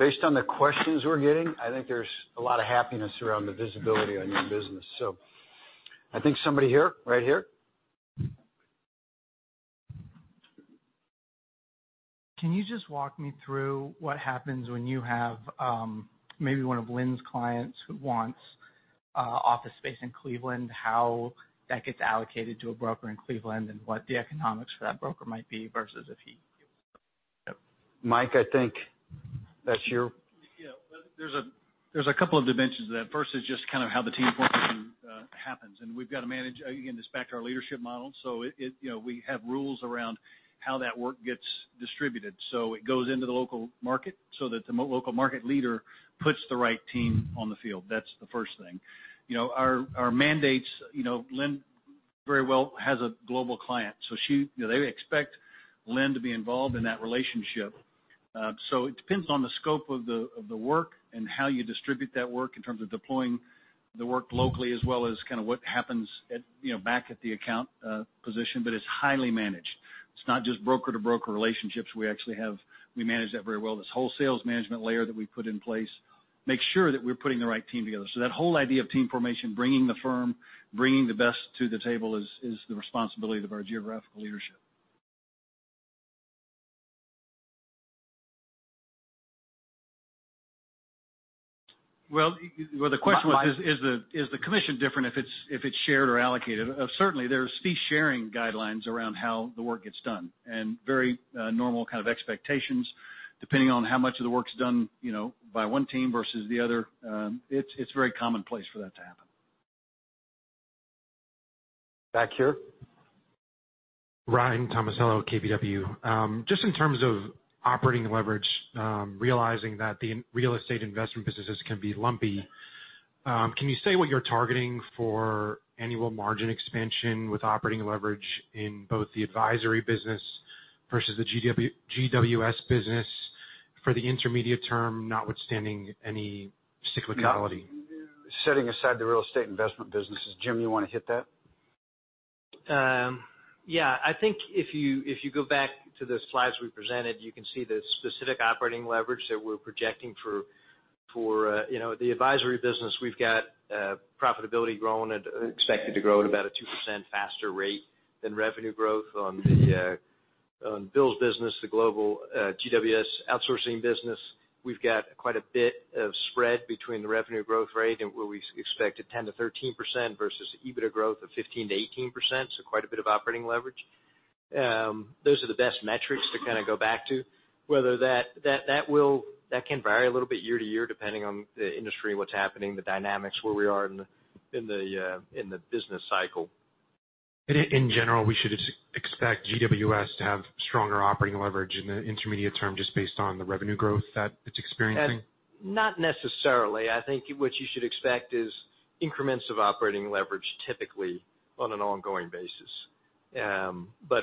Based on the questions we're getting, I think there's a lot of happiness around the visibility on your business. I think somebody here, right here. Can you just walk me through what happens when you have maybe one of Lynn's clients who wants office space in Cleveland, how that gets allocated to a broker in Cleveland, and what the economics for that broker might be versus if he- Mike, I think that's your- Yeah. There's a couple of dimensions to that. First is just kind of how the team formation happens, and we've got to manage, again, this back to our leadership model. We have rules around how that work gets distributed. It goes into the local market so that the local market leader puts the right team on the field. That's the first thing. Our mandates, Lynn very well has a global client, so they expect Lynn to be involved in that relationship. It depends on the scope of the work and how you distribute that work in terms of deploying the work locally as well as kind of what happens back at the account position. But it's highly managed. It's not just broker to broker relationships. We manage that very well. This wholesale management layer that we put in place makes sure that we're putting the right team together. That whole idea of team formation, bringing the firm, bringing the best to the table is the responsibility of our geographical leadership. Well, the question was, is the commission different if it's shared or allocated? Certainly, there are fee sharing guidelines around how the work gets done and very normal kind of expectations depending on how much of the work's done by one team versus the other. It's very commonplace for that to happen. Back here Ryan Tomasello, KBW. Just in terms of operating leverage, realizing that the real estate investment businesses can be lumpy, can you say what you're targeting for annual margin expansion with operating leverage in both the advisory business versus the GWS business for the intermediate term, notwithstanding any cyclicality? Setting aside the real estate investment businesses. Jim, you want to hit that? Yeah. I think if you go back to the slides we presented, you can see the specific operating leverage that we're projecting for the advisory business. We've got profitability growing, expected to grow at about a 2% faster rate than revenue growth. On Bill's business, the global GWS outsourcing business, we've got quite a bit of spread between the revenue growth rate and where we expect a 10%-13% versus EBITDA growth of 15%-18%, so quite a bit of operating leverage. Those are the best metrics to go back to. That can vary a little bit year to year, depending on the industry, what's happening, the dynamics, where we are in the business cycle. In general, we should expect GWS to have stronger operating leverage in the intermediate term, just based on the revenue growth that it's experiencing? Not necessarily. I think what you should expect is increments of operating leverage, typically, on an ongoing basis.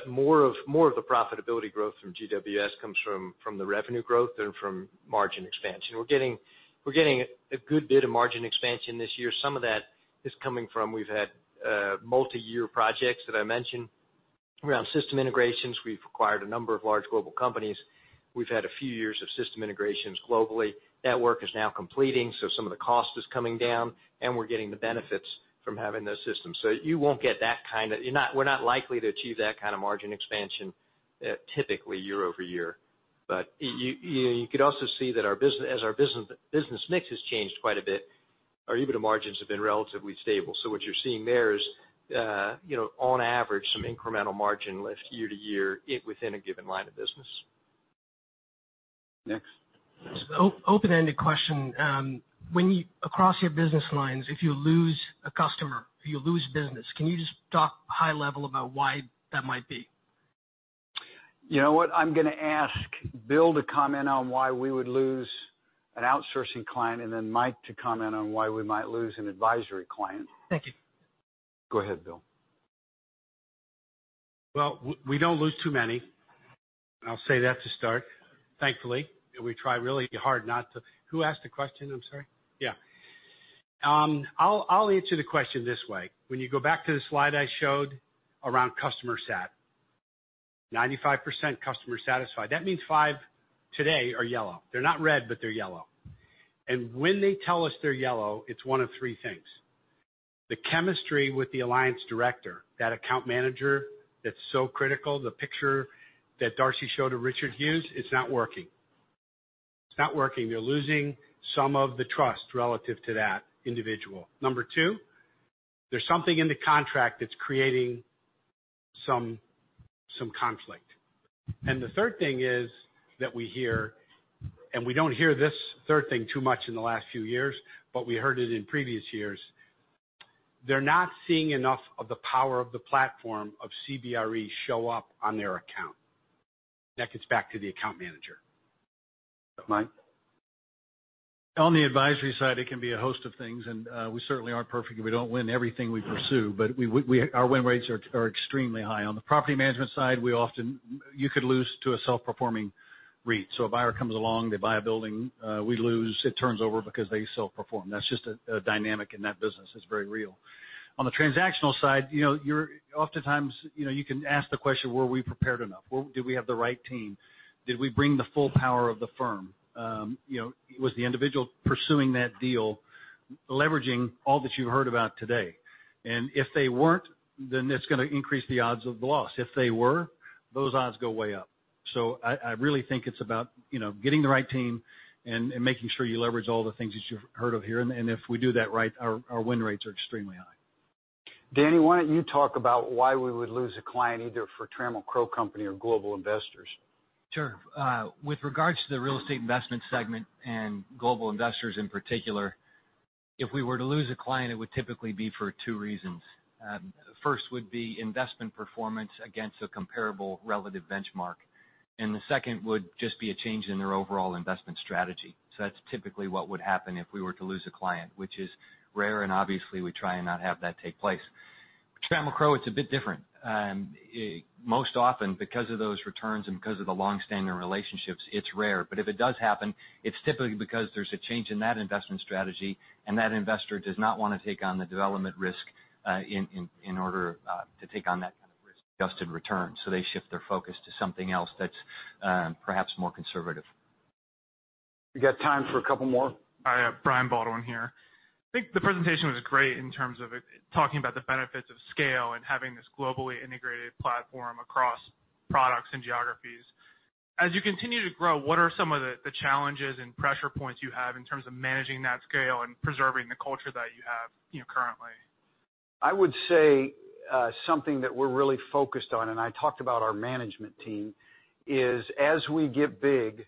More of the profitability growth from GWS comes from the revenue growth than from margin expansion. We're getting a good bit of margin expansion this year. Some of that is coming from, we've had multi-year projects that I mentioned around system integrations. We've acquired a number of large global companies. We've had a few years of system integrations globally. That work is now completing, some of the cost is coming down, and we're getting the benefits from having those systems. We're not likely to achieve that kind of margin expansion, typically, year-over-year. You could also see that as our business mix has changed quite a bit, our EBITDA margins have been relatively stable. What you're seeing there is, on average, some incremental margin lift year-to-year within a given line of business. Next. Open-ended question. Across your business lines, if you lose a customer, if you lose business, can you just talk high level about why that might be? You know what? I'm going to ask Bill to comment on why we would lose an outsourcing client, then Mike to comment on why we might lose an advisory client. Thank you. Go ahead, Bill. Well, we don't lose too many. I'll say that to start. Thankfully. We try really hard not to. Who asked the question? I'm sorry. Yeah. I'll answer the question this way. When you go back to the slide I showed around customer sat, 95% customer satisfied. That means five today are yellow. They're not red, but they're yellow. When they tell us they're yellow, it's one of three things. The chemistry with the alliance director, that account manager that's so critical, the picture that Darcy showed of Richard Hughes, it's not working. It's not working. They're losing some of the trust relative to that individual. Number 2, there's something in the contract that's creating some conflict. The third thing is that we hear, and we don't hear this third thing too much in the last few years, but we heard it in previous years, they're not seeing enough of the power of the platform of CBRE show up on their account. That gets back to the account manager. Mike? On the advisory side, it can be a host of things, we certainly aren't perfect, we don't win everything we pursue, but our win rates are extremely high. On the property management side, you could lose to a self-performing REIT. A buyer comes along, they buy a building, we lose, it turns over because they self-perform. That's just a dynamic in that business. It's very real. On the transactional side, oftentimes, you can ask the question, were we prepared enough? Did we have the right team? Did we bring the full power of the firm? Was the individual pursuing that deal leveraging all that you heard about today? If they weren't, then it's going to increase the odds of the loss. If they were, those odds go way up. I really think it's about getting the right team and making sure you leverage all the things that you've heard of here. If we do that right, our win rates are extremely high. Danny, why don't you talk about why we would lose a client either for Trammell Crow Company or Global Investors? Sure. With regards to the real estate investment segment and Global Investors in particular, if we were to lose a client, it would typically be for two reasons. First would be investment performance against a comparable relative benchmark, and the second would just be a change in their overall investment strategy. That's typically what would happen if we were to lose a client, which is rare, and obviously, we try and not have that take place. Trammell Crow, it's a bit different. Most often, because of those returns and because of the longstanding relationships, it's rare. If it does happen, it's typically because there's a change in that investment strategy, and that investor does not want to take on the development risk in order to take on that kind of risk-adjusted return. They shift their focus to something else that's perhaps more conservative. We got time for a couple more. Hi. Brian Baldwin here. I think the presentation was great in terms of talking about the benefits of scale and having this globally integrated platform across products and geographies. As you continue to grow, what are some of the challenges and pressure points you have in terms of managing that scale and preserving the culture that you have currently? I would say something that we're really focused on, and I talked about our management team, is as we get big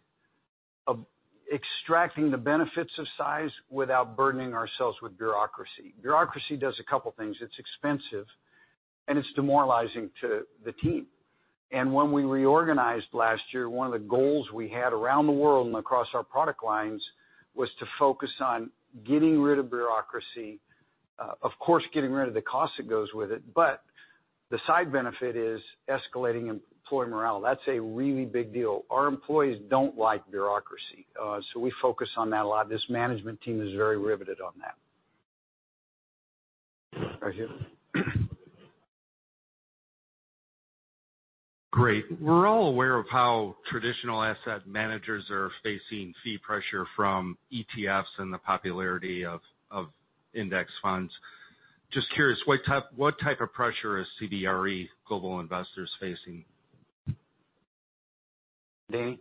Of extracting the benefits of size without burdening ourselves with bureaucracy. Bureaucracy does a couple things. It's expensive, and it's demoralizing to the team. When we reorganized last year, one of the goals we had around the world and across our product lines was to focus on getting rid of bureaucracy. Of course, getting rid of the cost that goes with it, but the side benefit is escalating employee morale. That's a really big deal. Our employees don't like bureaucracy, so we focus on that a lot. This management team is very riveted on that. Rajiv. Great. We're all aware of how traditional asset managers are facing fee pressure from ETFs and the popularity of index funds. Just curious, what type of pressure is CBRE Global Investors facing? Danny?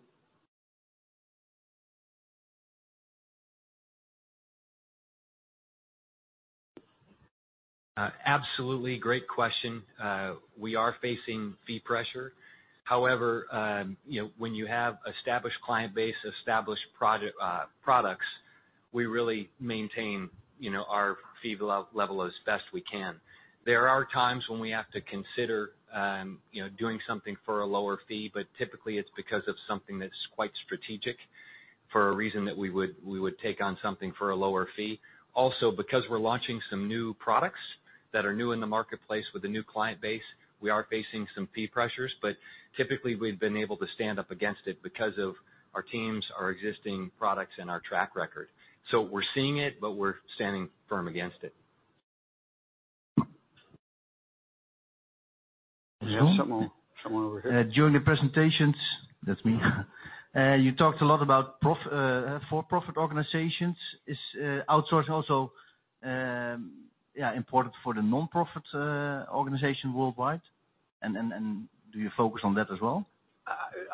Absolutely. Great question. We are facing fee pressure. However, when you have established client base, established products, we really maintain our fee level as best we can. There are times when we have to consider doing something for a lower fee, but typically, it's because of something that's quite strategic for a reason that we would take on something for a lower fee. Also, because we're launching some new products that are new in the marketplace with a new client base, we are facing some fee pressures, but typically, we've been able to stand up against it because of our teams, our existing products, and our track record. We're seeing it, but we're standing firm against it. Joe? Someone over here. During the presentations, that's me you talked a lot about for-profit organizations. Is outsource also important for the nonprofit organization worldwide? Do you focus on that as well?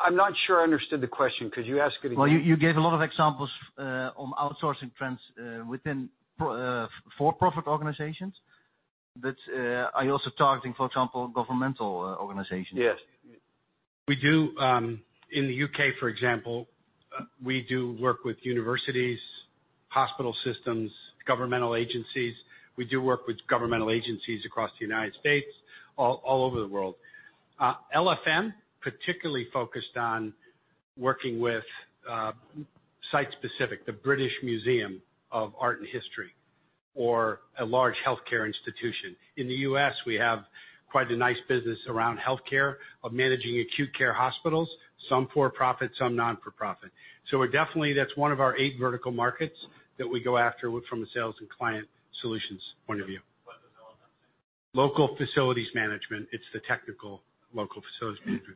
I'm not sure I understood the question. Could you ask it again? You gave a lot of examples on outsourcing trends within for-profit organizations, are you also targeting, for example, governmental organizations? Yes. We do, in the U.K., for example, we do work with universities, hospital systems, governmental agencies. We do work with governmental agencies across the U.S., all over the world. LFM particularly focused on working with site-specific, the British Museum, or a large healthcare institution. In the U.S., we have quite a nice business around healthcare, of managing acute care hospitals, some for-profit, some nonprofit. Definitely, that's one of our eight vertical markets that we go after from a sales and client solutions point of view. What does LFM stand for? Local Facilities Management. It's the technical Local Facilities Management.